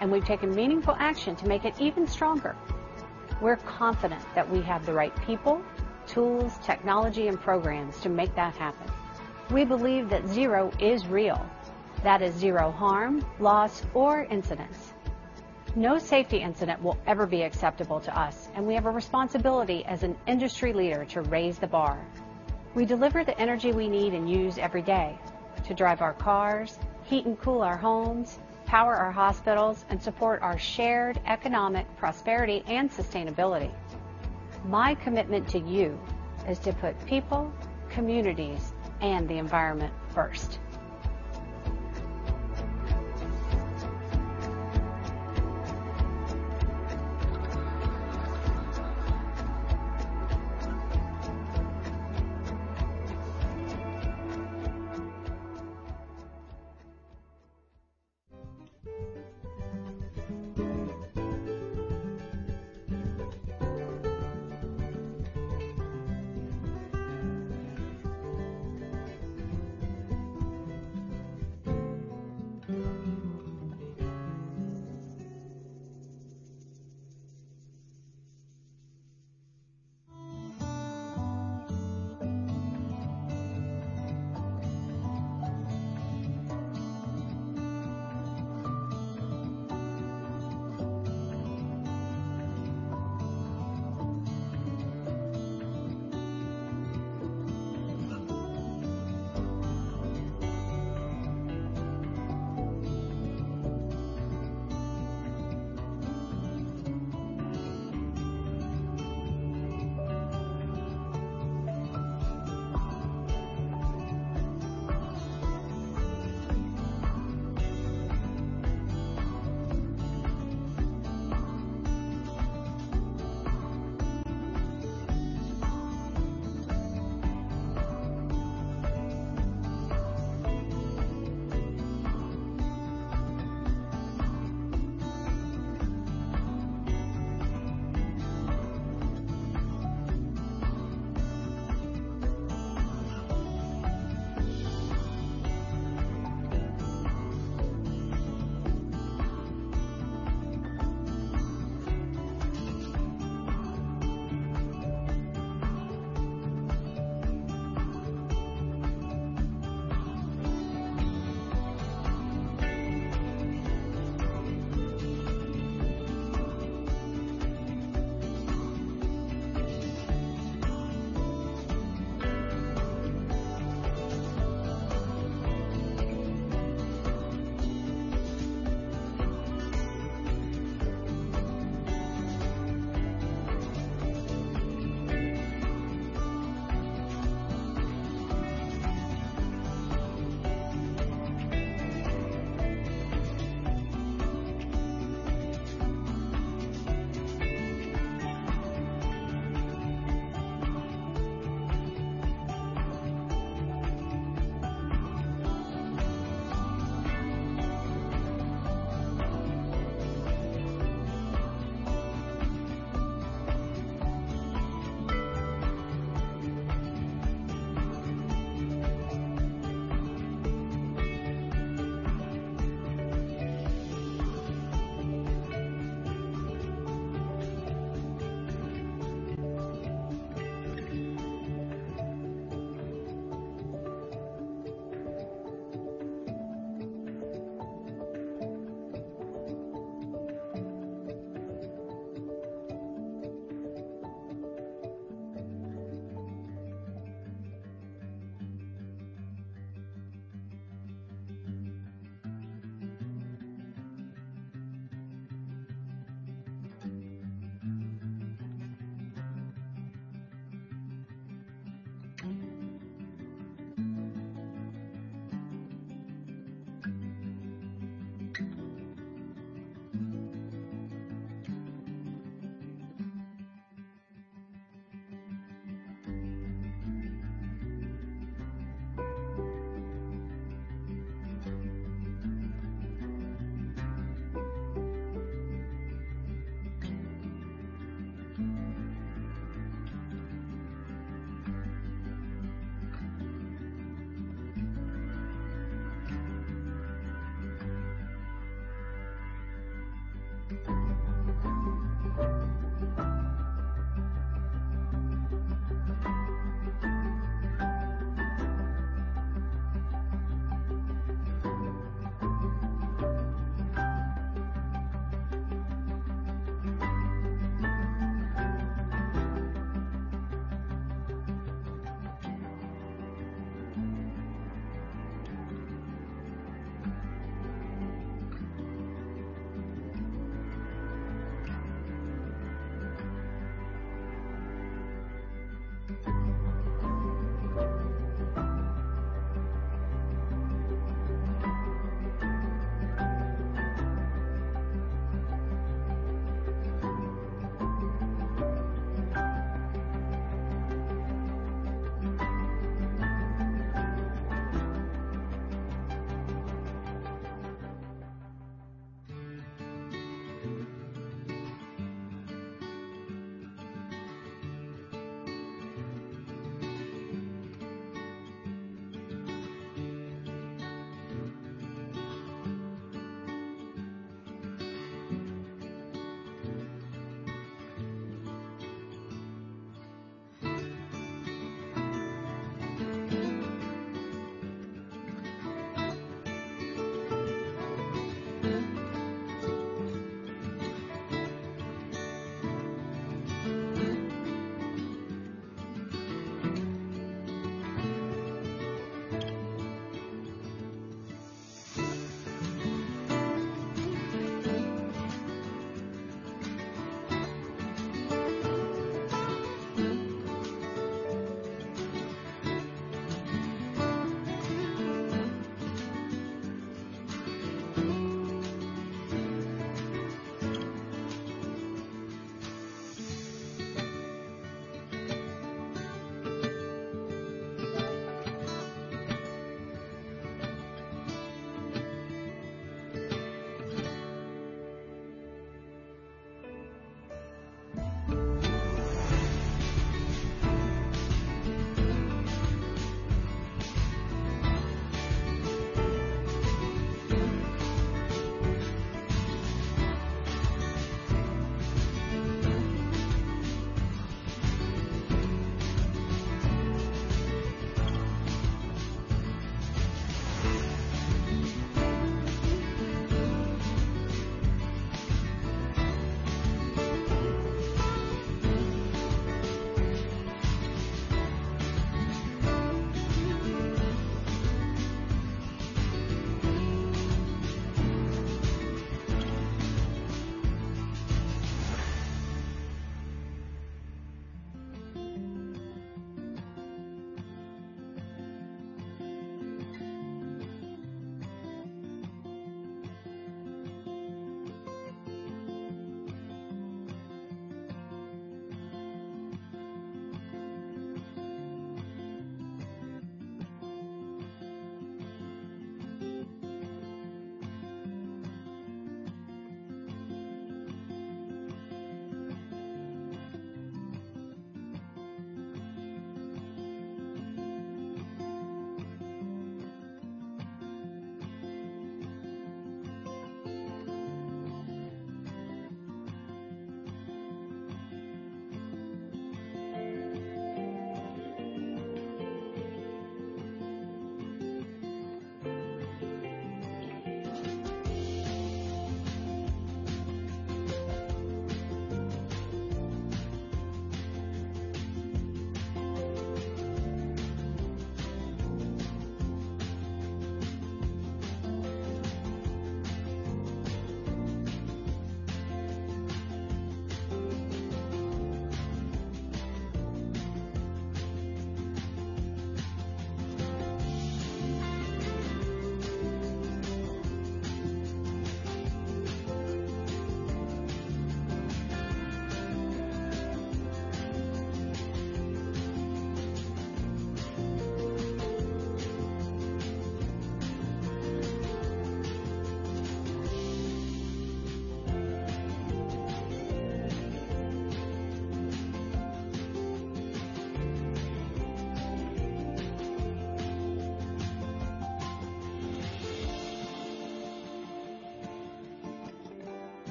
and we've taken meaningful action to make it even stronger. We're confident that we have the right people, tools, technology, and programs to make that happen. We believe that zero is real. That is zero harm, loss, or incidents. No safety incident will ever be acceptable to us, and we have a responsibility as an industry leader to raise the bar. We deliver the energy we need and use every day to drive our cars, heat and cool our homes, power our hospitals, and support our shared economic prosperity and sustainability. My commitment to you is to put people, communities, and the environment first.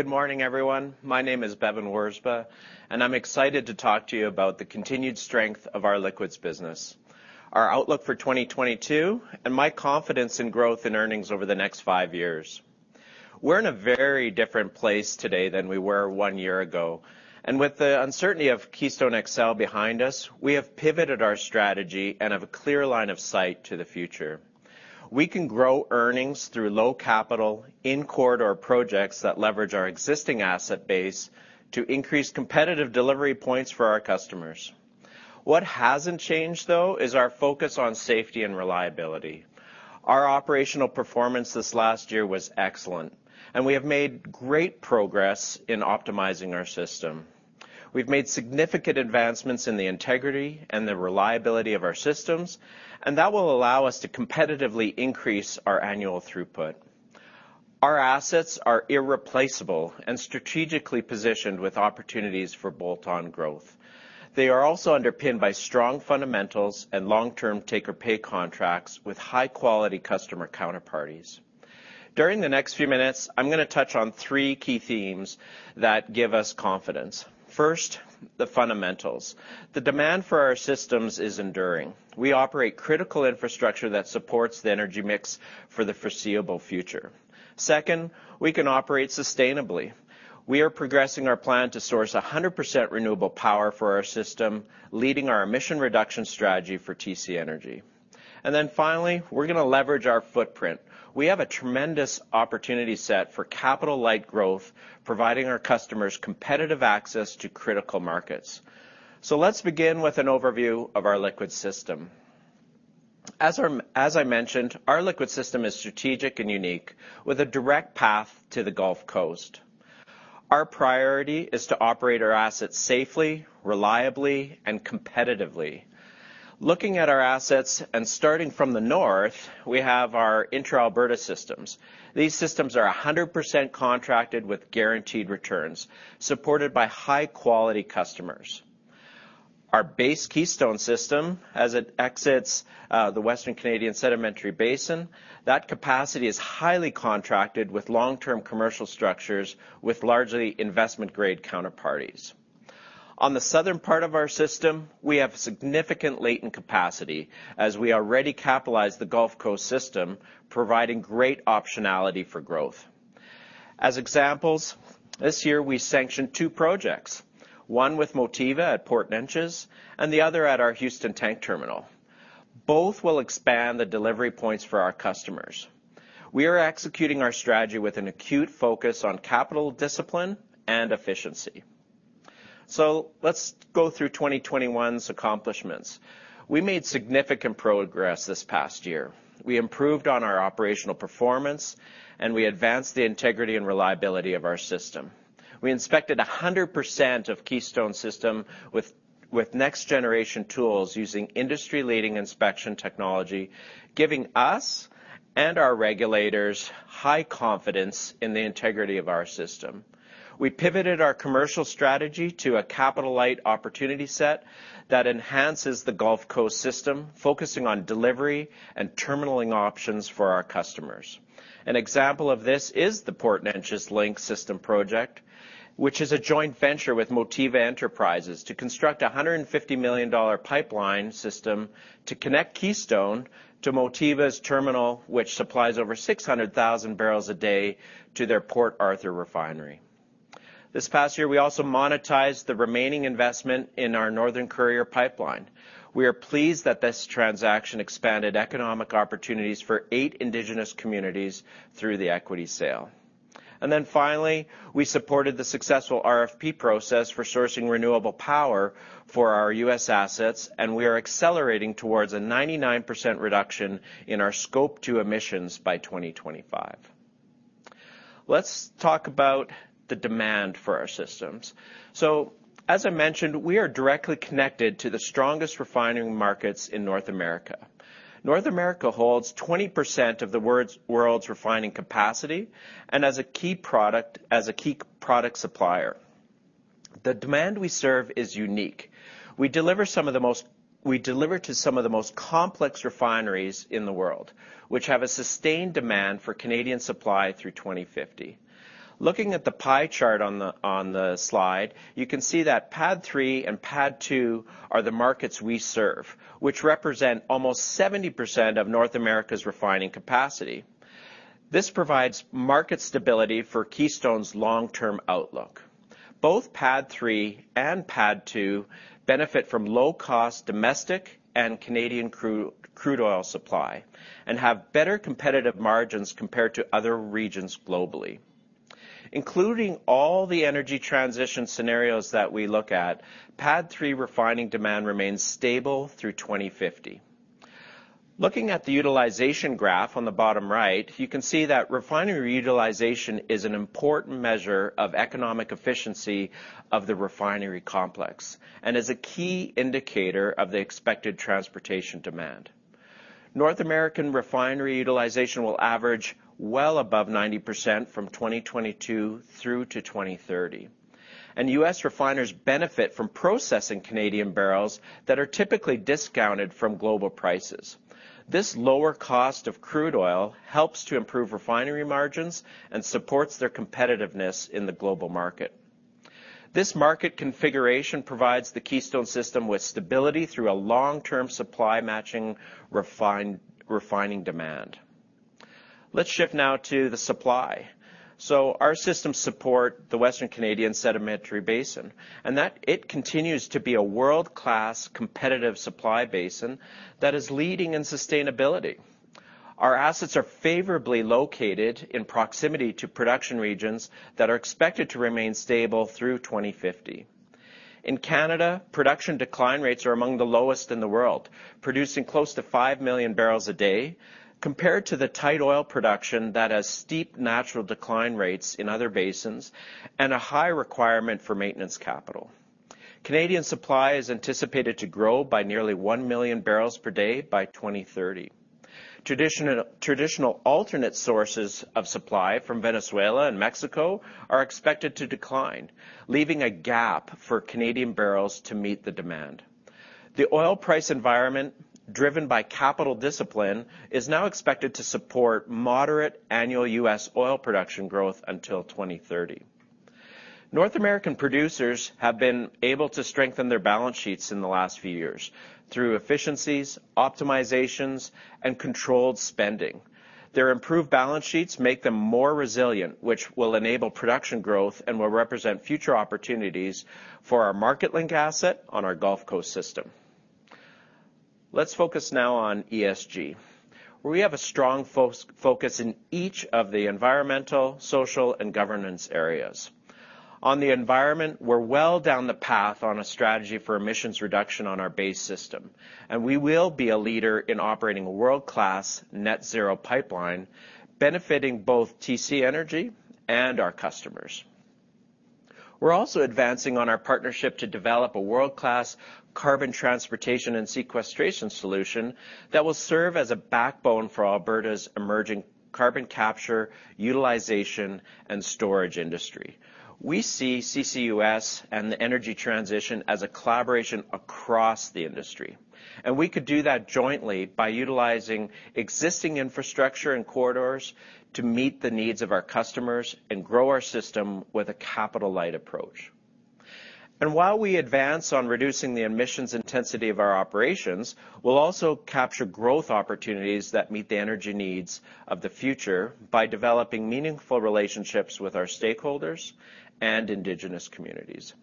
Good morning, everyone. My name is Bevin Wirzba, and I'm excited to talk to you about the continued strength of our liquids business, our outlook for 2022, and my confidence in growth in earnings over the next five years. We're in a very different place today than we were one year ago. With the uncertainty of Keystone XL behind us, we have pivoted our strategy and have a clear line of sight to the future. We can grow earnings through low capital in corridor projects that leverage our existing asset base to increase competitive delivery points for our customers. What hasn't changed, though, is our focus on safety and reliability. Our operational performance this last year was excellent, and we have made great progress in optimizing our system. We've made significant advancements in the integrity and the reliability of our systems, and that will allow us to competitively increase our annual throughput. Our assets are irreplaceable and strategically positioned with opportunities for bolt-on growth. They are also underpinned by strong fundamentals and long-term take or pay contracts with high-quality customer counterparties. During the next few minutes, I'm gonna touch on three key themes that give us confidence. First, the fundamentals. The demand for our systems is enduring. We operate critical infrastructure that supports the energy mix for the foreseeable future. Second, we can operate sustainably. We are progressing our plan to source 100% renewable power for our system, leading our emission reduction strategy for TC Energy. Finally, we're gonna leverage our footprint. We have a tremendous opportunity set for capital-light growth, providing our customers competitive access to critical markets. Let's begin with an overview of our liquids system. As I mentioned, our liquids system is strategic and unique, with a direct path to the Gulf Coast. Our priority is to operate our assets safely, reliably, and competitively. Looking at our assets and starting from the north, we have our intra-Alberta systems. These systems are 100% contracted with guaranteed returns, supported by high-quality customers. Our base Keystone system as it exits the Western Canadian Sedimentary Basin, that capacity is highly contracted with long-term commercial structures with largely investment-grade counterparties. On the southern part of our system, we have significant latent capacity as we already capitalize the Gulf Coast system, providing great optionality for growth. As examples, this year we sanctioned two projects, one with Motiva at Port Neches and the other at our Houston Tank Terminal. Both will expand the delivery points for our customers. We are executing our strategy with an acute focus on capital discipline and efficiency. Let's go through 2021's accomplishments. We made significant progress this past year. We improved on our operational performance, and we advanced the integrity and reliability of our system. We inspected 100% of Keystone system with next-generation tools using industry-leading inspection technology, giving us and our regulators high confidence in the integrity of our system. We pivoted our commercial strategy to a capital-light opportunity set that enhances the Gulf Coast system, focusing on delivery and terminaling options for our customers. An example of this is the Port Neches Link system project, which is a joint venture with Motiva Enterprises to construct a $150 million pipeline system to connect Keystone to Motiva's terminal, which supplies over 600,000 bbls a day to their Port Arthur refinery. This past year, we also monetized the remaining investment in our Northern Courier pipeline. We are pleased that this transaction expanded economic opportunities for eight Indigenous communities through the equity sale. Finally, we supported the successful RFP process for sourcing renewable power for our U.S. assets, and we are accelerating towards a 99% reduction in our Scope 2 emissions by 2025. Let's talk about the demand for our systems. As I mentioned, we are directly connected to the strongest refining markets in North America. North America holds 20% of the world's refining capacity and as a key product supplier. The demand we serve is unique. We deliver to some of the most complex refineries in the world, which have a sustained demand for Canadian supply through 2050. Looking at the pie chart on the slide, you can see that PADD 3 and PADD 2 are the markets we serve, which represent almost 70% of North America's refining capacity. This provides market stability for Keystone's long-term outlook. Both PADD 3 and PADD 2 benefit from low-cost domestic and Canadian crude oil supply and have better competitive margins compared to other regions globally. Including all the energy transition scenarios that we look at, PADD 3 refining demand remains stable through 2050. Looking at the utilization graph on the bottom right, you can see that refinery utilization is an important measure of economic efficiency of the refinery complex and is a key indicator of the expected transportation demand. North American refinery utilization will average well above 90% from 2022 through to 2030, and U.S. refiners benefit from processing Canadian barrels that are typically discounted from global prices. This lower cost of crude oil helps to improve refinery margins and supports their competitiveness in the global market. This market configuration provides the Keystone system with stability through a long-term supply matching refining demand. Let's shift now to the supply. Our systems support the Western Canadian Sedimentary Basin and that it continues to be a world-class competitive supply basin that is leading in sustainability. Our assets are favorably located in proximity to production regions that are expected to remain stable through 2050. In Canada, production decline rates are among the lowest in the world, producing close to 5 million bbls a day compared to the tight oil production that has steep natural decline rates in other basins and a high requirement for maintenance capital. Canadian supply is anticipated to grow by nearly 1 million bbls per day by 2030. Traditional alternate sources of supply from Venezuela and Mexico are expected to decline, leaving a gap for Canadian barrels to meet the demand. The oil price environment, driven by capital discipline, is now expected to support moderate annual U.S. oil production growth until 2030. North American producers have been able to strengthen their balance sheets in the last few years through efficiencies, optimizations, and controlled spending. Their improved balance sheets make them more resilient, which will enable production growth and will represent future opportunities for our Marketlink asset on our Gulf Coast system. Let's focus now on ESG, where we have a strong focus in each of the environmental, social, and governance areas. On the environment, we're well down the path on a strategy for emissions reduction on our base system, and we will be a leader in operating a world-class Net Zero pipeline benefiting both TC Energy and our customers. We're also advancing on our partnership to develop a world-class carbon transportation and sequestration solution that will serve as a backbone for Alberta's emerging carbon capture, utilization, and storage industry. We see CCUS and the energy transition as a collaboration across the industry, and we could do that jointly by utilizing existing infrastructure and corridors to meet the needs of our customers and grow our system with a capital-light approach. While we advance on reducing the emissions intensity of our operations, we'll also capture growth opportunities that meet the energy needs of the future by developing meaningful relationships with our stakeholders and indigenous communities.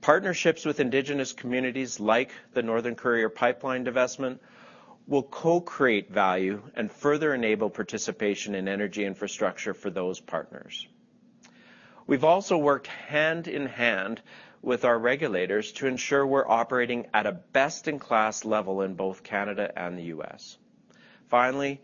Partnerships with indigenous communities like the Northern Courier pipeline divestment will co-create value and further enable participation in energy infrastructure for those partners. We've also worked hand in hand with our regulators to ensure we're operating at a best-in-class level in both Canada and the U.S. Finally,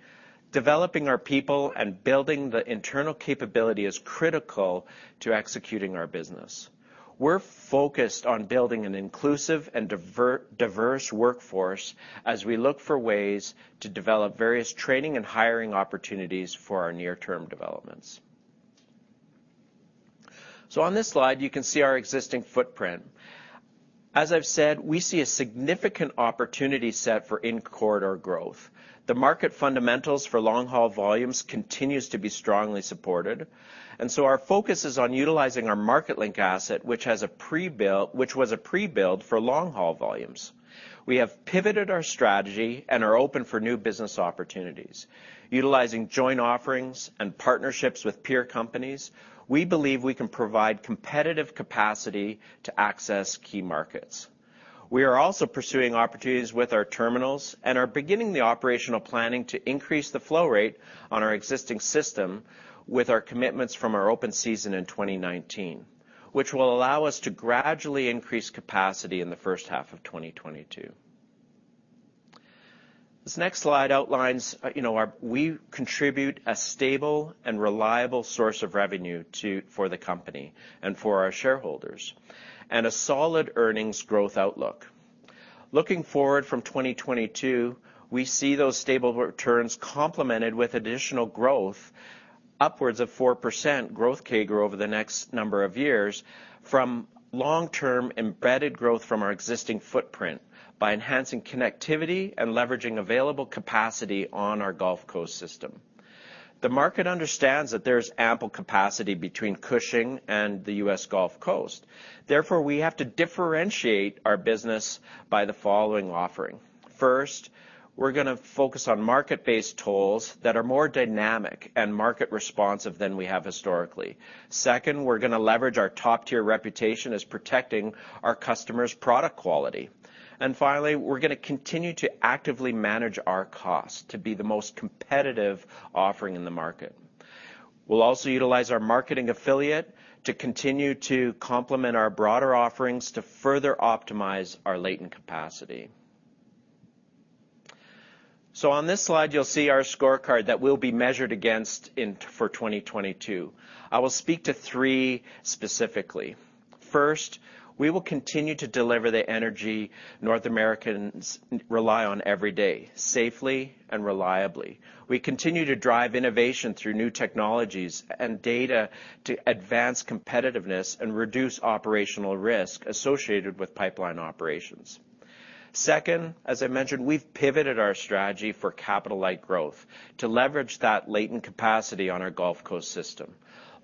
developing our people and building the internal capability is critical to executing our business. We're focused on building an inclusive and diverse workforce as we look for ways to develop various training and hiring opportunities for our near-term developments. On this slide, you can see our existing footprint. As I've said, we see a significant opportunity set for in corridor growth. The market fundamentals for long-haul volumes continues to be strongly supported, and so our focus is on utilizing our Marketlink asset, which was a pre-build for long-haul volumes. We have pivoted our strategy and are open for new business opportunities. Utilizing joint offerings and partnerships with peer companies, we believe we can provide competitive capacity to access key markets. We are also pursuing opportunities with our terminals and are beginning the operational planning to increase the flow rate on our existing system with our commitments from our open season in 2019, which will allow us to gradually increase capacity in the first half of 2022. This next slide outlines we contribute a stable and reliable source of revenue for the company and for our shareholders, and a solid earnings growth outlook. Looking forward from 2022, we see those stable returns complemented with additional growth upwards of 4% growth CAGR over the next number of years from long-term embedded growth from our existing footprint by enhancing connectivity and leveraging available capacity on our Gulf Coast system. The market understands that there's ample capacity between Cushing and the U.S. Gulf Coast. Therefore, we have to differentiate our business by the following offering. First, we're gonna focus on market-based tolls that are more dynamic and market responsive than we have historically. Second, we're gonna leverage our top-tier reputation as protecting our customers' product quality. Finally, we're gonna continue to actively manage our cost to be the most competitive offering in the market. We'll also utilize our marketing affiliate to continue to complement our broader offerings to further optimize our latent capacity. On this slide, you'll see our scorecard that we'll be measured against in 2022. I will speak to three specifically. First, we will continue to deliver the energy North Americans rely on every day, safely and reliably. We continue to drive innovation through new technologies and data to advance competitiveness and reduce operational risk associated with pipeline operations. Second, as I mentioned, we've pivoted our strategy for capital-light growth to leverage that latent capacity on our Gulf Coast system.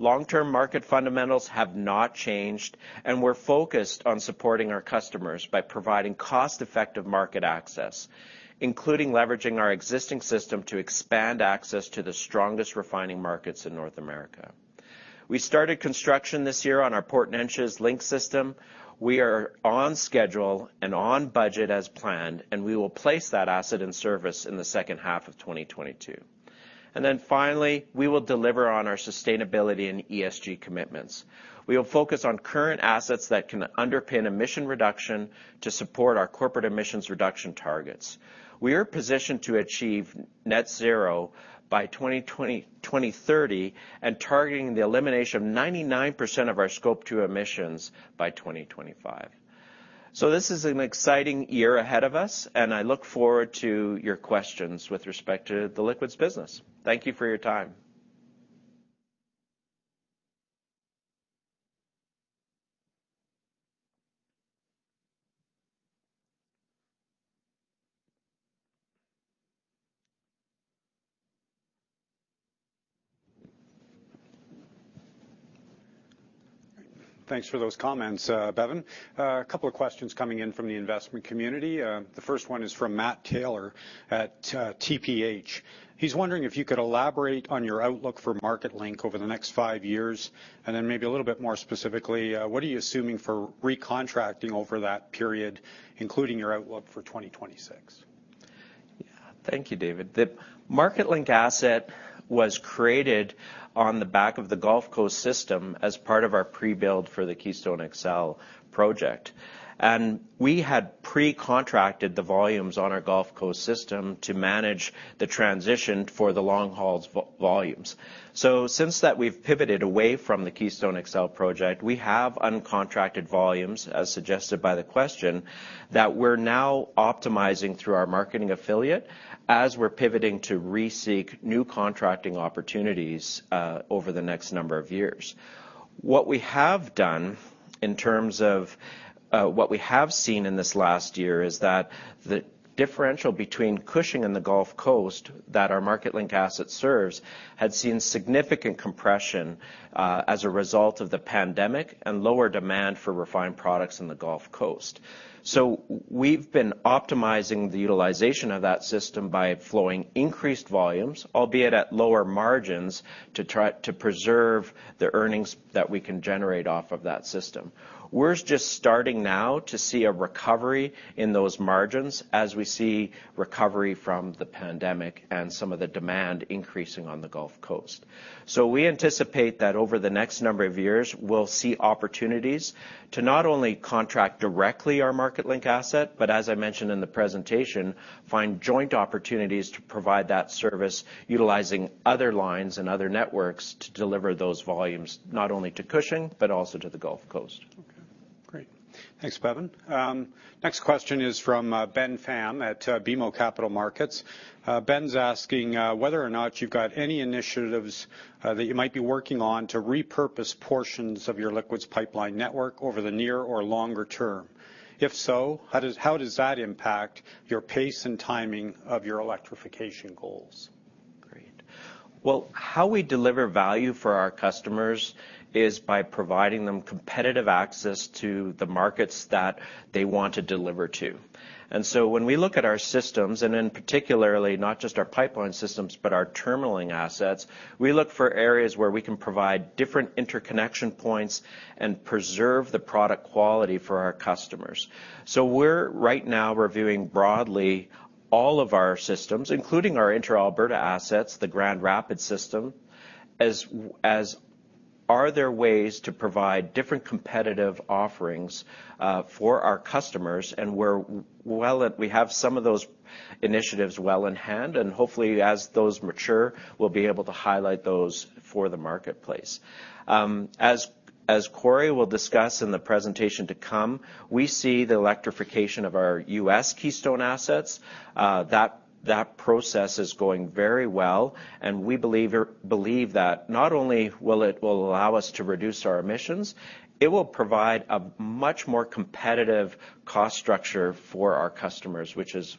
Long-term market fundamentals have not changed, and we're focused on supporting our customers by providing cost-effective market access, including leveraging our existing system to expand access to the strongest refining markets in North America. We started construction this year on our Port Neches Link system. We are on schedule and on budget as planned, and we will place that asset in service in the second half of 2022. Finally, we will deliver on our sustainability and ESG commitments. We will focus on current assets that can underpin emission reduction to support our corporate emissions reduction targets. We are positioned to achieve Net Zero by 2030 and targeting the elimination of 99% of our Scope 2 emissions by 2025. This is an exciting year ahead of us, and I look forward to your questions with respect to the liquids business. Thank you for your time. Thanks for those comments, Bevin. A couple of questions coming in from the investment community. The first one is from Matthew Taylor at TPH. He's wondering if you could elaborate on your outlook for Marketlink over the next five years, and then maybe a little bit more specifically, what are you assuming for recontracting over that period, including your outlook for 2026? Yeah. Thank you, David. The Marketlink asset was created on the back of the Gulf Coast system as part of our pre-build for the Keystone XL project. We had pre-contracted the volumes on our Gulf Coast system to manage the transition for the long-haul volumes. Since that, we've pivoted away from the Keystone XL project. We have uncontracted volumes, as suggested by the question, that we're now optimizing through our marketing affiliate as we're pivoting to reseek new contracting opportunities over the next number of years. What we have done in terms of what we have seen in this last year is that the differential between Cushing and the Gulf Coast that our Marketlink asset serves had seen significant compression as a result of the pandemic and lower demand for refined products in the Gulf Coast. We've been optimizing the utilization of that system by flowing increased volumes, albeit at lower margins, to try to preserve the earnings that we can generate off of that system. We're just starting now to see a recovery in those margins as we see recovery from the pandemic and some of the demand increasing on the Gulf Coast. We anticipate that over the next number of years, we'll see opportunities to not only contract directly our Marketlink asset, but as I mentioned in the presentation, find joint opportunities to provide that service utilizing other lines and other networks to deliver those volumes, not only to Cushing, but also to the Gulf Coast. Great. Thanks, Bevin. Next question is from Ben Pham at BMO Capital Markets. Ben's asking whether or not you've got any initiatives that you might be working on to repurpose portions of your liquids pipeline network over the near or longer term. If so, how does that impact your pace and timing of your electrification goals? Great. Well, how we deliver value for our customers is by providing them competitive access to the markets that they want to deliver to. When we look at our systems, and then particularly not just our pipeline systems, but our terminalling assets, we look for areas where we can provide different interconnection points and preserve the product quality for our customers. We're right now reviewing broadly all of our systems, including our intra-Alberta assets, the Grand Rapids system, as are there ways to provide different competitive offerings for our customers, and we have some of those initiatives well in hand, and hopefully as those mature, we'll be able to highlight those for the marketplace. As Corey will discuss in the presentation to come, we see the electrification of our U.S. Keystone assets. That process is going very well, and we believe that not only will it allow us to reduce our emissions, it will provide a much more competitive cost structure for our customers, which is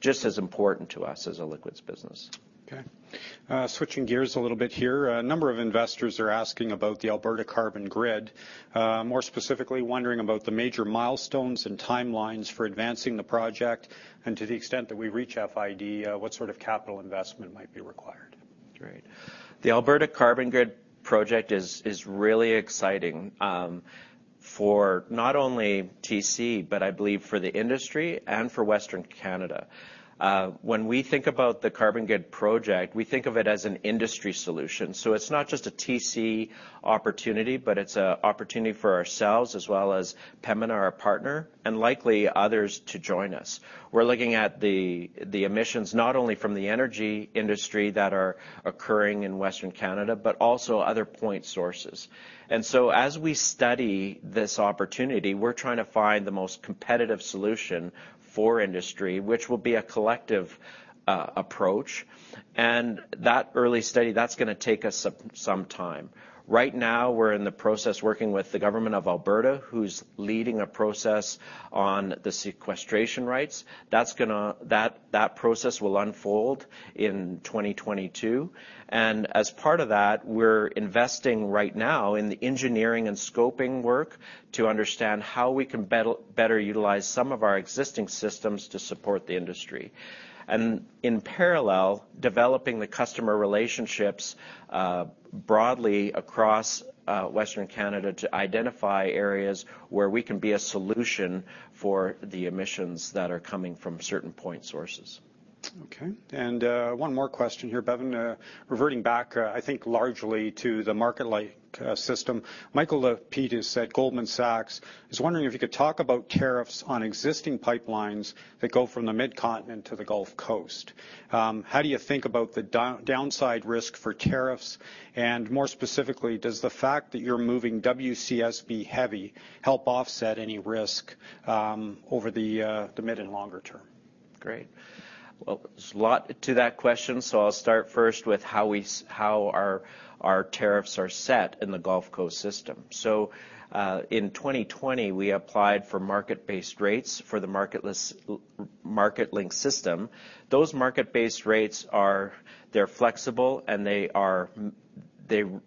just as important to us as a liquids business. Okay. Switching gears a little bit here. A number of investors are asking about the Alberta Carbon Grid, more specifically wondering about the major milestones and timelines for advancing the project, and to the extent that we reach FID, what sort of capital investment might be required. Great. The Alberta Carbon Grid project is really exciting for not only TC, but I believe for the industry and for Western Canada. When we think about the Carbon Grid project, we think of it as an industry solution. It's not just a TC opportunity, but it's a opportunity for ourselves as well as Pembina, our partner, and likely others to join us. We're looking at the emissions not only from the energy industry that are occurring in Western Canada, but also other point sources. As we study this opportunity, we're trying to find the most competitive solution for industry, which will be a collective approach. That early study, that's gonna take us some time. Right now, we're in the process working with the government of Alberta, who's leading a process on the sequestration rights. That process will unfold in 2022. As part of that, we're investing right now in the engineering and scoping work to understand how we can better utilize some of our existing systems to support the industry. In parallel, developing the customer relationships broadly across Western Canada to identify areas where we can be a solution for the emissions that are coming from certain point sources. Okay. One more question here, Bevin. Reverting back, I think largely to the Marketlink system, Michael Lapides at Goldman Sachs is wondering if you could talk about tariffs on existing pipelines that go from the Midcontinent to the Gulf Coast. How do you think about the downside risk for tariffs? More specifically, does the fact that you're moving WCSB heavy help offset any risk over the mid and longer term? Great. Well, there's a lot to that question, so I'll start first with how our tariffs are set in the Gulf Coast system. In 2020, we applied for market-based rates for the Marketlink system. Those market-based rates are, they're flexible, and they are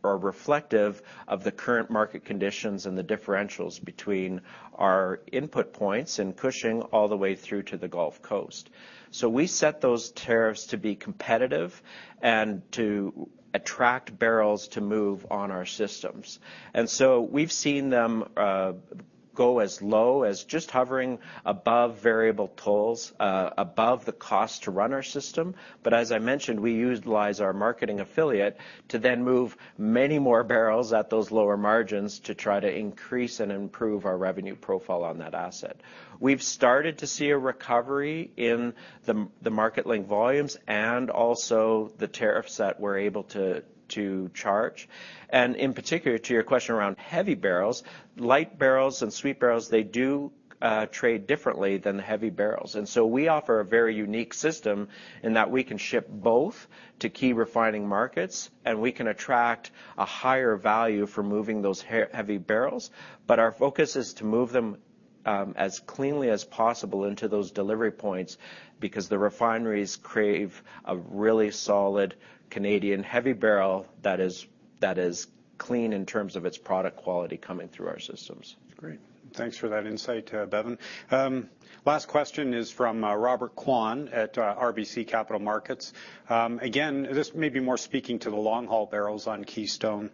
reflective of the current market conditions and the differentials between our input points and pushing all the way through to the Gulf Coast. We set those tariffs to be competitive and to attract barrels to move on our systems. We've seen them go as low as just hovering above variable tolls, above the cost to run our system. As I mentioned, we utilize our marketing affiliate to then move many more barrels at those lower margins to try to increase and improve our revenue profile on that asset. We've started to see a recovery in the market-linked volumes and also the tariffs that we're able to charge. In particular, to your question around heavy barrels, light barrels and sweet barrels, they do trade differently than the heavy barrels. We offer a very unique system in that we can ship both to key refining markets, and we can attract a higher value for moving those heavy barrels. Our focus is to move them as cleanly as possible into those delivery points because the refineries crave a really solid Canadian heavy barrel that is clean in terms of its product quality coming through our systems. Great. Thanks for that insight, Bevin. Last question is from Robert Kwan at RBC Capital Markets. Again, this may be more speaking to the long-haul barrels on Keystone.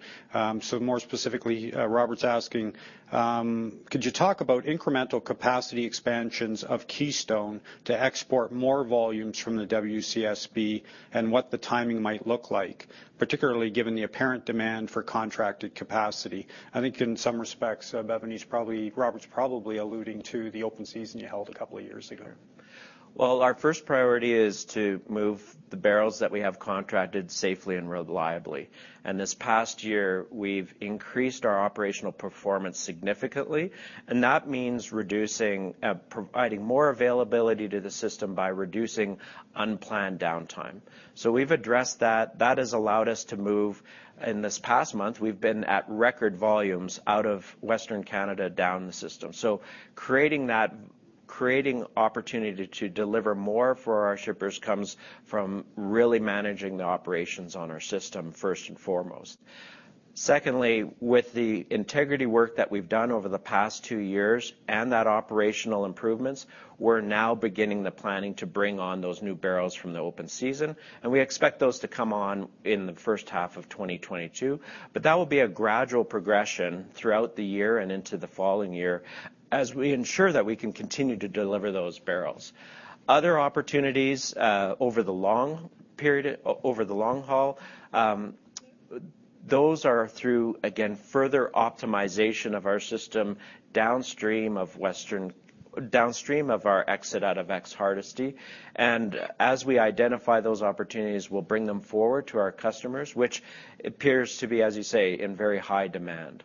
So more specifically, Robert's asking, could you talk about incremental capacity expansions of Keystone to export more volumes from the WCSB and what the timing might look like, particularly given the apparent demand for contracted capacity? I think in some respects, Bevin, he's probably Robert's probably alluding to the open season you held a couple of years ago. Well, our first priority is to move the barrels that we have contracted safely and reliably. This past year, we've increased our operational performance significantly, and that means reducing, providing more availability to the system by reducing unplanned downtime. We've addressed that. That has allowed us to move. In this past month, we've been at record volumes out of Western Canada down the system. Creating that creating opportunity to deliver more for our shippers comes from really managing the operations on our system first and foremost. Secondly, with the integrity work that we've done over the past two years and that operational improvements, we're now beginning the planning to bring on those new barrels from the open season, and we expect those to come on in the first half of 2022. That will be a gradual progression throughout the year and into the following year as we ensure that we can continue to deliver those barrels. Other opportunities over the long haul, those are through, again, further optimization of our system downstream of our exit out of Hardisty. As we identify those opportunities, we'll bring them forward to our customers, which appears to be, as you say, in very high demand.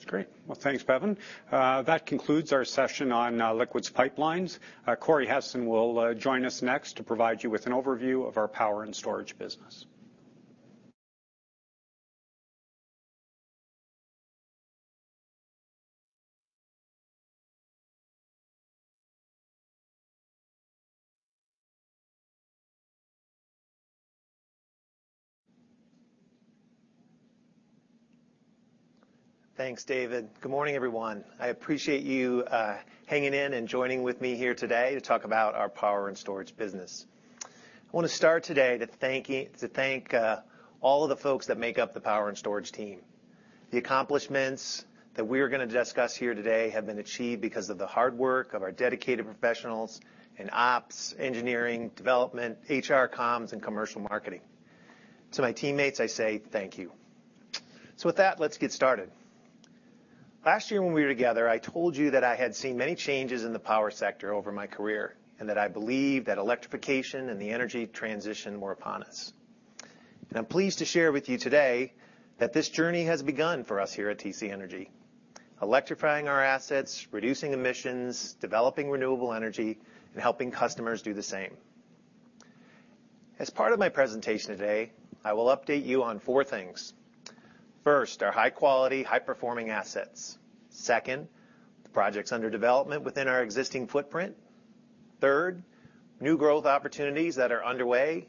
That's great. Well, thanks, Bevin. That concludes our session on Liquids Pipelines. Corey Hessen will join us next to provide you with an overview of our Power and Storage business. Thanks, David. Good morning, everyone. I appreciate you hanging in and joining with me here today to talk about our Power and Storage business. I wanna start today to thank all of the folks that make up the Power and Storage team. The accomplishments that we're gonna discuss here today have been achieved because of the hard work of our dedicated professionals in ops, engineering, development, HR, comms, and commercial marketing. To my teammates, I say thank you. With that, let's get started. Last year when we were together, I told you that I had seen many changes in the power sector over my career, and that I believe that electrification and the energy transition were upon us. I'm pleased to share with you today that this journey has begun for us here at TC Energy. Electrifying our assets, reducing emissions, developing renewable energy, and helping customers do the same. As part of my presentation today, I will update you on four things. First, our high-quality, high-performing assets. Second, the projects under development within our existing footprint. Third, new growth opportunities that are underway,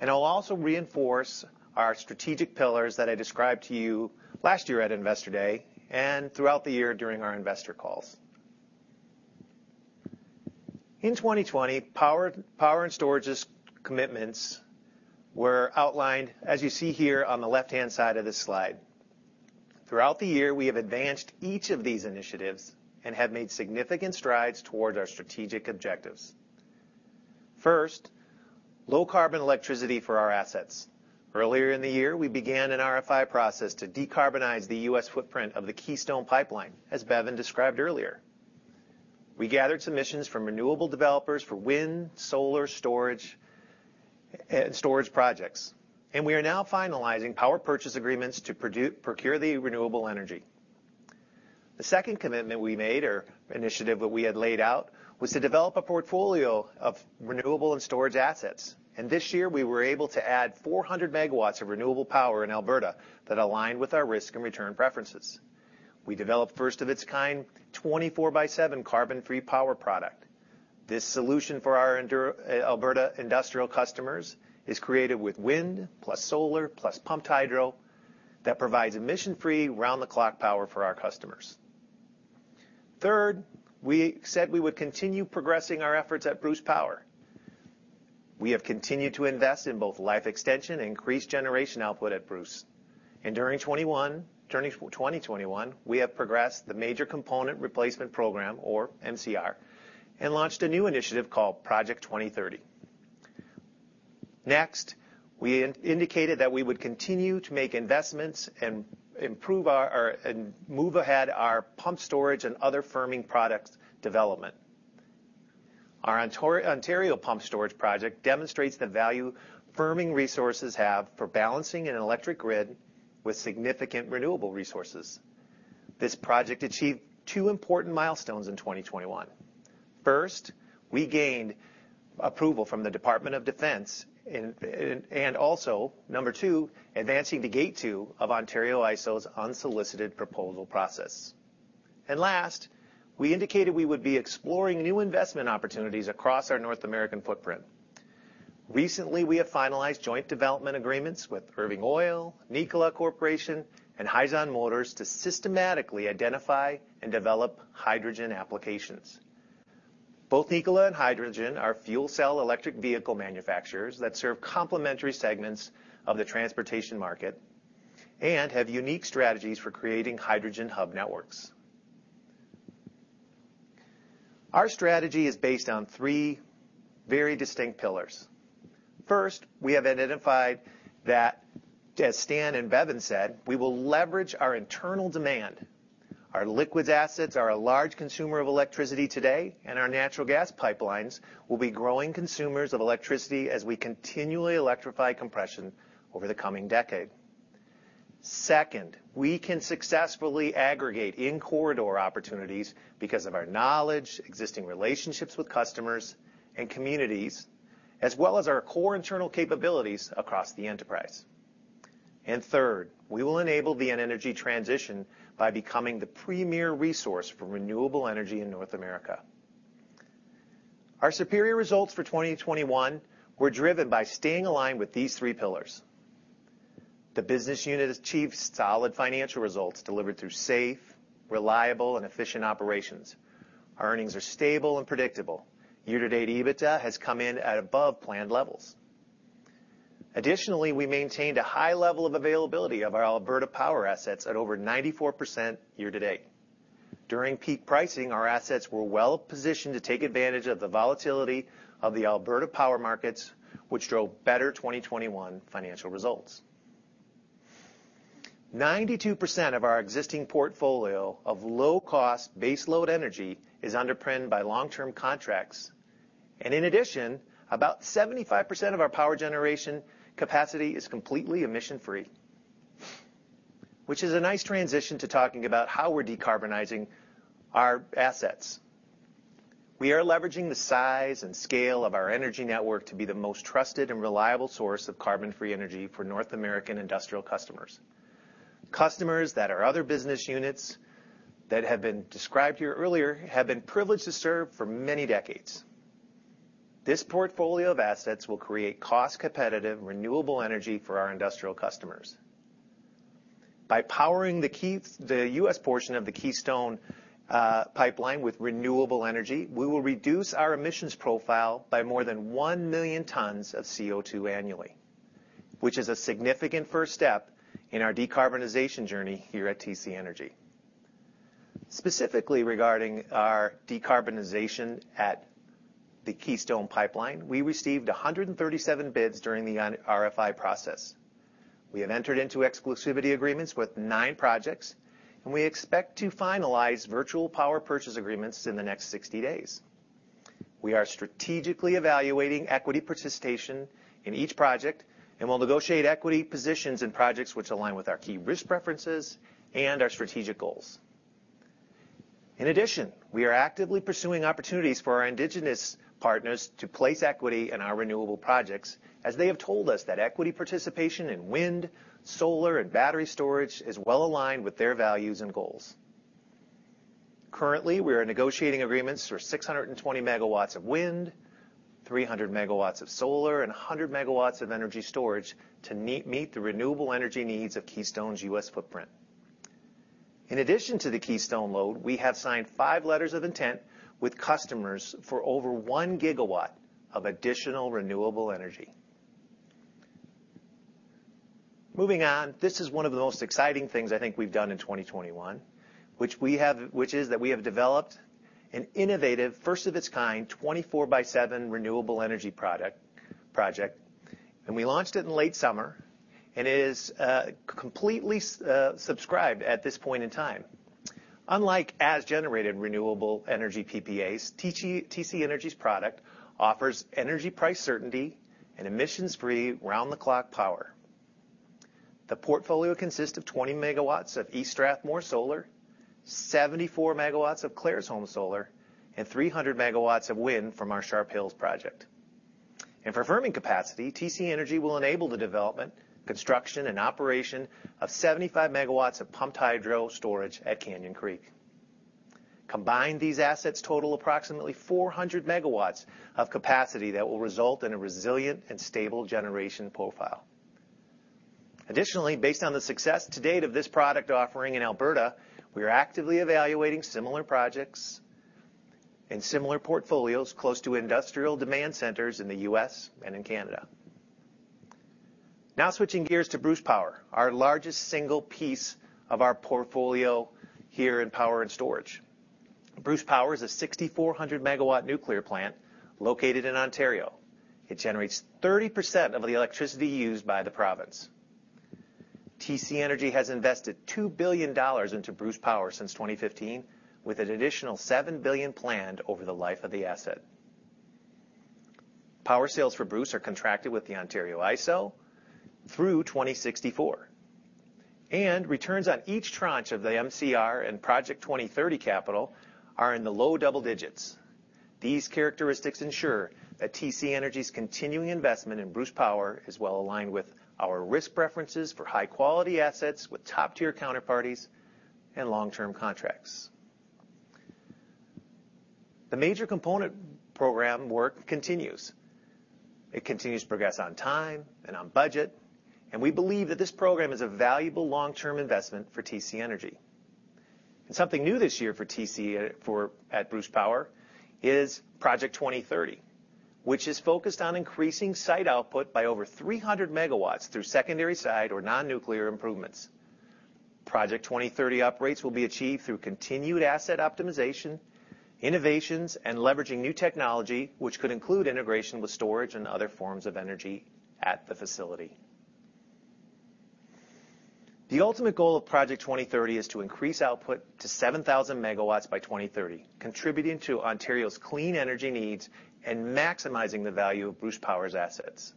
and I'll also reinforce our strategic pillars that I described to you last year at Investor Day and throughout the year during our investor calls. In 2020, Power and Storage's commitments were outlined as you see here on the left-hand side of this slide. Throughout the year, we have advanced each of these initiatives and have made significant strides towards our strategic objectives. First, low-carbon electricity for our assets. Earlier in the year, we began an RFI process to decarbonize the U.S. footprint of the Keystone Pipeline, as Bevin described earlier. We gathered submissions from renewable developers for wind, solar, storage projects, and we are now finalizing power purchase agreements to procure the renewable energy. The second commitment we made or initiative that we had laid out was to develop a portfolio of renewable and storage assets, and this year, we were able to add 400 MW of renewable power in Alberta that aligned with our risk and return preferences. We developed first of its kind, 24/7 carbon-free power product. This solution for our Alberta industrial customers is created with wind, plus solar, plus pumped hydro that provides emission-free round-the-clock power for our customers. Third, we said we would continue progressing our efforts at Bruce Power. We have continued to invest in both life extension and increased generation output at Bruce. During 2021, we have progressed the Major Component Replacement program or MCR, and launched a new initiative called Project 2030. Next, we indicated that we would continue to make investments and improve our and move ahead our pumped storage and other firming products development. Our Ontario Pumped Storage project demonstrates the value firming resources have for balancing an electric grid with significant renewable resources. This project achieved two important milestones in 2021. First, we gained approval from the Department of Defense, and second, advancing to Gate 2 of IESO's unsolicited proposal process. Last, we indicated we would be exploring new investment opportunities across our North American footprint. Recently, we have finalized joint development agreements with Irving Oil, Nikola Corporation, and Hyzon Motors to systematically identify and develop hydrogen applications. Both Nikola and Hyzon are fuel cell electric vehicle manufacturers that serve complementary segments of the transportation market and have unique strategies for creating hydrogen hub networks. Our strategy is based on three very distinct pillars. First, we have identified that, as Stan and Bevin said, we will leverage our internal demand. Our liquids assets are a large consumer of electricity today, and our natural gas pipelines will be growing consumers of electricity as we continually electrify compression over the coming decade. Second, we can successfully aggregate in corridor opportunities because of our knowledge, existing relationships with customers and communities, as well as our core internal capabilities across the enterprise. Third, we will enable the end energy transition by becoming the premier resource for renewable energy in North America. Our superior results for 2021 were driven by staying aligned with these three pillars. The business unit achieved solid financial results delivered through safe, reliable, and efficient operations. Our earnings are stable and predictable. Year-to-date EBITDA has come in at above planned levels. Additionally, we maintained a high level of availability of our Alberta power assets at over 94% year-to-date. During peak pricing, our assets were well-positioned to take advantage of the volatility of the Alberta power markets, which drove better 2021 financial results. 92% of our existing portfolio of low-cost base load energy is underpinned by long-term contracts. In addition, about 75% of our power generation capacity is completely emission-free which is a nice transition to talking about how we're decarbonizing our assets. We are leveraging the size and scale of our energy network to be the most trusted and reliable source of carbon-free energy for North American industrial customers. Customers that our other business units that have been described here earlier have been privileged to serve for many decades. This portfolio of assets will create cost-competitive, renewable energy for our industrial customers. By powering the U.S. portion of the Keystone pipeline with renewable energy, we will reduce our emissions profile by more than 1 million tons of CO₂ annually, which is a significant first step in our decarbonization journey here at TC Energy. Specifically regarding our decarbonization at the Keystone Pipeline, we received 137 bids during the N-RFI process. We have entered into exclusivity agreements with nine projects, and we expect to finalize virtual power purchase agreements in the next 60 days. We are strategically evaluating equity participation in each project and will negotiate equity positions in projects which align with our key risk preferences and our strategic goals. In addition, we are actively pursuing opportunities for our Indigenous partners to place equity in our renewable projects as they have told us that equity participation in wind, solar, and battery storage is well-aligned with their values and goals. Currently, we are negotiating agreements for 620 MW of wind, 300 MW of solar, and 100 MW of energy storage to meet the renewable energy needs of Keystone's U.S. footprint. In addition to the Keystone load, we have signed five letters of intent with customers for over 1 GW of additional renewable energy. Moving on, this is one of the most exciting things I think we've done in 2021, which is that we have developed an innovative, first of its kind, 24/7 renewable energy project, and we launched it in late summer. It is completely subscribed at this point in time. Unlike as-generated renewable energy PPAs, TC Energy's product offers energy price certainty and emissions-free round-the-clock power. The portfolio consists of 20 MW of East Strathmore Solar, 74 MW of Claresholm Solar, and 300 MW of wind from our Sharp Hills project. For firming capacity, TC Energy will enable the development, construction, and operation of 75 MW of pumped hydro storage at Canyon Creek. Combined, these assets total approximately 400 MW of capacity that will result in a resilient and stable generation profile. Additionally, based on the success to date of this product offering in Alberta, we are actively evaluating similar projects and similar portfolios close to industrial demand centers in the U.S. and in Canada. Now, switching gears to Bruce Power, our largest single piece of our portfolio here in Power and Storage. Bruce Power is a 6,400 MW nuclear plant located in Ontario. It generates 30% of the electricity used by the province. TC Energy has invested $2 billion into Bruce Power since 2015, with an additional $7 billion planned over the life of the asset. Power sales for Bruce are contracted with the IESO through 2064. Returns on each tranche of the MCR and Project 2030 capital are in the low double digits. These characteristics ensure that TC Energy's continuing investment in Bruce Power is well-aligned with our risk preferences for high-quality assets with top-tier counterparties and long-term contracts. The major component program work continues. It continues to progress on time and on budget, and we believe that this program is a valuable long-term investment for TC Energy. Something new this year for TC Energy at Bruce Power is Project 2030, which is focused on increasing site output by over 300 MW through secondary site or non-nuclear improvements. Project 2030 uprates will be achieved through continued asset optimization, innovations, and leveraging new technology, which could include integration with storage and other forms of energy at the facility. The ultimate goal of Project 2030 is to increase output to 7,000 MW by 2030, contributing to Ontario's clean energy needs and maximizing the value of Bruce Power's assets.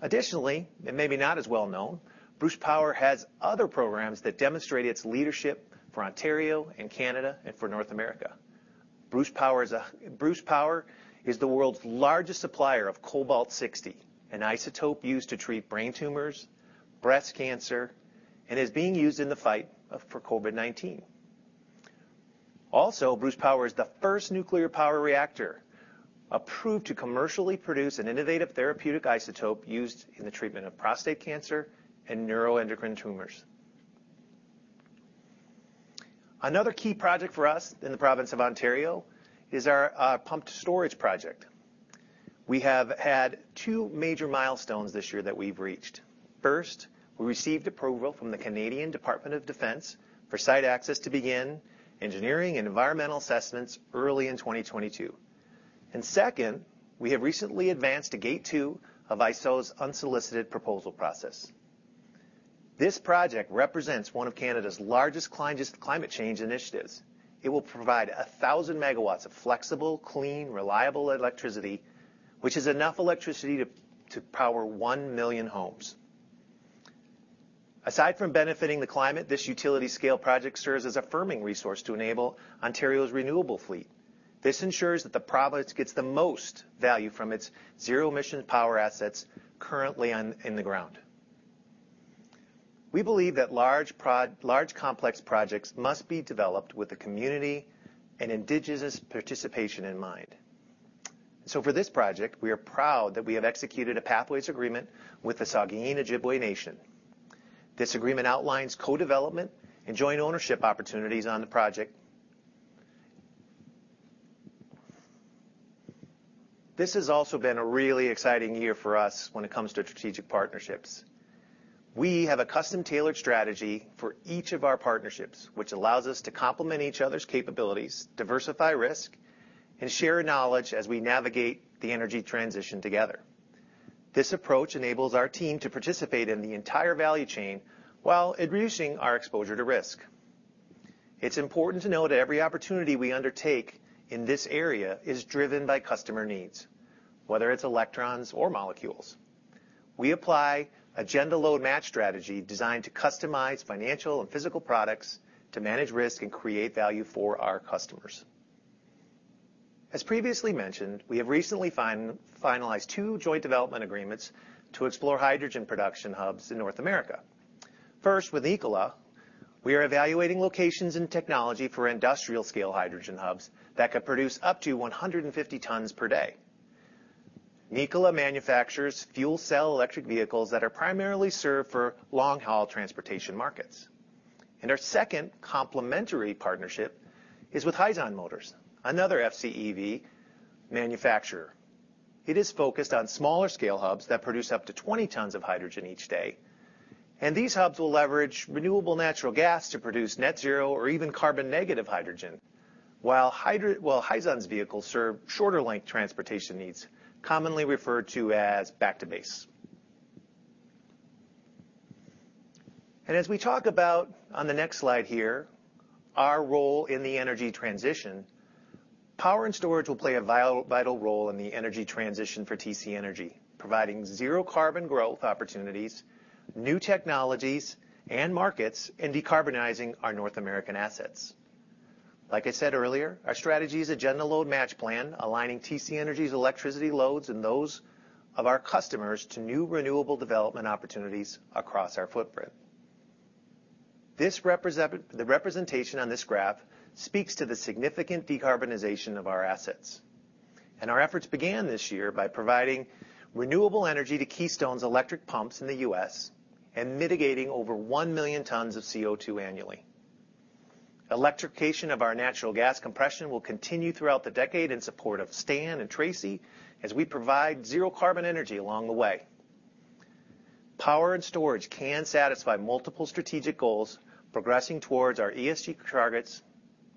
Additionally, it may not be as well known, Bruce Power has other programs that demonstrate its leadership for Ontario and Canada and for North America. Bruce Power is the world's largest supplier of cobalt-60, an isotope used to treat brain tumors, breast cancer, and is being used in the fight for COVID-19. Also, Bruce Power is the first nuclear power reactor approved to commercially produce an innovative therapeutic isotope used in the treatment of prostate cancer and neuroendocrine tumors. Another key project for us in the province of Ontario is our pumped storage project. We have had two major milestones this year that we've reached. First, we received approval from the Canadian Department of National Defence for site access to begin engineering and environmental assessments early in 2022. Second, we have recently advanced to Gate 2 of IESO's unsolicited proposal process. This project represents one of Canada's largest climate change initiatives. It will provide 1,000 MW of flexible, clean, reliable electricity, which is enough electricity to power 1 million homes. Aside from benefiting the climate, this utility scale project serves as a firming resource to enable Ontario's renewable fleet. This ensures that the province gets the most value from its zero-emission power assets currently in the ground. We believe that large complex projects must be developed with the community and indigenous participation in mind. For this project, we are proud that we have executed a Pathways Agreement with the Saugeen Ojibway Nation. This agreement outlines co-development and joint ownership opportunities on the project. This has also been a really exciting year for us when it comes to strategic partnerships. We have a custom-tailored strategy for each of our partnerships, which allows us to complement each other's capabilities, diversify risk, and share knowledge as we navigate the energy transition together. This approach enables our team to participate in the entire value chain while reducing our exposure to risk. It's important to note that every opportunity we undertake in this area is driven by customer needs, whether it's electrons or molecules. We apply an agenda load match strategy designed to customize financial and physical products to manage risk and create value for our customers. As previously mentioned, we have recently finalized 2 joint development agreements to explore hydrogen production hubs in North America. First, with Nikola, we are evaluating locations and technology for industrial-scale hydrogen hubs that could produce up to 150 tons per day. Nikola manufactures fuel cell electric vehicles that are primarily served for long-haul transportation markets. Our second complementary partnership is with Hyzon Motors, another FCEV manufacturer. It is focused on smaller scale hubs that produce up to 20 tons of hydrogen each day. These hubs will leverage renewable natural gas to produce Net Zero or even carbon-negative hydrogen, while Hyzon's vehicles serve shorter length transportation needs, commonly referred to as back-to-base. As we talk about on the next slide here, our role in the energy transition, Power and Storage will play a vital role in the energy transition for TC Energy, providing zero carbon growth opportunities, new technologies and markets, and decarbonizing our North American assets. Like I said earlier, our strategy is agenda load match plan, aligning TC Energy's electricity loads and those of our customers to new renewable development opportunities across our footprint. The representation on this graph speaks to the significant decarbonization of our assets. Our efforts began this year by providing renewable energy to Keystone's electric pumps in the U.S. and mitigating over 1 million tons of CO2 annually. Electrification of our natural gas compression will continue throughout the decade in support of Stan and Tracy as we provide zero-carbon energy along the way. Power and Storage can satisfy multiple strategic goals, progressing towards our ESG targets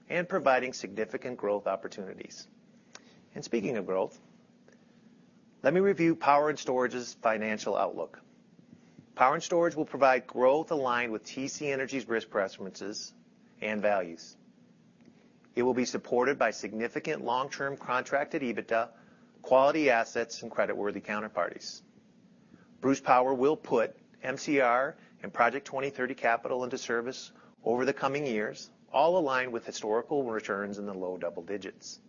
and providing significant growth opportunities. Speaking of growth, let me review Power and Storage's financial outlook. Power and Storage will provide growth aligned with TC Energy's risk preferences and values. It will be supported by significant long-term contracted EBITDA, quality assets, and creditworthy counterparties. Bruce Power will put MCR and Project 2030 capital into service over the coming years, all aligned with historical returns in the low double digits.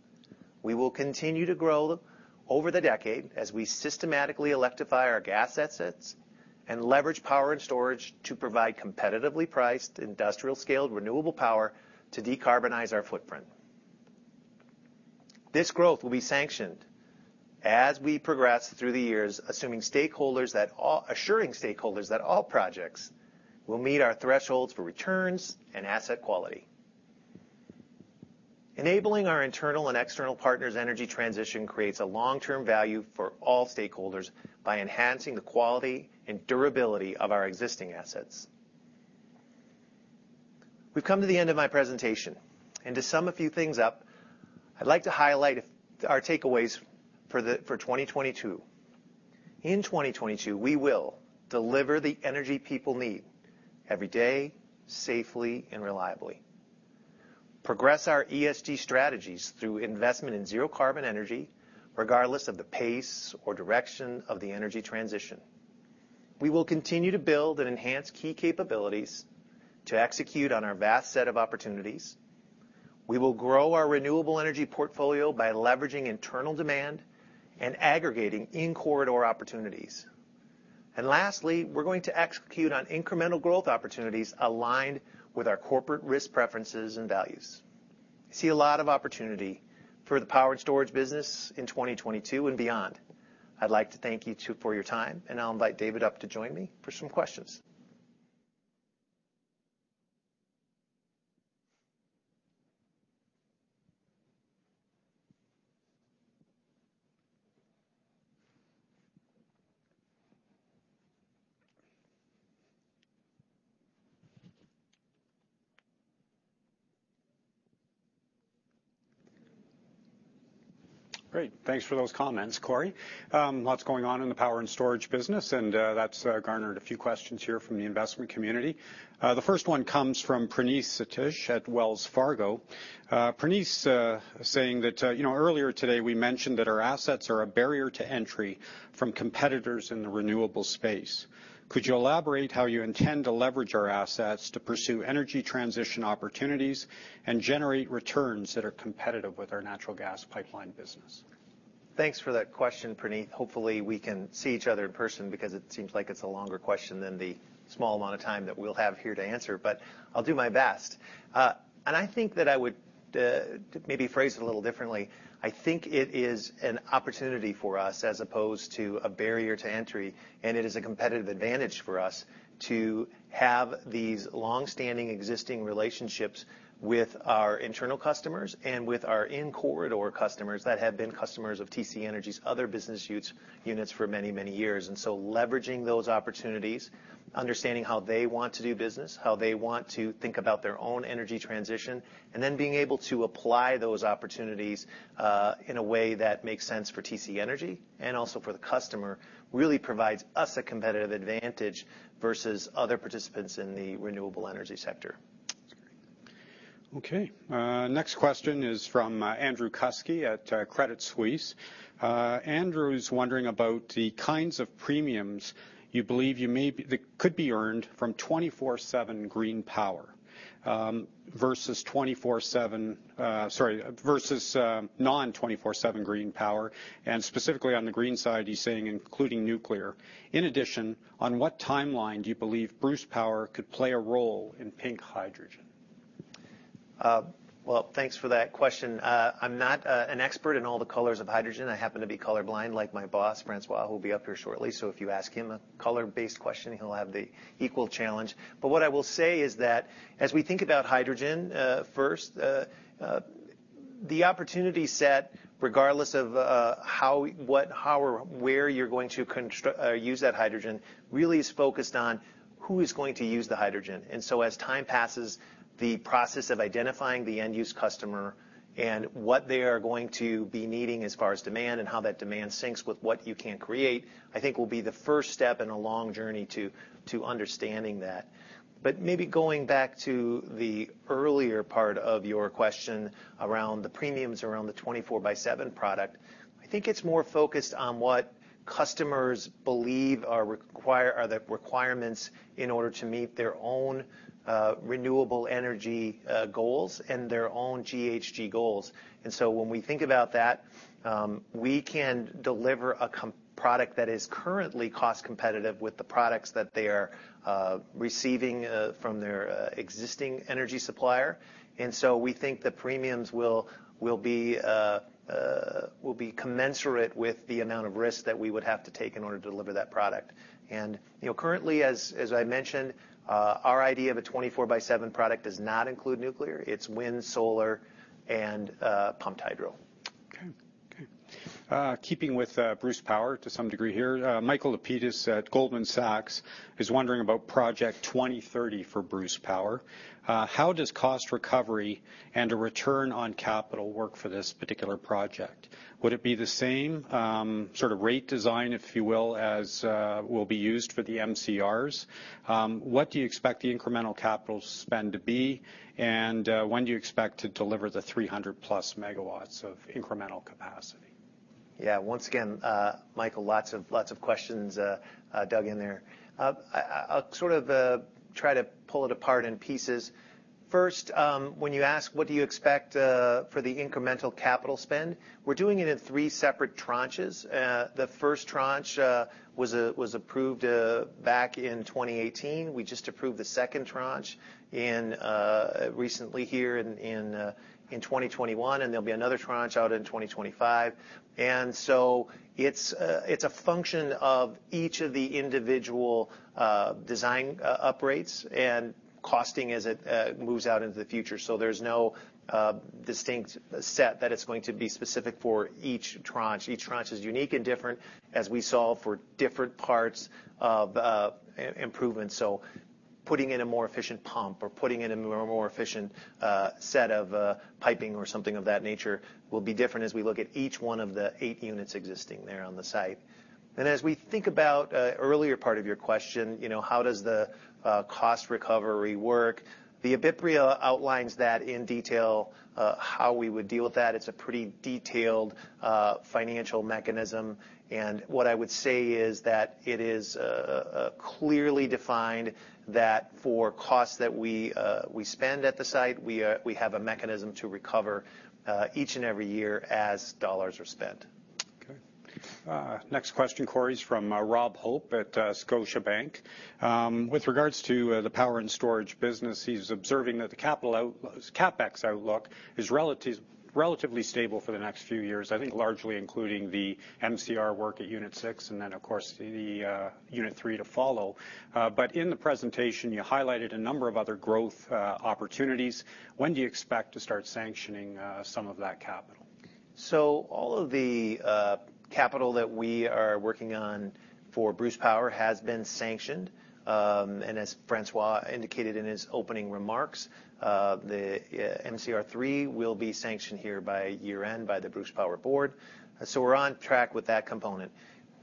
We will continue to grow over the decade as we systematically electrify our gas assets and leverage Power and Storage to provide competitively priced industrial-scaled, renewable power to decarbonize our footprint. This growth will be sanctioned as we progress through the years, assuring stakeholders that all projects will meet our thresholds for returns and asset quality. Enabling our internal and external partners' energy transition creates a long-term value for all stakeholders by enhancing the quality and durability of our existing assets. We've come to the end of my presentation. To sum a few things up, I'd like to highlight our takeaways for 2022. In 2022, we will deliver the energy people need every day, safely and reliably. Progress our ESG strategies through investment in zero-carbon energy, regardless of the pace or direction of the energy transition. We will continue to build and enhance key capabilities to execute on our vast set of opportunities. We will grow our renewable energy portfolio by leveraging internal demand and aggregating in corridor opportunities. Lastly, we're going to execute on incremental growth opportunities aligned with our corporate risk preferences and values. I see a lot of opportunity for the Power and Storage business in 2022 and beyond. I'd like to thank you two for your time, and I'll invite David up to join me for some questions. Great. Thanks for those comments, Corey. Lots going on in the Power and Storage business, and that's garnered a few questions here from the investment community. The first one comes from Praneeth Satish at Wells Fargo. Praneeth's saying that, you know, earlier today, we mentioned that our assets are a barrier to entry from competitors in the renewable space. Could you elaborate how you intend to leverage our assets to pursue energy transition opportunities and generate returns that are competitive with our natural gas pipeline business? Thanks for that question, Praneeth. Hopefully, we can see each other in person because it seems like it's a longer question than the small amount of time that we'll have here to answer, but I'll do my best. I think that I would maybe phrase it a little differently. I think it is an opportunity for us as opposed to a barrier to entry, and it is a competitive advantage for us to have these long-standing existing relationships with our internal customers and with our in-corridor customers that have been customers of TC Energy's other business units for many, many years. Leveraging those opportunities, understanding how they want to do business, how they want to think about their own energy transition, and then being able to apply those opportunities, in a way that makes sense for TC Energy and also for the customer, really provides us a competitive advantage versus other participants in the renewable energy sector. Okay. Next question is from Andrew Kuske at Credit Suisse. Andrew is wondering about the kinds of premiums you believe that could be earned from 24/7 green power versus non 24/7 green power, and specifically on the green side, he's saying including nuclear. In addition, on what timeline do you believe Bruce Power could play a role in pink hydrogen? Well, thanks for that question. I'm not an expert in all the colors of hydrogen. I happen to be color blind like my boss, François, who will be up here shortly. If you ask him a color-based question, he'll have the equal challenge. But what I will say is that as we think about hydrogen, first, the opportunity set, regardless of how, what, how or where you're going to or use that hydrogen, really is focused on who is going to use the hydrogen. As time passes, the process of identifying the end-use customer and what they are going to be needing as far as demand and how that demand syncs with what you can create, I think will be the first step in a long journey to understanding that. Maybe going back to the earlier part of your question around the premiums around the 24/7 product, I think it's more focused on what customers believe are the requirements in order to meet their own renewable energy goals and their own GHG goals. When we think about that, we can deliver a product that is currently cost competitive with the products that they are receiving from their existing energy supplier. We think the premiums will be commensurate with the amount of risk that we would have to take in order to deliver that product. You know, currently, as I mentioned, our idea of a 24/7 product does not include nuclear. It's wind, solar, and pumped hydro. Keeping with Bruce Power to some degree here, Michael Lapides at Goldman Sachs is wondering about Project 2030 for Bruce Power. How does cost recovery and a return on capital work for this particular project? Would it be the same sort of rate design, if you will, as will be used for the MCRs? What do you expect the incremental capital spend to be, and when do you expect to deliver the 300+ MW of incremental capacity? Yeah. Once again, Michael, lots of questions dug in there. I'll sort of try to pull it apart in pieces. First, when you ask what do you expect for the incremental capital spend, we're doing it in three separate tranches. The first tranche was approved back in 2018. We just approved the second tranche recently here in 2021, and there'll be another tranche out in 2025. It's a function of each of the individual design uprates and costing as it moves out into the future. There's no distinct set that it's going to be specific for each tranche. Each tranche is unique and different as we solve for different parts of improvements. Putting in a more efficient pump or putting in a more efficient set of piping or something of that nature will be different as we look at each one of the eight units existing there on the site. As we think about earlier part of your question, you know, how does the cost recovery work, the EBITDA outlines that in detail how we would deal with that. It's a pretty detailed financial mechanism. What I would say is that it is clearly defined that for costs that we spend at the site, we have a mechanism to recover each and every year as dollars are spent. Okay. Next question, Corey, is from Rob Hope at Scotiabank. With regards to the Power and Storage business, he's observing that the CapEx outlook is relatively stable for the next few years, I think largely including the MCR work at unit 6 and then, of course, the unit 3 to follow. In the presentation, you highlighted a number of other growth opportunities. When do you expect to start sanctioning some of that capital? All of the capital that we are working on for Bruce Power has been sanctioned. As François indicated in his opening remarks, the MCR 3 will be sanctioned here by year-end by the Bruce Power board. We're on track with that component.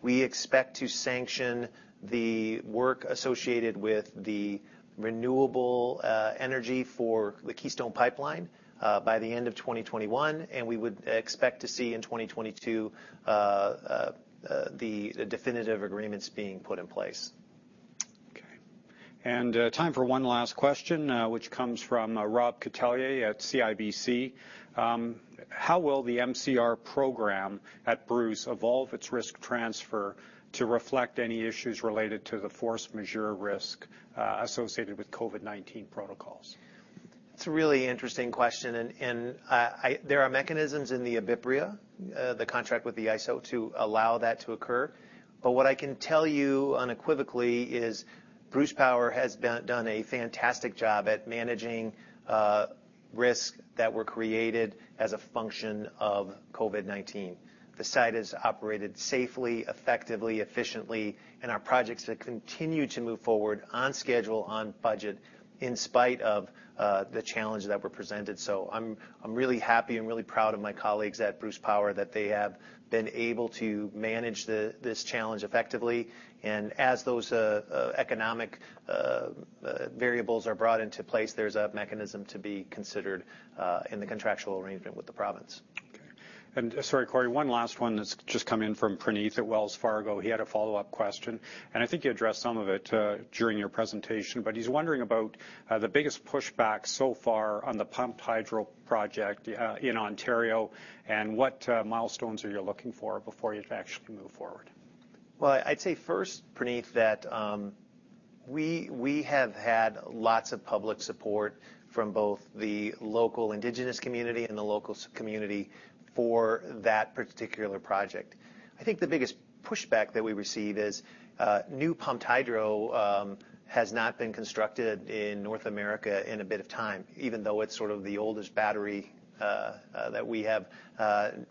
We expect to sanction the work associated with the renewable energy for the Keystone Pipeline by the end of 2021, and we would expect to see in 2022 the definitive agreements being put in place. Okay. Time for one last question, which comes from Rob Catellier at CIBC. How will the MCR program at Bruce evolve its risk transfer to reflect any issues related to the force majeure risk associated with COVID-19 protocols? It's a really interesting question. There are mechanisms in the ARBPRIA, the contract with the IESO, to allow that to occur. What I can tell you unequivocally is Bruce Power has done a fantastic job at managing risks that were created as a function of COVID-19. The site has operated safely, effectively, efficiently, and our projects have continued to move forward on schedule, on budget, in spite of the challenges that were presented. I'm really happy and really proud of my colleagues at Bruce Power that they have been able to manage this challenge effectively. As those economic variables are brought into place, there's a mechanism to be considered in the contractual arrangement with the province. Okay. Sorry, Corey, one last one that's just come in from Praneeth at Wells Fargo. He had a follow-up question, and I think you addressed some of it during your presentation, but he's wondering about the biggest pushback so far on the pumped hydro project in Ontario, and what milestones are you looking for before you actually move forward? Well, I'd say first, Praneeth, that we have had lots of public support from both the local indigenous community and the local settler community for that particular project. I think the biggest pushback that we receive is new pumped hydro has not been constructed in North America in a bit of time, even though it's sort of the oldest battery that we have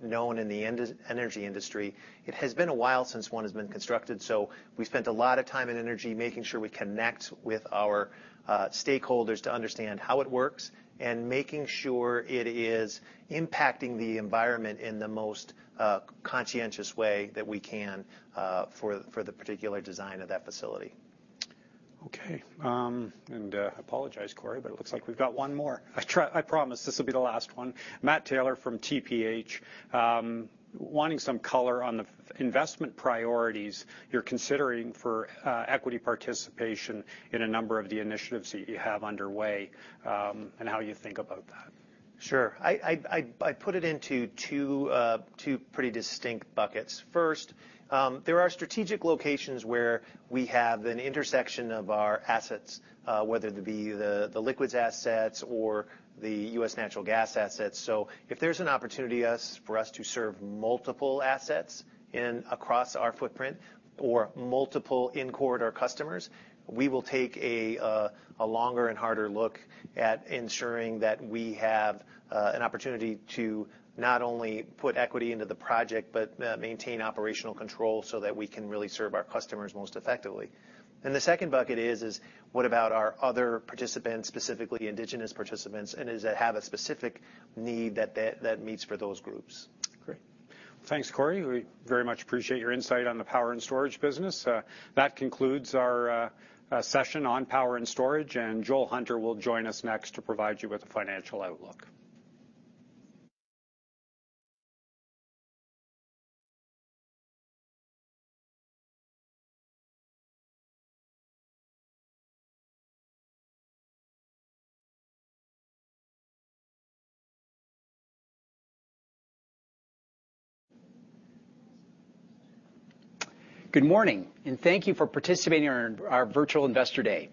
known in the energy industry. It has been a while since one has been constructed, so we spent a lot of time and energy making sure we connect with our stakeholders to understand how it works and making sure it is impacting the environment in the most conscientious way that we can for the particular design of that facility. Okay. I apologize, Corey, but it looks like we've got one more. I promise this will be the last one. Matthew Taylor from TPH wanting some color on the investment priorities you're considering for equity participation in a number of the initiatives that you have underway, and how you think about that. Sure. I put it into two pretty distinct buckets. First, there are strategic locations where we have an intersection of our assets, whether it be the liquids assets or the U.S. natural gas assets. If there's an opportunity for us to serve multiple assets across our footprint or multiple corridor customers, we will take a longer and harder look at ensuring that we have an opportunity to not only put equity into the project, but maintain operational control so that we can really serve our customers most effectively. The second bucket is what about our other participants, specifically Indigenous participants, and does it have a specific need that meets for those groups. Great. Thanks, Corey. We very much appreciate your insight on the Power and Storage business. That concludes our session on Power and Storage, and Joel Hunter will join us next to provide you with the financial outlook. Good morning, and thank you for participating in our virtual Investor Day.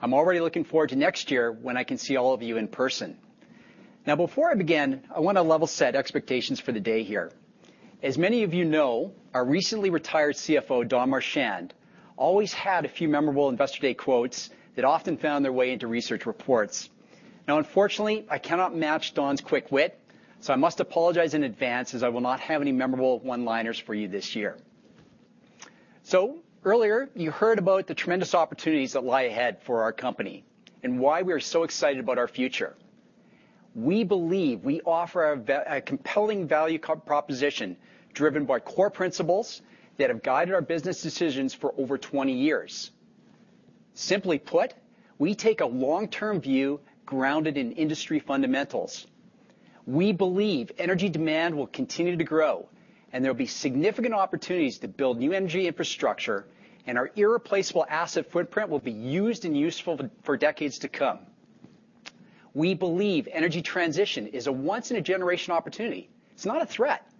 I'm already looking forward to next year when I can see all of you in person. Now, before I begin, I want to level set expectations for the day here. As many of you know, our recently retired CFO, Don Marchand, always had a few memorable Investor Day quotes that often found their way into research reports. Now, unfortunately, I cannot match Don's quick wit, so I must apologize in advance as I will not have any memorable one-liners for you this year. Earlier, you heard about the tremendous opportunities that lie ahead for our company and why we are so excited about our future. We believe we offer a compelling value proposition driven by core principles that have guided our business decisions for over 20 years. Simply put, we take a long-term view grounded in industry fundamentals. We believe energy demand will continue to grow, and there'll be significant opportunities to build new energy infrastructure, and our irreplaceable asset footprint will be used and useful for decades to come. We believe energy transition is a once-in-a-generation opportunity. It's not a threat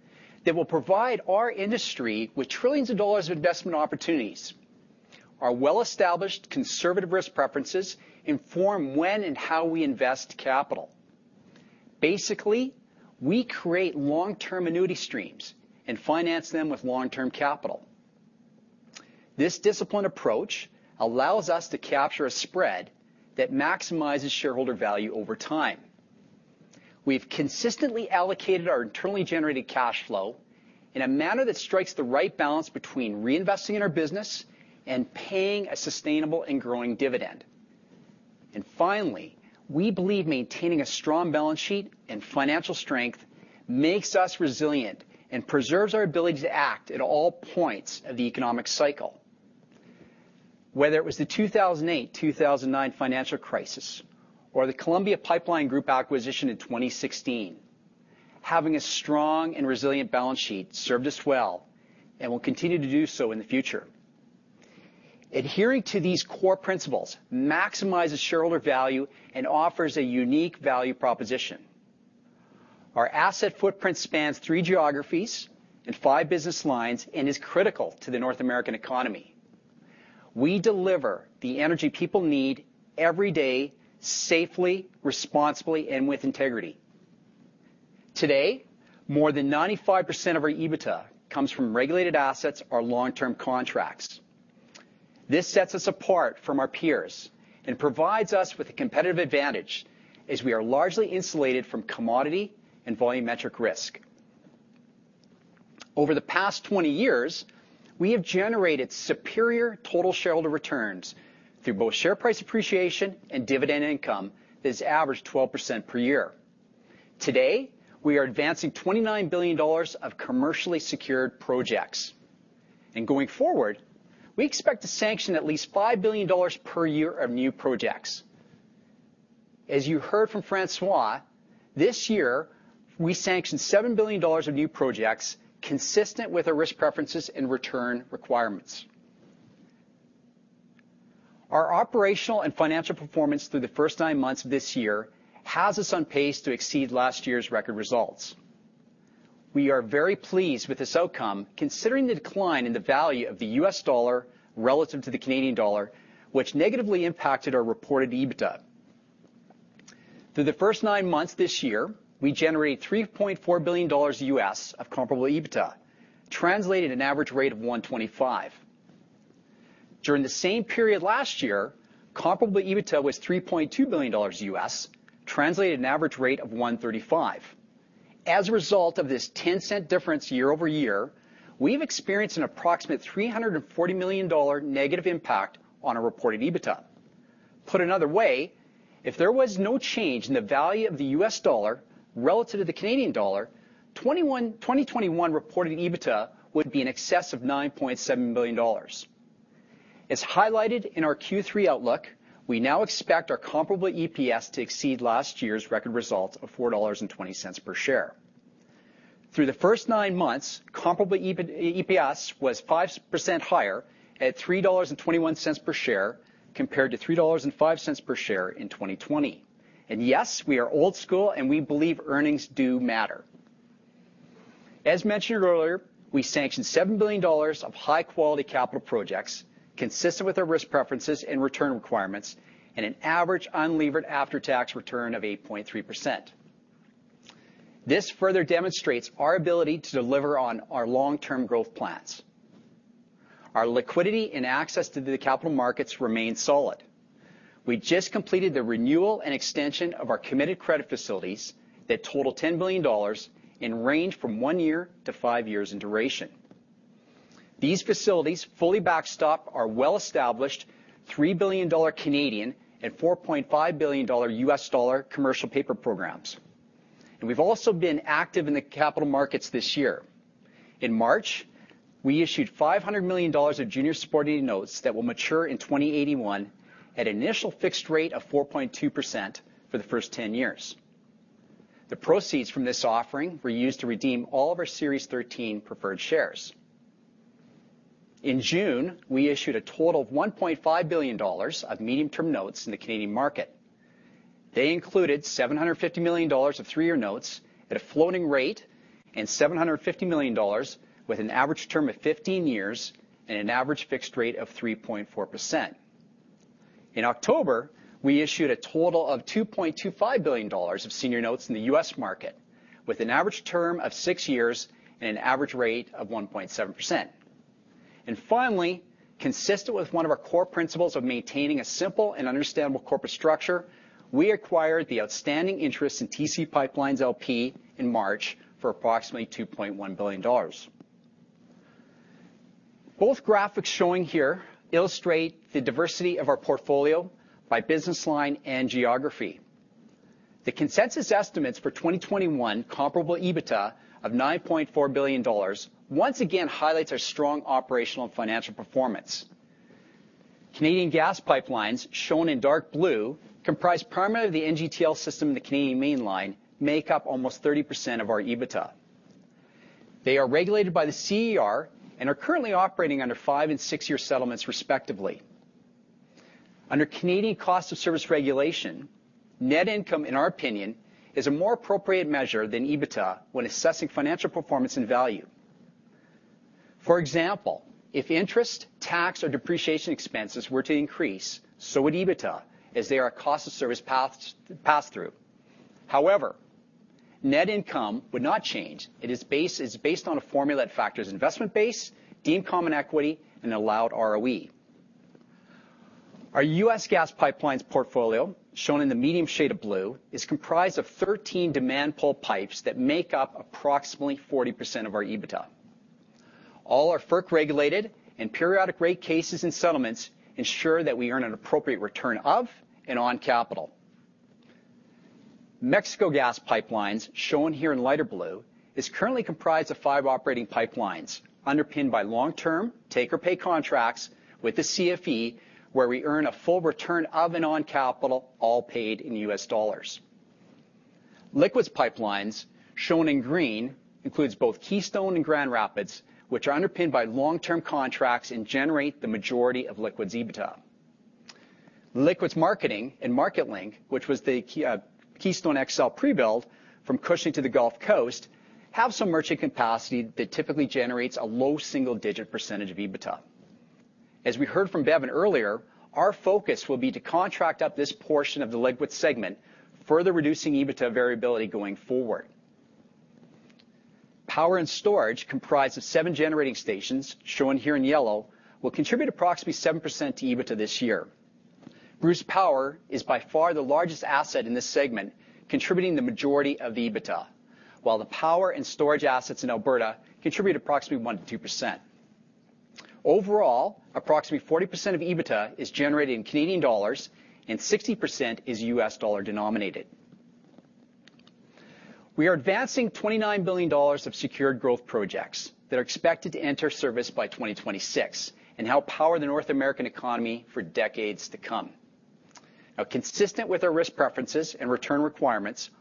that will provide our industry with trillions of dollars of investment opportunities. Our well-established conservative risk preferences inform when and how we invest capital. Basically, we create long-term annuity streams and finance them with long-term capital. This disciplined approach allows us to capture a spread that maximizes shareholder value over time. We've consistently allocated our internally generated cash flow in a manner that strikes the right balance between reinvesting in our business and paying a sustainable and growing dividend. Finally, we believe maintaining a strong balance sheet and financial strength makes us resilient and preserves our ability to act at all points of the economic cycle. Whether it was the 2008, 2009 financial crisis or the Columbia Pipeline Group acquisition in 2016, having a strong and resilient balance sheet served us well and will continue to do so in the future. Adhering to these core principles maximizes shareholder value and offers a unique value proposition. Our asset footprint spans three geographies and five business lines and is critical to the North American economy. We deliver the energy people need every day safely, responsibly, and with integrity. Today, more than 95% of our EBITDA comes from regulated assets or long-term contracts. This sets us apart from our peers and provides us with a competitive advantage as we are largely insulated from commodity and volumetric risk. Over the past 20 years, we have generated superior total shareholder returns through both share price appreciation and dividend income that has averaged 12% per year. Today, we are advancing $29 billion of commercially secured projects. Going forward, we expect to sanction at least $5 billion per year of new projects. As you heard from François, this year, we sanctioned $7 billion of new projects consistent with our risk preferences and return requirements. Our operational and financial performance through the first 9 months of this year has us on pace to exceed last year's record results. We are very pleased with this outcome, considering the decline in the value of the U.S. dollar relative to the Canadian dollar, which negatively impacted our reported EBITDA. Through the first nine months this year, we generated $3.4 billion of comparable EBITDA, translating to an average rate of 1.25. During the same period last year, comparable EBITDA was $3.2 billion, translating to an average rate of 1.35. As a result of this $0.10 difference year-over-year, we've experienced an approximate $340 million negative impact on our reported EBITDA. Put another way, if there was no change in the value of the US dollar relative to the Canadian dollar, 2021 reported EBITDA would be in excess of $9.7 billion. As highlighted in our Q3 outlook, we now expect our comparable EPS to exceed last year's record result of $4.20 per share. Through the first 9 months, comparable EPS was 5% higher at $3.21 per share, compared to $3.05 per share in 2020. Yes, we are old school, and we believe earnings do matter. As mentioned earlier, we sanctioned $7 billion of high-quality capital projects consistent with our risk preferences and return requirements and an average unlevered after-tax return of 8.3%. This further demonstrates our ability to deliver on our long-term growth plans. Our liquidity and access to the capital markets remain solid. We just completed the renewal and extension of our committed credit facilities that total $10 billion and range from 1 year to 5 years in duration. These facilities fully backstop our well-established 3 billion Canadian dollars and $4.5 billion commercial paper programs. We've also been active in the capital markets this year. In March, we issued $500 million of junior subordinated notes that will mature in 2081 at an initial fixed rate of 4.2% for the first 10 years. The proceeds from this offering were used to redeem all of our series 13 preferred shares. In June, we issued a total of $1.5 billion of medium-term notes in the Canadian market. They included $750 million of 3-year notes at a floating rate and $750 million with an average term of 15 years and an average fixed rate of 3.4%. In October, we issued a total of $2.25 billion of senior notes in the U.S. market with an average term of 6 years and an average rate of 1.7%. Finally, consistent with one of our core principles of maintaining a simple and understandable corporate structure, we acquired the outstanding interest in TC PipeLines, LP in March for approximately $2.1 billion. Both graphics showing here illustrate the diversity of our portfolio by business line and geography. The consensus estimates for 2021 comparable EBITDA of $9.4 billion once again highlights our strong operational and financial performance. Canadian gas pipelines, shown in dark blue, comprise primarily of the NGTL System and the Canadian Mainline, make up almost 30% of our EBITDA. They are regulated by the CER and are currently operating under 5 and 6-year settlements respectively. Under Canadian Cost of Service regulation, net income, in our opinion, is a more appropriate measure than EBITDA when assessing financial performance and value. For example, if interest, tax or depreciation expenses were to increase, so would EBITDA, as they are cost-of-service pass-throughs. However, net income would not change. It is based on a formula that factors investment base, deemed common equity and allowed ROE. Our U.S. Gas Pipelines portfolio, shown in the medium shade of blue, is comprised of 13 demand pull pipes that make up approximately 40% of our EBITDA. All are FERC-regulated and periodic rate cases and settlements ensure that we earn an appropriate return of and on capital. Mexico Gas Pipelines, shown here in lighter blue, is currently comprised of 5 operating pipelines underpinned by long-term take-or-pay contracts with the CFE, where we earn a full return of and on capital, all paid in U.S. dollars. Liquids Pipelines, shown in green, includes both Keystone and Grand Rapids, which are underpinned by long-term contracts and generate the majority of Liquids EBITDA. Liquids Marketing and MarketLink, which was the Keystone XL pre-build from Cushing to the Gulf Coast, have some merchant capacity that typically generates a low single-digit percentage of EBITDA. As we heard from Bevin earlier, our focus will be to contract up this portion of the Liquids segment, further reducing EBITDA variability going forward. Power and Storage, comprised of 7 generating stations, shown here in yellow, will contribute approximately 7% to EBITDA this year. Bruce Power is by far the largest asset in this segment, contributing the majority of the EBITDA, while the Power and Storage assets in Alberta contribute approximately 1%-2%. Overall, approximately 40% of EBITDA is generated in Canadian dollars and 60% is US dollar denominated. We are advancing $29 billion of secured growth projects that are expected to enter service by 2026 and help power the North American economy for decades to come. Consistent with our risk preferences and return requirements,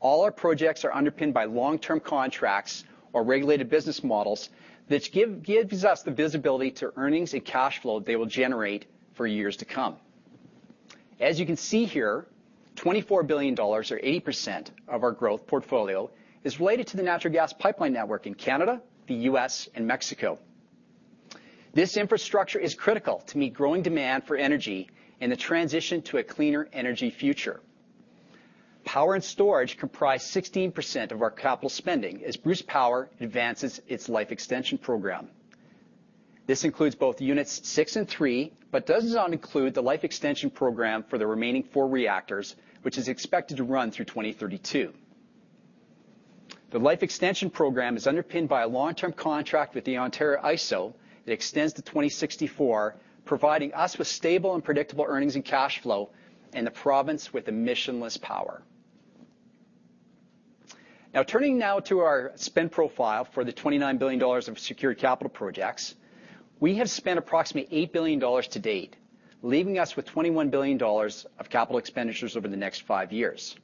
all our projects are underpinned by long-term contracts or regulated business models, which gives us the visibility to earnings and cash flow they will generate for years to come. As you can see here, $24 billion or 80% of our growth portfolio is related to the natural gas pipeline network in Canada, the U.S., and Mexico. This infrastructure is critical to meet growing demand for energy in the transition to a cleaner energy future. Power and Storage comprise 16% of our capital spending as Bruce Power advances its life extension program. This includes both units 6 and 3, but does not include the life extension program for the remaining 4 reactors, which is expected to run through 2032. The life extension program is underpinned by a long-term contract with the Ontario IESO that extends to 2064, providing us with stable and predictable earnings and cash flow, and the province with emissionless power. Now, turning to our spend profile for the $29 billion of secured capital projects. We have spent approximately $8 billion to date, leaving us with $21 billion of capital expenditures over the next 5 years.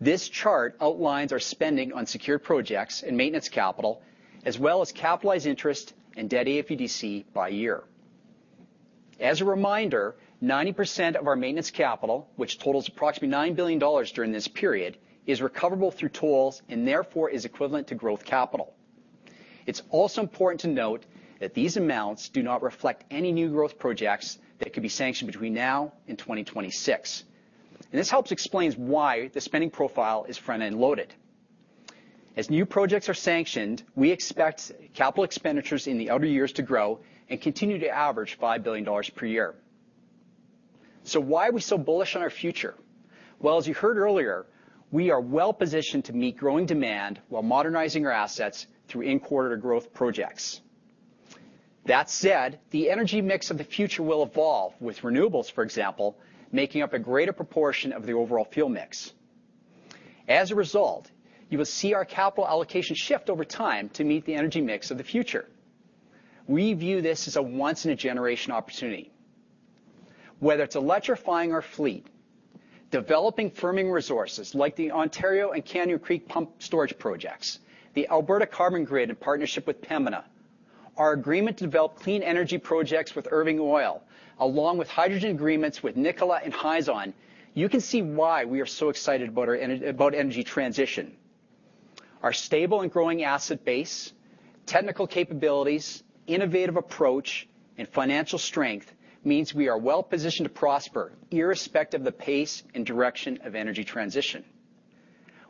This chart outlines our spending on secured projects and maintenance capital as well as capitalized interest and debt AFUDC by year. As a reminder, 90% of our maintenance capital, which totals approximately $9 billion during this period, is recoverable through tolls and therefore is equivalent to growth capital. It's also important to note that these amounts do not reflect any new growth projects that could be sanctioned between now and 2026. This helps explain why the spending profile is front-end loaded. As new projects are sanctioned, we expect capital expenditures in the outer years to grow and continue to average $5 billion per year. Why are we so bullish on our future? Well, as you heard earlier, we are well-positioned to meet growing demand while modernizing our assets through infrastructure growth projects. That said, the energy mix of the future will evolve with renewables, for example, making up a greater proportion of the overall fuel mix. As a result, you will see our capital allocation shift over time to meet the energy mix of the future. We view this as a once-in-a-generation opportunity. Whether it's electrifying our fleet, developing firming resources like the Ontario Pumped Storage and Canyon Creek pumped storage projects, the Alberta Carbon Grid in partnership with Pembina, our agreement to develop clean energy projects with Irving Oil, along with hydrogen agreements with Nikola and Hyzon, you can see why we are so excited about our energy transition. Our stable and growing asset base, technical capabilities, innovative approach and financial strength means we are well-positioned to prosper irrespective of the pace and direction of energy transition.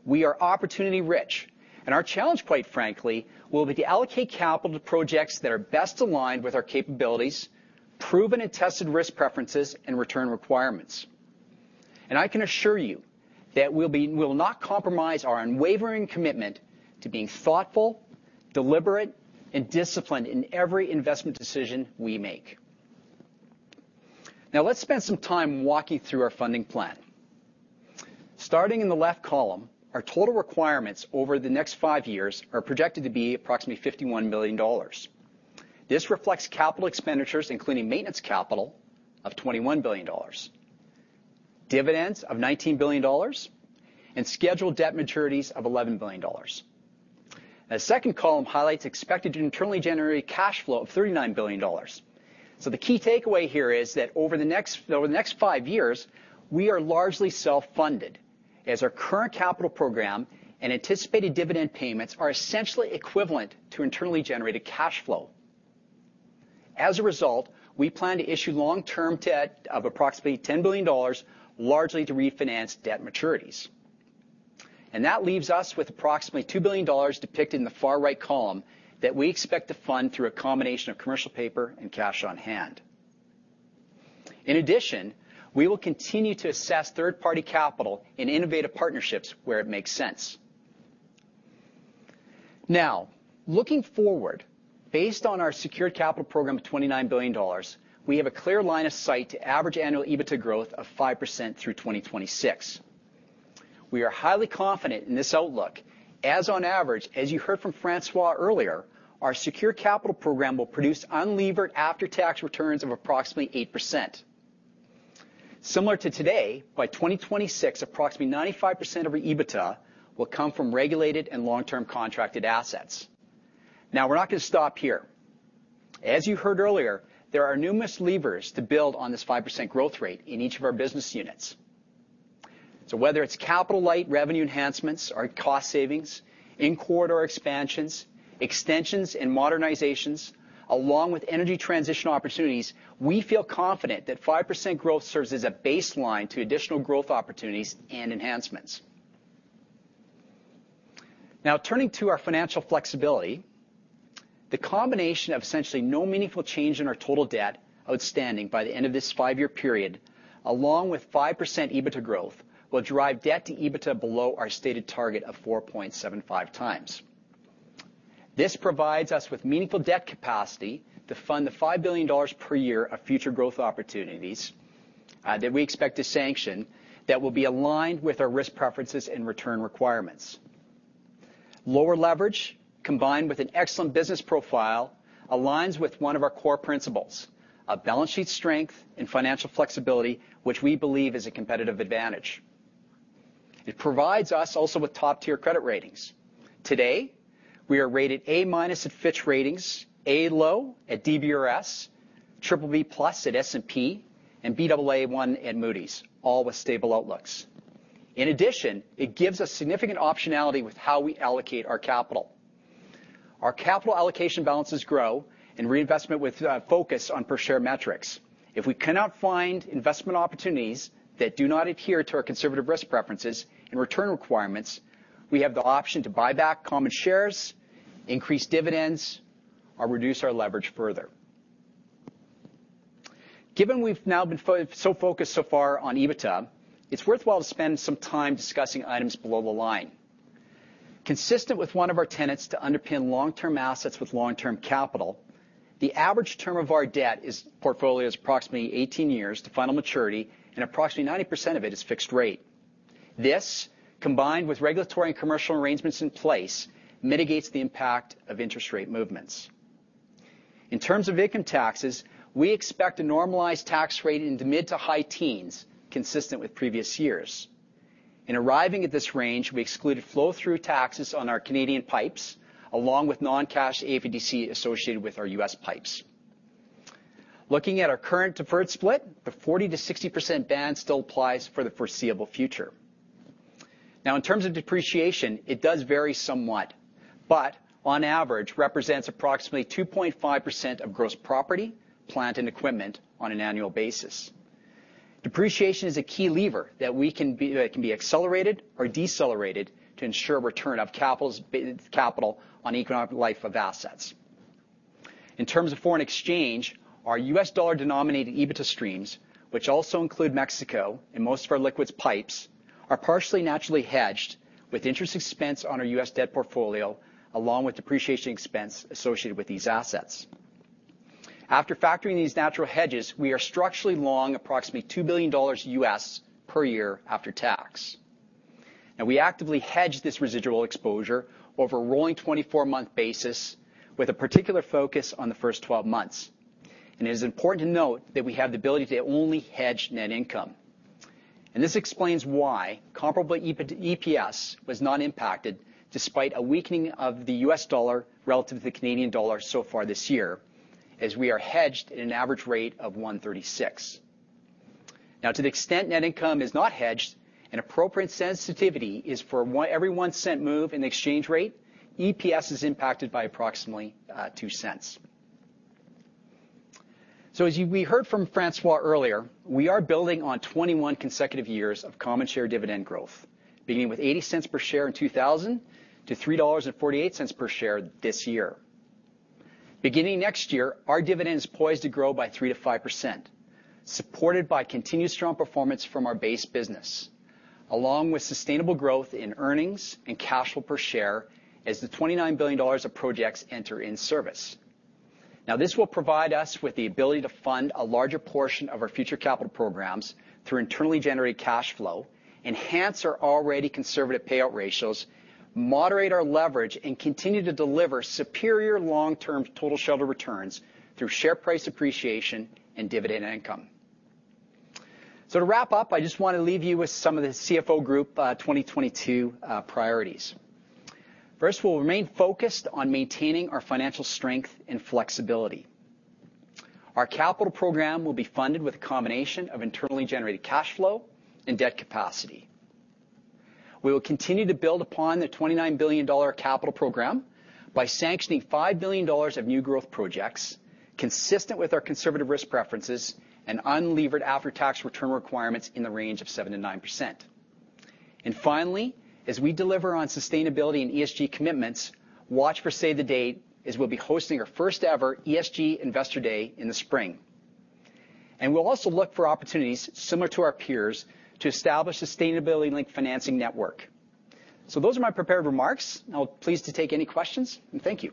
We are opportunity-rich, and our challenge, quite frankly, will be to allocate capital to projects that are best aligned with our capabilities, proven and tested risk preferences and return requirements. I can assure you that we will not compromise our unwavering commitment to being thoughtful, deliberate and disciplined in every investment decision we make. Now let's spend some time walking through our funding plan. Starting in the left column, our total requirements over the next five years are projected to be approximately $51 billion. This reflects capital expenditures, including maintenance capital of $21 billion. Dividends of $19 billion and scheduled debt maturities of $11 billion. The second column highlights expected internally generated cash flow of $39 billion. The key takeaway here is that over the next five years, we are largely self-funded, as our current capital program and anticipated dividend payments are essentially equivalent to internally generated cash flow. As a result, we plan to issue long-term debt of approximately $10 billion, largely to refinance debt maturities. That leaves us with approximately $2 billion depicted in the far right column that we expect to fund through a combination of commercial paper and cash on hand. In addition, we will continue to assess third-party capital in innovative partnerships where it makes sense. Now, looking forward, based on our secured capital program of $29 billion, we have a clear line of sight to average annual EBITDA growth of 5% through 2026. We are highly confident in this outlook, as on average, as you heard from François earlier, our secure capital program will produce unlevered after-tax returns of approximately 8%. Similar to today, by 2026, approximately 95% of our EBITDA will come from regulated and long-term contracted assets. Now, we're not gonna stop here. As you heard earlier, there are numerous levers to build on this 5% growth rate in each of our business units. Whether it's capital-light revenue enhancements or cost savings, in-quarter expansions, extensions and modernizations, along with energy transition opportunities, we feel confident that 5% growth serves as a baseline to additional growth opportunities and enhancements. Now turning to our financial flexibility, the combination of essentially no meaningful change in our total debt outstanding by the end of this 5-year period, along with 5% EBITDA growth, will drive debt to EBITDA below our stated target of 4.75x. This provides us with meaningful debt capacity to fund $5 billion per year of future growth opportunities that we expect to sanction that will be aligned with our risk preferences and return requirements. Lower leverage combined with an excellent business profile aligns with one of our core principles, a balance sheet strength and financial flexibility, which we believe is a competitive advantage. It provides us also with top-tier credit ratings. Today, we are rated A- at Fitch Ratings, A (low) at DBRS, BBB+ at S&P, and Baa1 at Moody's, all with stable outlooks. In addition, it gives us significant optionality with how we allocate our capital. Our capital allocation balances grow and reinvestment with focus on per-share metrics. If we cannot find investment opportunities that do not adhere to our conservative risk preferences and return requirements, we have the option to buy back common shares, increase dividends, or reduce our leverage further. Given we've now been so focused so far on EBITDA, it's worthwhile to spend some time discussing items below the line. Consistent with one of our tenets to underpin long-term assets with long-term capital, the average term of our debt portfolio is approximately 18 years to final maturity, and approximately 90% of it is fixed rate. This, combined with regulatory and commercial arrangements in place, mitigates the impact of interest rate movements. In terms of income taxes, we expect a normalized tax rate in the mid- to high teens, consistent with previous years. In arriving at this range, we excluded flow-through taxes on our Canadian pipes, along with non-cash AFUDC associated with our U.S. pipes. Looking at our current deferred split, the 40%-60% band still applies for the foreseeable future. Now in terms of depreciation, it does vary somewhat, but on average represents approximately 2.5% of gross property, plant, and equipment on an annual basis. Depreciation is a key lever that can be accelerated or decelerated to ensure return of capital on economic life of assets. In terms of foreign exchange, our U.S. dollar-denominated EBITDA streams, which also include Mexico and most of our liquids pipes, are partially naturally hedged with interest expense on our U.S. debt portfolio, along with depreciation expense associated with these assets. After factoring these natural hedges, we are structurally long approximately $2 billion per year after tax. Now we actively hedge this residual exposure over a rolling 24-month basis with a particular focus on the first 12 months. It is important to note that we have the ability to only hedge net income. This explains why comparable EPS was not impacted despite a weakening of the U.S. dollar relative to the Canadian dollar so far this year, as we are hedged at an average rate of 1.36. Now to the extent net income is not hedged, an appropriate sensitivity is for every $0.01 Move in exchange rate, EPS is impacted by approximately $0.02. We heard from François earlier, we are building on 21 consecutive years of common share dividend growth, beginning with $0.80 per share in 2000 to $3.48 per share this year. Beginning next year, our dividend is poised to grow by 3%-5%, supported by continuous strong performance from our base business, along with sustainable growth in earnings and cash flow per share as the $29 billion of projects enter in service. Now this will provide us with the ability to fund a larger portion of our future capital programs through internally generated cash flow, enhance our already conservative payout ratios, moderate our leverage, and continue to deliver superior long-term total shareholder returns through share price appreciation and dividend income. To wrap up, I just wanna leave you with some of the CFO group 2022 priorities. First, we'll remain focused on maintaining our financial strength and flexibility. Our capital program will be funded with a combination of internally generated cash flow and debt capacity. We will continue to build upon the $29 billion capital program by sanctioning $5 billion of new growth projects consistent with our conservative risk preferences and unlevered after-tax return requirements in the range of 7%-9%. Finally, as we deliver on sustainability and ESG commitments, watch for save the date as we'll be hosting our first-ever ESG Investor Day in the spring. We'll also look for opportunities similar to our peers to establish a sustainability-linked financing network. Those are my prepared remarks. Now I'm pleased to take any questions, and thank you.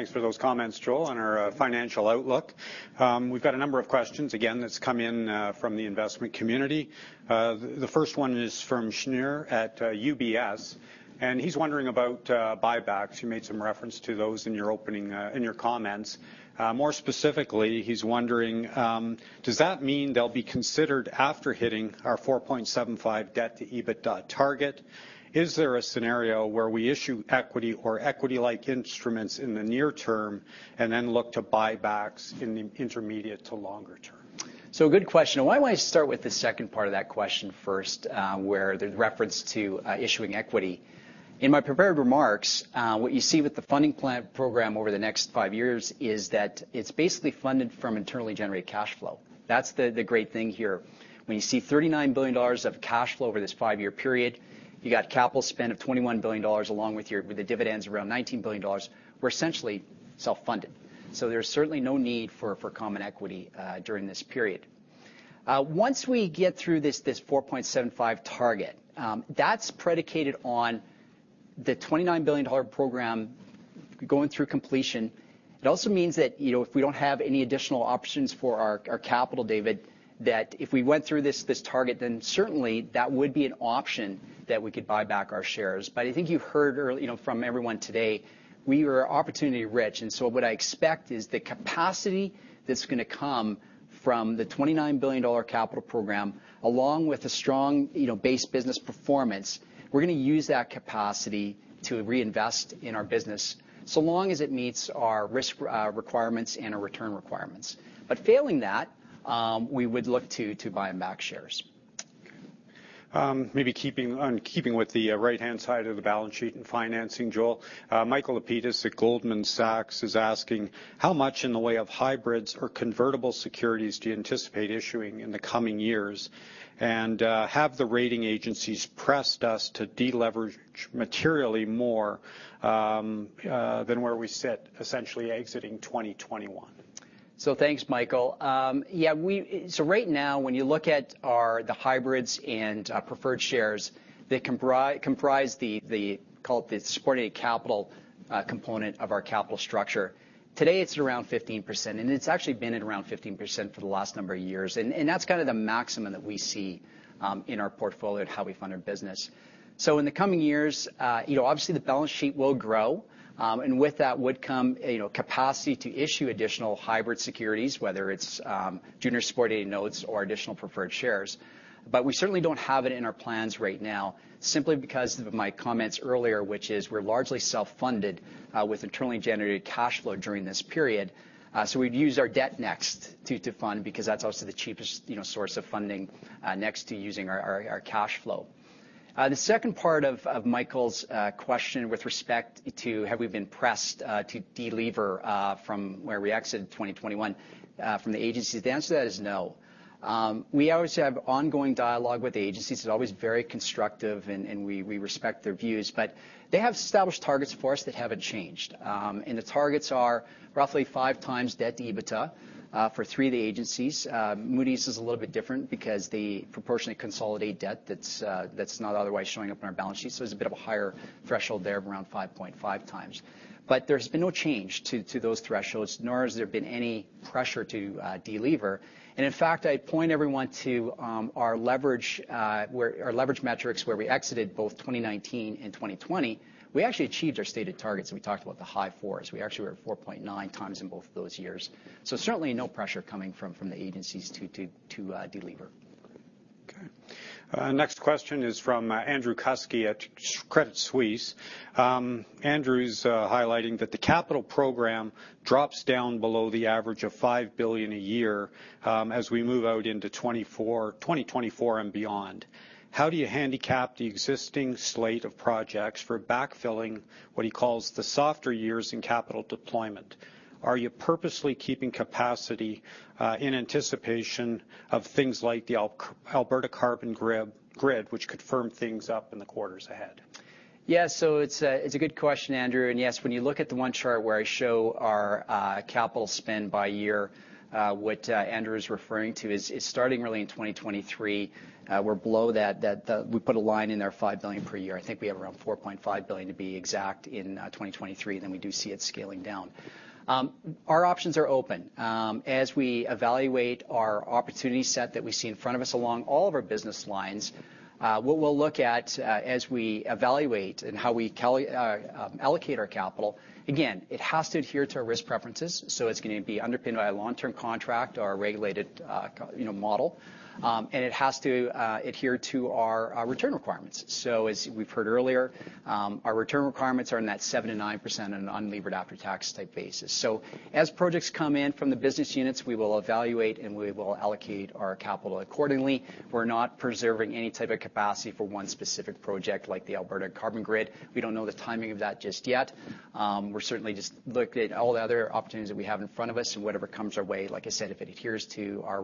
Great. Well, thanks for those comments, Joel, on our financial outlook. We've got a number of questions, again, that's come in from the investment community. The first one is from Shneur at UBS, and he's wondering about buybacks. You made some reference to those in your opening in your comments. More specifically, he's wondering, does that mean they'll be considered after hitting our 4.75x debt-to-EBITDA target? Is there a scenario where we issue equity or equity-like instruments in the near term and then look to buybacks in the intermediate to longer term? Good question. Why don't I start with the second part of that question first, where the reference to issuing equity. In my prepared remarks, what you see with the funding plan program over the next five years is that it's basically funded from internally generated cash flow. That's the great thing here. When you see $39 billion of cash flow over this five-year period, you got capital spend of $21 billion along with your dividends around $19 billion, we're essentially self-funded. There's certainly no need for common equity during this period. Once we get through this 4.75x target, that's predicated on the $29 billion program going through completion. It also means that, you know, if we don't have any additional options for our capital, David, that if we went through this target, then certainly that would be an option that we could buy back our shares. But I think you've heard you know, from everyone today, we are opportunity rich. What I expect is the capacity that's gonna come from the $29 billion capital program, along with a strong, you know, base business performance, we're gonna use that capacity to reinvest in our business, so long as it meets our risk requirements and our return requirements. But failing that, we would look to buy back shares. Maybe keeping with the right-hand side of the balance sheet and financing, Joel, Michael Lapides at Goldman Sachs is asking how much in the way of hybrids or convertible securities do you anticipate issuing in the coming years? Have the rating agencies pressed us to deleverage materially more than where we sit essentially exiting 2021? Thanks, Michael. Right now, when you look at our hybrids and preferred shares that comprise, call it, the supported capital component of our capital structure, today it's around 15%, and it's actually been at around 15% for the last number of years. That's kind of the maximum that we see in our portfolio and how we fund our business. In the coming years, you know, obviously the balance sheet will grow, and with that would come, you know, capacity to issue additional hybrid securities, whether it's junior supported notes or additional preferred shares. We certainly don't have it in our plans right now, simply because of my comments earlier, which is we're largely self-funded with internally generated cash flow during this period. We'd use our debt next to fund because that's also the cheapest, you know, source of funding next to using our cash flow. The second part of Michael's question with respect to have we been pressed to delever from where we exited 2021 from the agencies. The answer to that is no. We obviously have ongoing dialogue with the agencies. It's always very constructive and we respect their views, but they have established targets for us that haven't changed. The targets are roughly 5x debt to EBITDA for three of the agencies. Moody's is a little bit different because they proportionally consolidate debt that's not otherwise showing up on our balance sheet, so it's a bit of a higher threshold there of around 5.5 times. There's been no change to those thresholds, nor has there been any pressure to delever. In fact, I'd point everyone to our leverage metrics where we exited both 2019 and 2020. We actually achieved our stated targets when we talked about the high fours. We actually were at 4.9x in both of those years. Certainly no pressure coming from the agencies to delever. Okay. Next question is from Andrew Kuske at Credit Suisse. Andrew's highlighting that the capital program drops down below the average of $5 billion a year, as we move out into 2024 and beyond. How do you handicap the existing slate of projects for backfilling what he calls the softer years in capital deployment? Are you purposely keeping capacity in anticipation of things like the Alberta Carbon Grid, which could firm things up in the quarters ahead? It's a good question, Andrew. Yes, when you look at the one chart where I show our capital spend by year, what Andrew is referring to is starting really in 2023. We're below that. The line we put in there, $5 billion per year. I think we have around $4.5 billion, to be exact, in 2023, then we do see it scaling down. Our options are open. As we evaluate our opportunity set that we see in front of us along all of our business lines, what we'll look at as we evaluate and how we allocate our capital, again, it has to adhere to our risk preferences, so it's gonna be underpinned by a long-term contract or a regulated, you know, model. It has to adhere to our return requirements. As we've heard earlier, our return requirements are in that 7%-9% in an unlevered after-tax type basis. As projects come in from the business units, we will evaluate, and we will allocate our capital accordingly. We're not preserving any type of capacity for one specific project like the Alberta Carbon Grid. We don't know the timing of that just yet. We're certainly just looking at all the other opportunities that we have in front of us and whatever comes our way. Like I said, if it adheres to our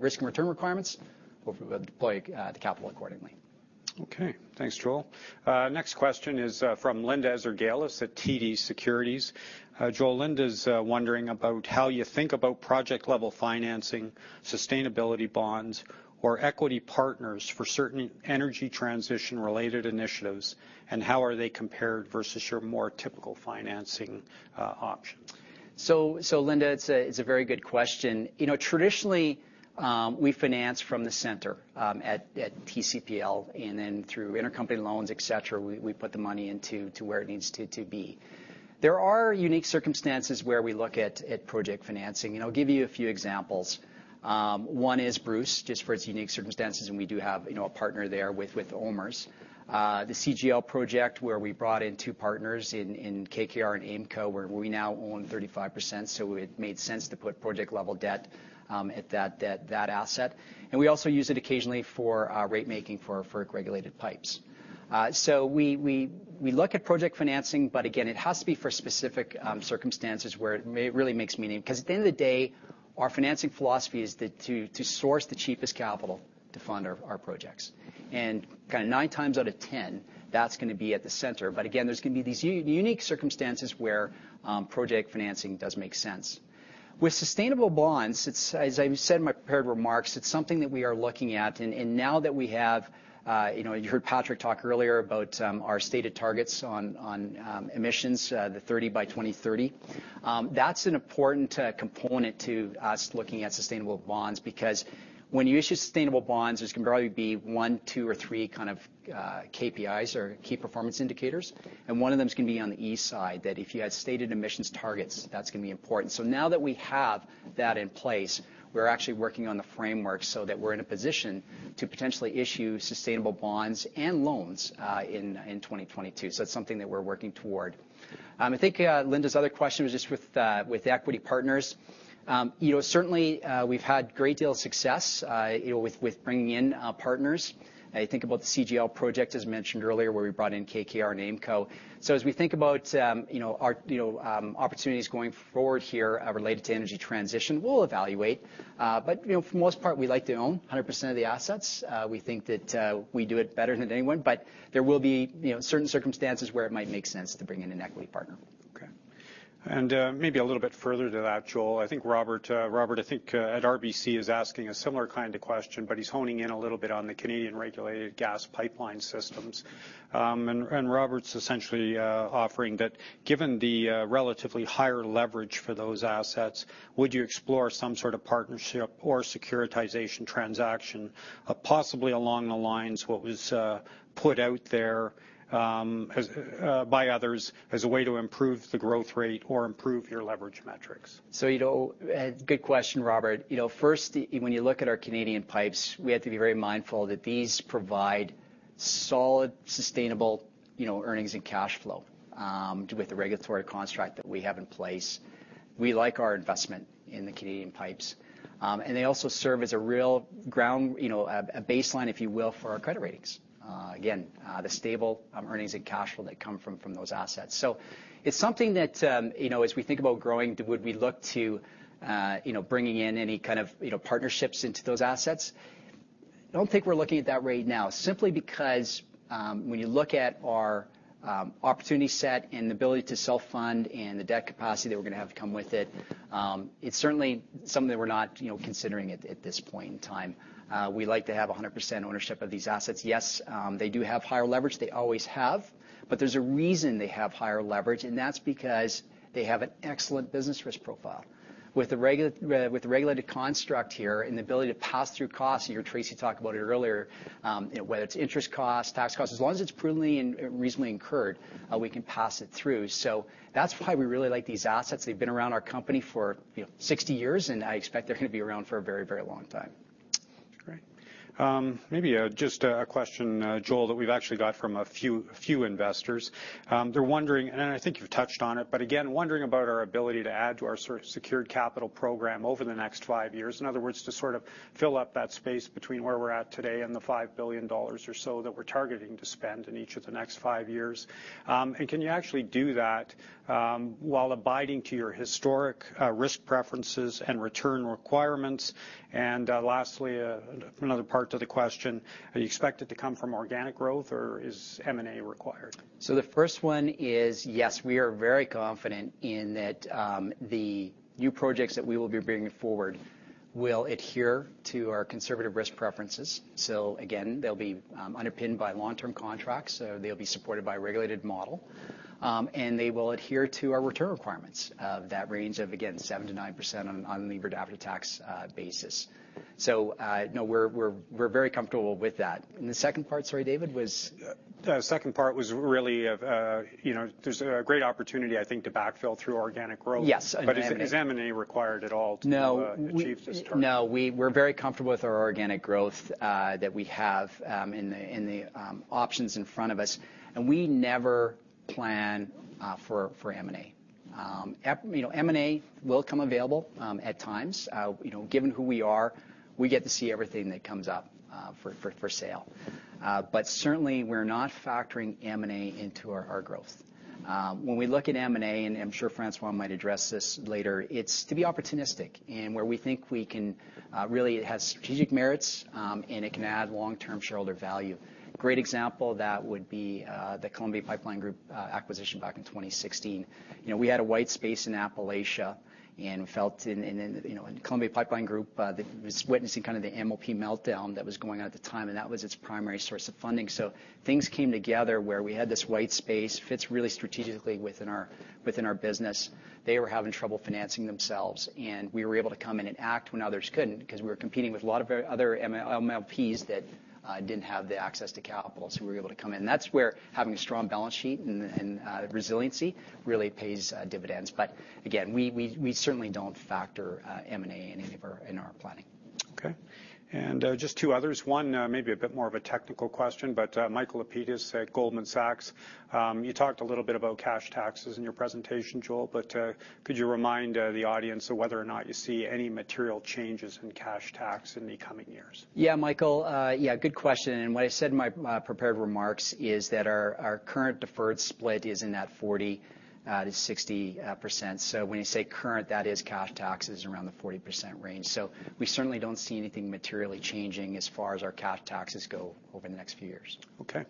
risk and return requirements, we'll deploy the capital accordingly. Okay. Thanks, Joel. Next question is from Linda Ezergailis at TD Securities. Joel, Linda's wondering about how you think about project-level financing, sustainability bonds or equity partners for certain energy transition-related initiatives, and how are they compared versus your more typical financing options? Linda, it's a very good question. You know, traditionally, we finance from the center at TCPL, and then through intercompany loans, et cetera, we put the money into where it needs to be. There are unique circumstances where we look at project financing, and I'll give you a few examples. One is Bruce, just for its unique circumstances, and we do have a partner there with OMERS. The CGL project, where we brought in two partners in KKR and AIMCo, where we now own 35%, so it made sense to put project-level debt at that asset. We also use it occasionally for rate-making for regulated pipes. We look at project financing, but again, it has to be for specific circumstances where it really makes sense. 'Cause at the end of the day, our financing philosophy is to source the cheapest capital to fund our projects. Kinda nine times out of ten, that's gonna be at the center. But again, there's gonna be these unique circumstances where project financing does make sense. With sustainable bonds, it's, as I said in my prepared remarks, something that we are looking at. Now that we have, you know, you heard Patrick talk earlier about our stated targets on emissions, the 30 by 2030. That's an important component to us looking at sustainable bonds because when you issue sustainable bonds, there's gonna probably be one, two or three kind of KPIs or key performance indicators, and one of them is gonna be on the E side, that if you had stated emissions targets, that's gonna be important. Now that we have that in place, we're actually working on the framework so that we're in a position to potentially issue sustainable bonds and loans in 2022. That's something that we're working toward. I think Linda's other question was just with equity partners. You know, certainly, we've had great deal of success, you know, with bringing in partners. I think about the CGL project, as mentioned earlier, where we brought in KKR and AIMCo. As we think about, you know, our, you know, opportunities going forward here, related to energy transition, we'll evaluate. You know, for the most part, we like to own 100% of the assets. We think that we do it better than anyone, but there will be, you know, certain circumstances where it might make sense to bring in an equity partner. Okay. Maybe a little bit further to that, Joel. I think Robert at RBC is asking a similar kind of question, but he's honing in a little bit on the Canadian-regulated gas pipeline systems. Robert's essentially offering that given the relatively higher leverage for those assets, would you explore some sort of partnership or securitization transaction, possibly along the lines what was put out there as by others as a way to improve the growth rate or improve your leverage metrics? You know, good question, Robert. You know, first, when you look at our Canadian pipes, we have to be very mindful that these provide solid, sustainable, you know, earnings and cash flow, with the regulatory construct that we have in place. We like our investment in the Canadian pipes. They also serve as a real ground, you know, a baseline, if you will, for our credit ratings. Again, the stable, earnings and cash flow that come from those assets. It's something that, you know, as we think about growing, would we look to, you know, bringing in any kind of, you know, partnerships into those assets? Don't think we're looking at that right now, simply because when you look at our opportunity set and the ability to self-fund and the debt capacity that we're gonna have to come with it's certainly something that we're not, you know, considering at this point in time. We like to have 100% ownership of these assets. Yes, they do have higher leverage. They always have. But there's a reason they have higher leverage, and that's because they have an excellent business risk profile. With the regulated construct here and the ability to pass through costs, you heard Tracy talk about it earlier, you know, whether it's interest costs, tax costs, as long as it's prudently and reasonably incurred, we can pass it through. So that's why we really like these assets. They've been around our company for, you know, 60 years, and I expect they're gonna be around for a very, very long time. Great. Maybe just a question, Joel, that we've actually got from a few investors. They're wondering, and I think you've touched on it, but again, wondering about our ability to add to our secured capital program over the next 5 years. In other words, to sort of fill up that space between where we're at today and the $5 billion or so that we're targeting to spend in each of the next 5 years. Can you actually do that while abiding to your historic risk preferences and return requirements? Lastly, another part to the question, are you expected to come from organic growth, or is M&A required? The first one is, yes, we are very confident in that, the new projects that we will be bringing forward will adhere to our conservative risk preferences. Again, they'll be underpinned by long-term contracts, so they'll be supported by a regulated model. They will adhere to our return requirements of that range of, again, 7%-9% on levered after-tax basis. No, we're very comfortable with that. The second part, sorry, David, was? The second part, you know, there's a great opportunity, I think, to backfill through organic growth. Yes. Is M&A required at all to- No achieve this target? No. We're very comfortable with our organic growth, that we have, in the options in front of us, and we never plan for M&A. You know, M&A will come available at times. You know, given who we are, we get to see everything that comes up for sale. Certainly we're not factoring M&A into our growth. When we look at M&A, and I'm sure François might address this later, it's to be opportunistic in where we think we can really it has strategic merits, and it can add long-term shareholder value. Great example of that would be the Columbia Pipeline Group acquisition back in 2016. You know, we had a white space in Appalachia and filled in, you know, in Columbia Pipeline Group that was witnessing kind of the MLP meltdown that was going on at the time, and that was its primary source of funding. Things came together where we had this white space, fits really strategically within our business. They were having trouble financing themselves, and we were able to come in and act when others couldn't because we were competing with a lot of other MLPs that didn't have the access to capital. We were able to come in. That's where having a strong balance sheet and resiliency really pays dividends. Again, we certainly don't factor M&A in any of our planning. Okay. Just two others. One, maybe a bit more of a technical question, but Michael Lapides at Goldman Sachs, you talked a little bit about cash taxes in your presentation, Joel, but could you remind the audience of whether or not you see any material changes in cash tax in the coming years? Yeah, Michael. Yeah, good question. What I said in my prepared remarks is that our current deferred split is in that 40%-60%. When you say current, that is cash taxes around the 40% range. We certainly don't see anything materially changing as far as our cash taxes go over the next few years. Okay.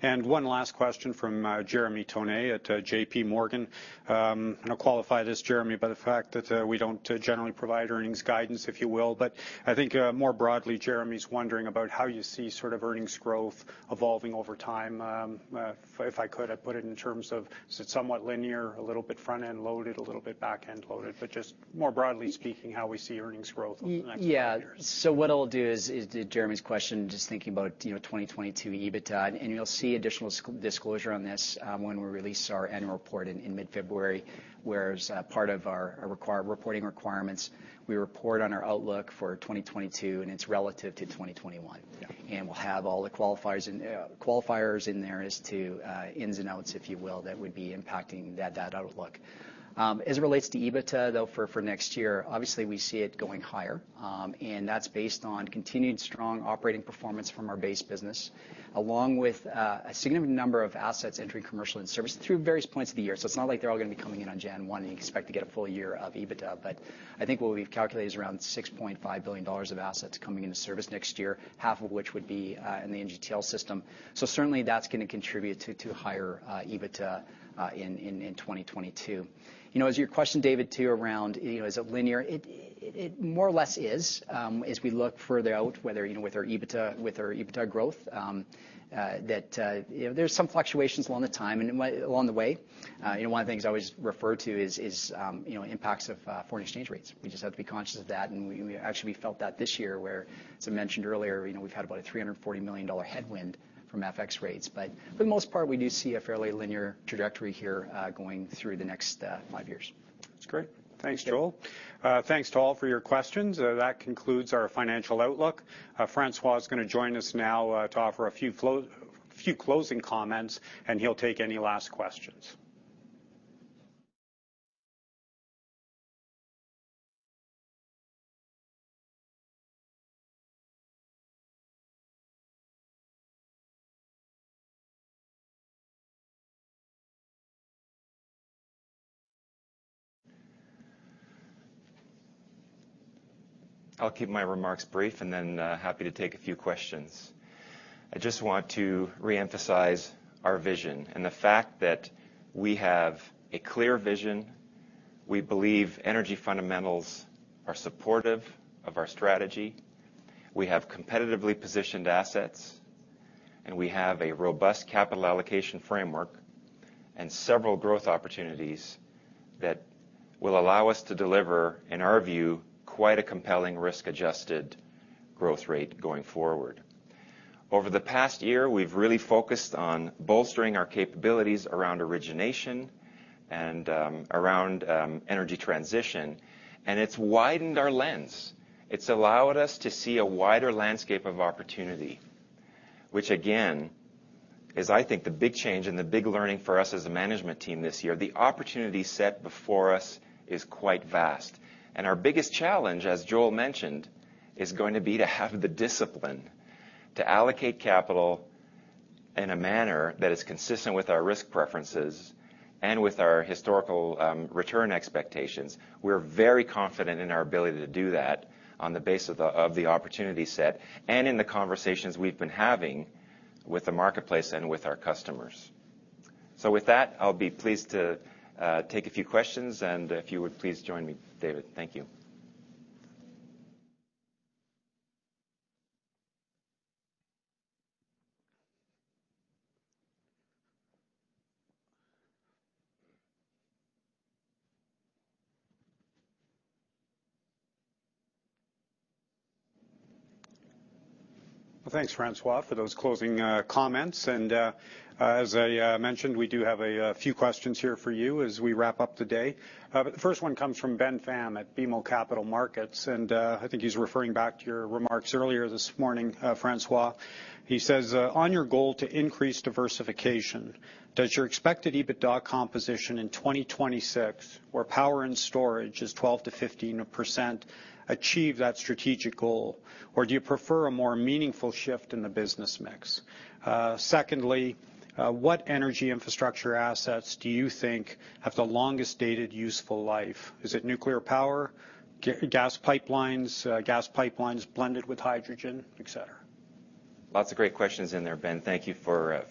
One last question from Jeremy Tonet at JPMorgan. I'll qualify this, Jeremy, by the fact that we don't generally provide earnings guidance, if you will. But I think more broadly, Jeremy's wondering about how you see sort of earnings growth evolving over time. If I could, I'd put it in terms of is it somewhat linear, a little bit front-end loaded, a little bit back-end loaded? But just more broadly speaking, how we see earnings growth over the next few years. Yeah. What I'll do is to Jeremy's question, just thinking about, you know, 2022 EBITDA, and you'll see additional disclosure on this when we release our annual report in mid-February, whereas part of our required reporting requirements, we report on our outlook for 2022, and it's relative to 2021. Yeah. We'll have all the qualifiers in there as to ins and outs, if you will, that would be impacting that outlook. As it relates to EBITDA, though, for next year, obviously we see it going higher, and that's based on continued strong operating performance from our base business, along with a significant number of assets entering commercial service through various points of the year. It's not like they're all gonna be coming in on January 1, and you expect to get a full year of EBITDA. I think what we've calculated is around $6.5 billion of assets coming into service next year, half of which would be in the NGTL System. Certainly that's gonna contribute to higher EBITDA in 2022. You know, as to your question, David, too, around, you know, is it linear, it more or less is, as we look further out, with, you know, with our EBITDA, with our EBITDA growth, that, you know, there's some fluctuations along the timeline and along the way. You know, one of the things I always refer to is, you know, impacts of foreign exchange rates. We just have to be conscious of that, and we actually felt that this year, whereas I mentioned earlier, you know, we've had about a $340 million headwind from FX rates. For the most part, we do see a fairly linear trajectory here, going through the next five years. That's great. Thanks, Joel. Thanks to all for your questions. That concludes our financial outlook. François is gonna join us now, to offer a few closing comments, and he'll take any last questions. I'll keep my remarks brief and then happy to take a few questions. I just want to reemphasize our vision and the fact that we have a clear vision. We believe energy fundamentals are supportive of our strategy. We have competitively positioned assets, and we have a robust capital allocation framework and several growth opportunities that will allow us to deliver, in our view, quite a compelling risk-adjusted growth rate going forward. Over the past year, we've really focused on bolstering our capabilities around origination and around energy transition, and it's widened our lens. It's allowed us to see a wider landscape of opportunity, which again, is I think the big change and the big learning for us as a management team this year. The opportunity set before us is quite vast, and our biggest challenge, as Joel mentioned, is going to be to have the discipline to allocate capital in a manner that is consistent with our risk preferences and with our historical return expectations. We're very confident in our ability to do that on the basis of the opportunity set and in the conversations we've been having with the marketplace and with our customers. With that, I'll be pleased to take a few questions, and if you would please join me, David. Thank you. Well, thanks, François, for those closing comments. As I mentioned, we do have a few questions here for you as we wrap up today. The first one comes from Ben Pham at BMO Capital Markets, and I think he's referring back to your remarks earlier this morning, François. He says, "On your goal to increase diversification, does your expected EBITDA composition in 2026, where Power and Storage is 12%-15%, achieve that strategic goal, or do you prefer a more meaningful shift in the business mix? Secondly, what energy infrastructure assets do you think have the longest dated useful life? Is it nuclear power, gas pipelines, gas pipelines blended with hydrogen, et cetera? Lots of great questions in there, Ben. Thank you for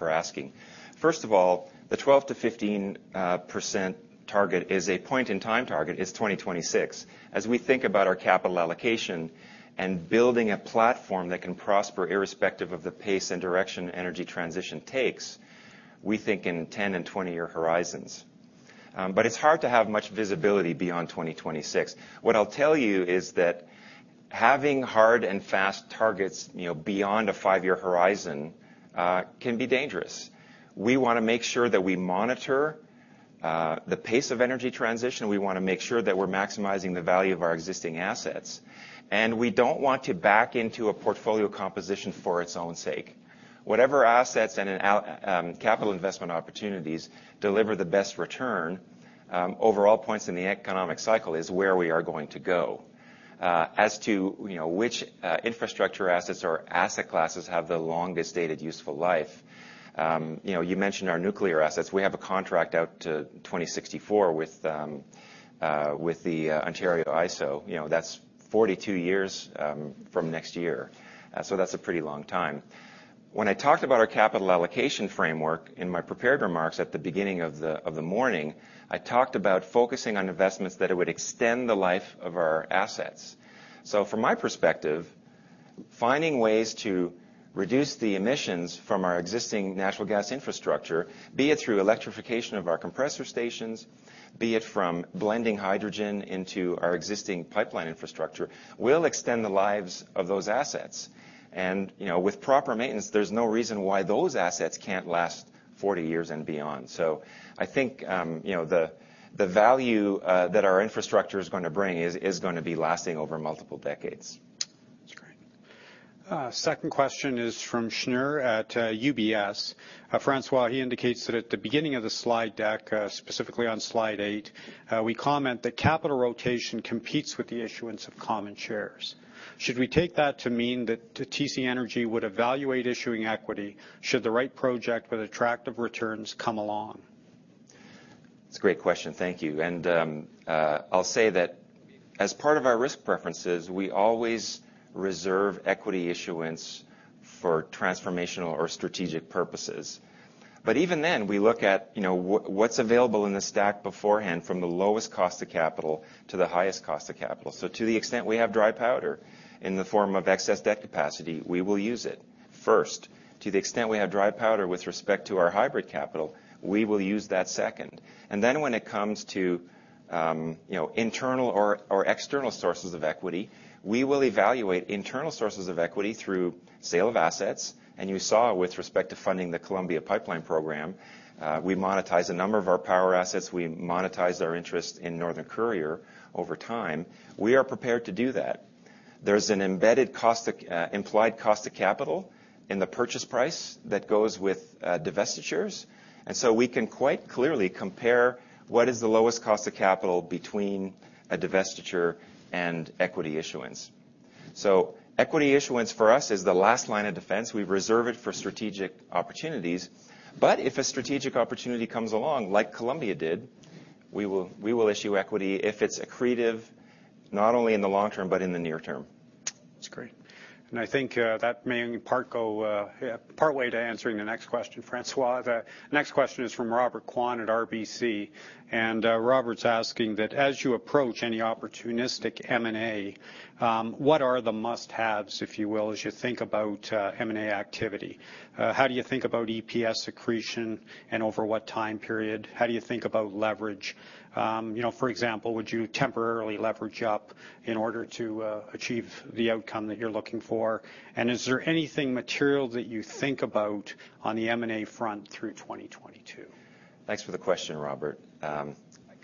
asking. First of all, the 12%-15% target is a point-in-time target for 2026. As we think about our capital allocation and building a platform that can prosper irrespective of the pace and direction energy transition takes, we think in 10- and 20-year horizons. It's hard to have much visibility beyond 2026. What I'll tell you is that having hard and fast targets, you know, beyond a five-year horizon, can be dangerous. We want to make sure that we monitor the pace of energy transition. We want to make sure that we're maximizing the value of our existing assets, and we don't want to back into a portfolio composition for its own sake. Whatever assets and an al Capital investment opportunities deliver the best return over all points in the economic cycle is where we are going to go. As to, you know, which infrastructure assets or asset classes have the longest dated useful life, you know, you mentioned our nuclear assets. We have a contract out to 2064 with the IESO. You know, that's 42 years from next year. So that's a pretty long time. When I talked about our capital allocation framework in my prepared remarks at the beginning of the morning, I talked about focusing on investments that it would extend the life of our assets. From my perspective, finding ways to reduce the emissions from our existing natural gas infrastructure, be it through electrification of our compressor stations, be it from blending hydrogen into our existing pipeline infrastructure, will extend the lives of those assets. You know, with proper maintenance, there's no reason why those assets can't last 40 years and beyond. I think, you know, the value that our infrastructure is gonna bring is gonna be lasting over multiple decades. That's great. Second question is from Shneur at UBS. François, he indicates that at the beginning of the slide deck, specifically on slide eight, we comment that capital rotation competes with the issuance of common shares. Should we take that to mean that TC Energy would evaluate issuing equity should the right project with attractive returns come along? It's a great question. Thank you. I'll say that as part of our risk preferences, we always reserve equity issuance for transformational or strategic purposes. Even then, we look at, you know, what's available in the stack beforehand from the lowest cost of capital to the highest cost of capital. To the extent we have dry powder in the form of excess debt capacity, we will use it first. To the extent we have dry powder with respect to our hybrid capital, we will use that second. When it comes to, you know, internal or external sources of equity, we will evaluate internal sources of equity through sale of assets. You saw with respect to funding the Columbia Pipeline program, we monetize a number of our power assets. We monetize our interest in Northern Courier over time. We are prepared to do that. There's an embedded implied cost of capital in the purchase price that goes with divestitures. We can quite clearly compare what is the lowest cost of capital between a divestiture and equity issuance. Equity issuance for us is the last line of defense. We reserve it for strategic opportunities. If a strategic opportunity comes along, like Columbia did, we will issue equity if it's accretive, not only in the long term but in the near term. That's great. I think that may in part go partway to answering the next question, François. The next question is from Robert Kwan at RBC. Robert's asking that as you approach any opportunistic M&A, what are the must-haves, if you will, as you think about M&A activity? How do you think about EPS accretion, and over what time period? How do you think about leverage? You know, for example, would you temporarily leverage up in order to achieve the outcome that you're looking for? Is there anything material that you think about on the M&A front through 2022? Thanks for the question, Robert.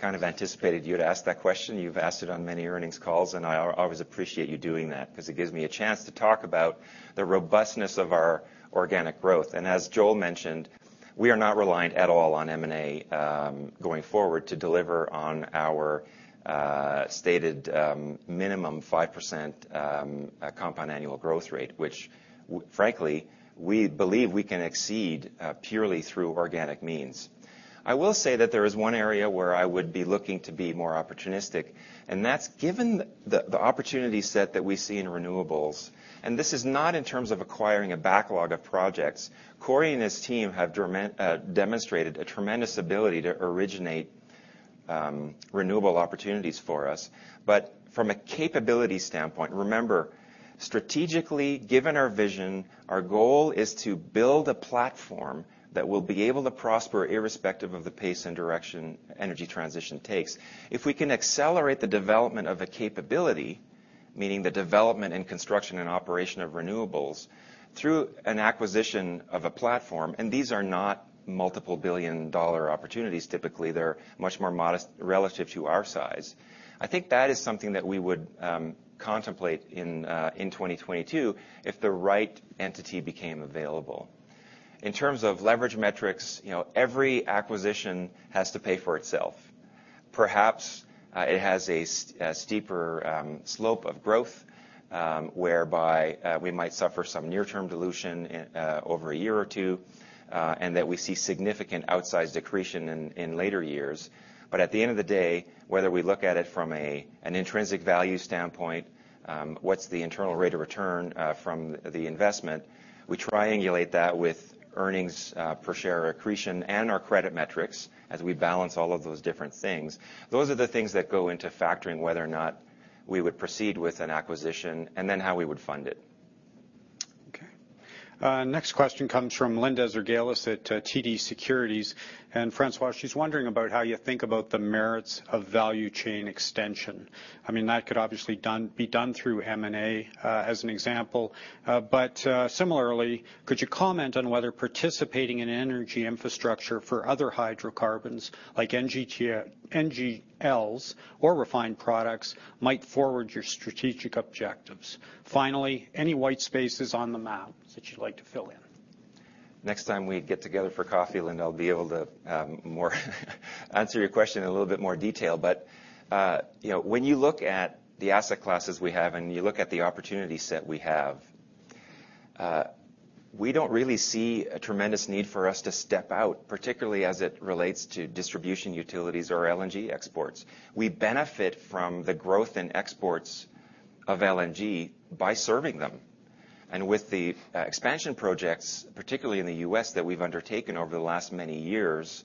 I kind of anticipated you'd ask that question. You've asked it on many earnings calls, and I always appreciate you doing that because it gives me a chance to talk about the robustness of our organic growth. As Joel mentioned, we are not reliant at all on M&A going forward to deliver on our stated minimum 5% compound annual growth rate, which frankly, we believe we can exceed purely through organic means. I will say that there is one area where I would be looking to be more opportunistic, and that's given the opportunity set that we see in renewables, and this is not in terms of acquiring a backlog of projects. Corey and his team have demonstrated a tremendous ability to originate renewable opportunities for us. From a capability standpoint, remember, strategically, given our vision, our goal is to build a platform that will be able to prosper irrespective of the pace and direction energy transition takes. If we can accelerate the development of a capability, meaning the development and construction and operation of renewables through an acquisition of a platform, and these are not multiple billion-dollar opportunities, typically. They're much more modest relative to our size. I think that is something that we would contemplate in 2022 if the right entity became available. In terms of leverage metrics, you know, every acquisition has to pay for itself. Perhaps, it has a steeper slope of growth, whereby, we might suffer some near-term dilution over a year or two, and that we see significant outsized accretion in later years. At the end of the day, whether we look at it from an intrinsic value standpoint, what's the internal rate of return from the investment, we triangulate that with earnings per share accretion and our credit metrics as we balance all of those different things. Those are the things that go into factoring whether or not we would proceed with an acquisition, and then how we would fund it. Okay. Next question comes from Linda Ezergailis at TD Securities. François, she's wondering about how you think about the merits of value chain extension. I mean, that could obviously be done through M&A, as an example. Similarly, could you comment on whether participating in energy infrastructure for other hydrocarbons like NGLs or refined products might further your strategic objectives. Finally, any white spaces on the map that you'd like to fill in? Next time we get together for coffee, Linda, I'll be able to more answer your question in a little bit more detail. You know, when you look at the asset classes we have and you look at the opportunity set we have, we don't really see a tremendous need for us to step out, particularly as it relates to distribution utilities or LNG exports. We benefit from the growth in exports of LNG by serving them. With the expansion projects, particularly in the U.S. that we've undertaken over the last many years,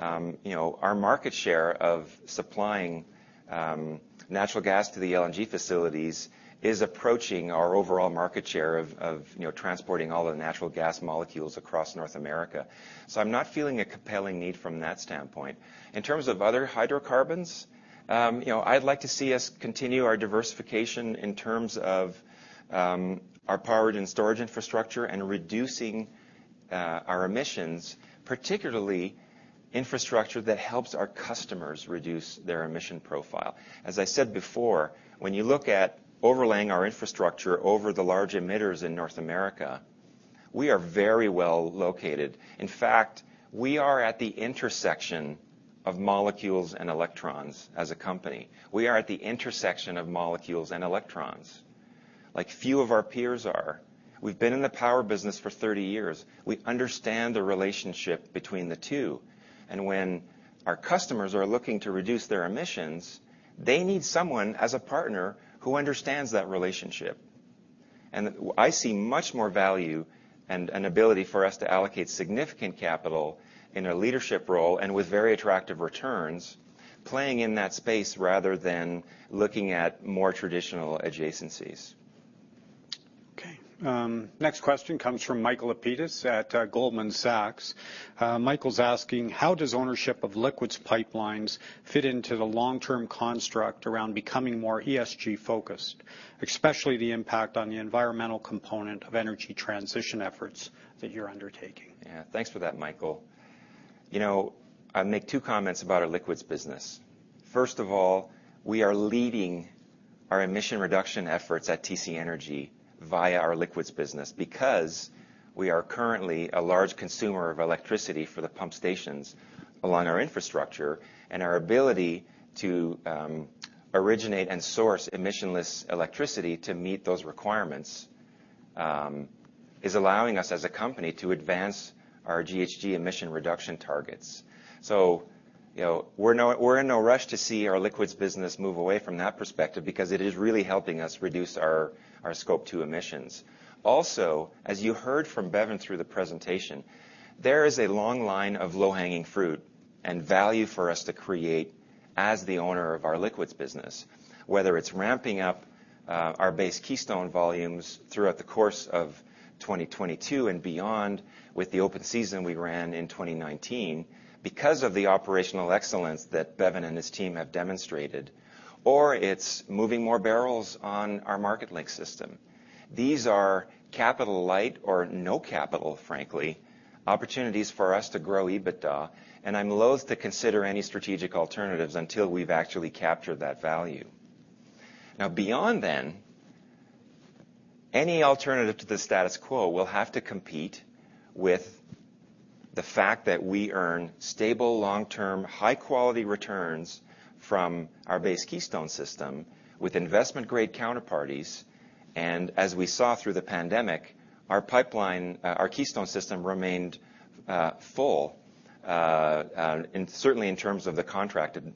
you know, our market share of supplying natural gas to the LNG facilities is approaching our overall market share of transporting all the natural gas molecules across North America. I'm not feeling a compelling need from that standpoint. In terms of other hydrocarbons, I'd like to see us continue our diversification in terms of our Power and Storage infrastructure and reducing our emissions, particularly infrastructure that helps our customers reduce their emissions profile. As I said before, when you look at overlaying our infrastructure over the large emitters in North America, we are very well located. In fact, we are at the intersection of molecules and electrons as a company. We are at the intersection of molecules and electrons like few of our peers are. We've been in the power business for 30 years. We understand the relationship between the two. When our customers are looking to reduce their emissions, they need someone as a partner who understands that relationship. I see much more value and an ability for us to allocate significant capital in a leadership role and with very attractive returns playing in that space rather than looking at more traditional adjacencies. Next question comes from Michael Lapides at Goldman Sachs. Michael's asking: How does ownership of Liquids Pipelines fit into the long-term construct around becoming more ESG-focused, especially the impact on the environmental component of energy transition efforts that you're undertaking? Yeah. Thanks for that, Michael. You know, I'll make two comments about our liquids business. First of all, we are leading our emission reduction efforts at TC Energy via our liquids business because we are currently a large consumer of electricity for the pump stations along our infrastructure, and our ability to originate and source emissionless electricity to meet those requirements is allowing us as a company to advance our GHG emission reduction targets. You know, we're in no rush to see our liquids business move away from that perspective because it is really helping us reduce our Scope 2 emissions. Also, as you heard from Bevin through the presentation, there is a long line of low-hanging fruit and value for us to create as the owner of our liquids business. Whether it's ramping up our base Keystone volumes throughout the course of 2022 and beyond with the open season we ran in 2019 because of the operational excellence that Bevin and his team have demonstrated, or it's moving more barrels on our Marketlink system. These are capital light or no capital, frankly, opportunities for us to grow EBITDA, and I'm loath to consider any strategic alternatives until we've actually captured that value. Now, beyond then, any alternative to the status quo will have to compete with the fact that we earn stable, long-term, high-quality returns from our base Keystone system with investment-grade counterparties, and as we saw through the pandemic our Keystone system remained full, certainly in terms of the contracted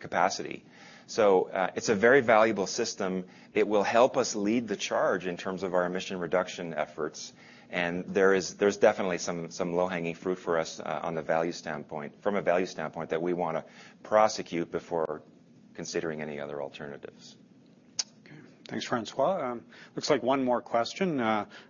capacity. So it's a very valuable system. It will help us lead the charge in terms of our emission reduction efforts, and there's definitely some low-hanging fruit for us, from a value standpoint that we wanna prosecute before considering any other alternatives. Okay. Thanks, François. Looks like one more question.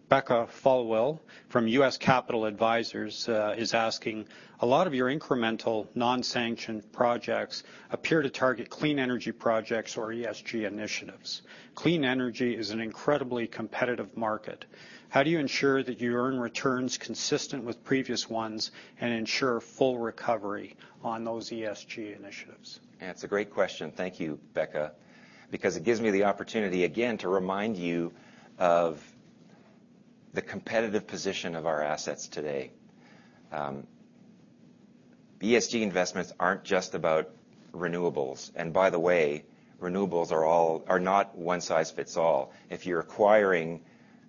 Becca Followill from U.S. Capital Advisors is asking, "A lot of your incremental non-sanctioned projects appear to target clean energy projects or ESG initiatives. Clean energy is an incredibly competitive market. How do you ensure that you earn returns consistent with previous ones and ensure full recovery on those ESG initiatives? That's a great question. Thank you, Becca, because it gives me the opportunity again to remind you of the competitive position of our assets today. ESG investments aren't just about renewables. By the way, renewables are not one size fits all. If you're acquiring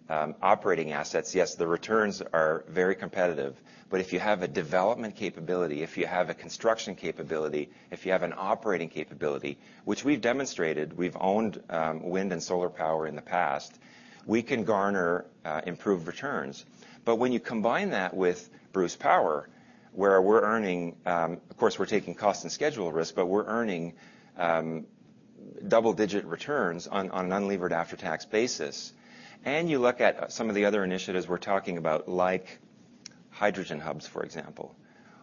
operating assets, yes, the returns are very competitive, but if you have a development capability, if you have a construction capability, if you have an operating capability, which we've demonstrated, we've owned wind and solar power in the past, we can garner improved returns. When you combine that with Bruce Power, where we're earning, of course, we're taking cost and schedule risk, but we're earning double-digit returns on an unlevered after-tax basis. You look at some of the other initiatives we're talking about, like hydrogen hubs, for example.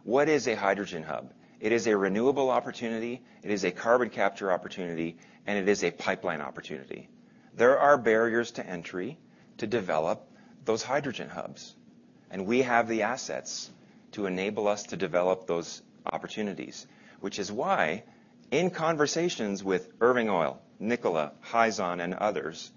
What is a hydrogen hub? It is a renewable opportunity, it is a carbon capture opportunity, and it is a pipeline opportunity. There are barriers to entry to develop those hydrogen hubs, and we have the assets to enable us to develop those opportunities, which is why in conversations with Irving Oil, Nikola, Hyzon, and others,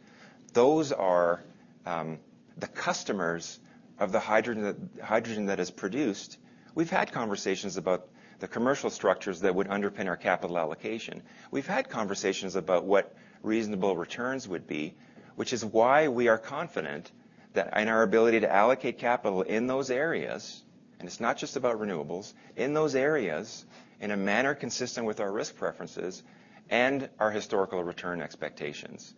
those are the customers of the hydrogen that is produced. We've had conversations about the commercial structures that would underpin our capital allocation. We've had conversations about what reasonable returns would be, which is why we are confident that in our ability to allocate capital in those areas, and it's not just about renewables, in those areas, in a manner consistent with our risk preferences and our historical return expectations.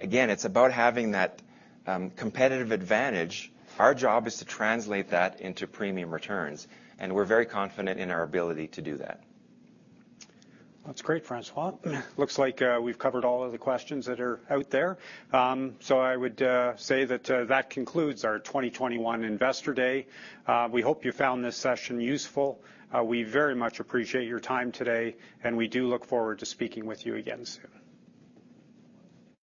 Again, it's about having that competitive advantage. Our job is to translate that into premium returns, and we're very confident in our ability to do that. That's great, François. Looks like we've covered all of the questions that are out there. I would say that concludes our 2021 Investor Day. We hope you found this session useful. We very much appreciate your time today, and we do look forward to speaking with you again soon.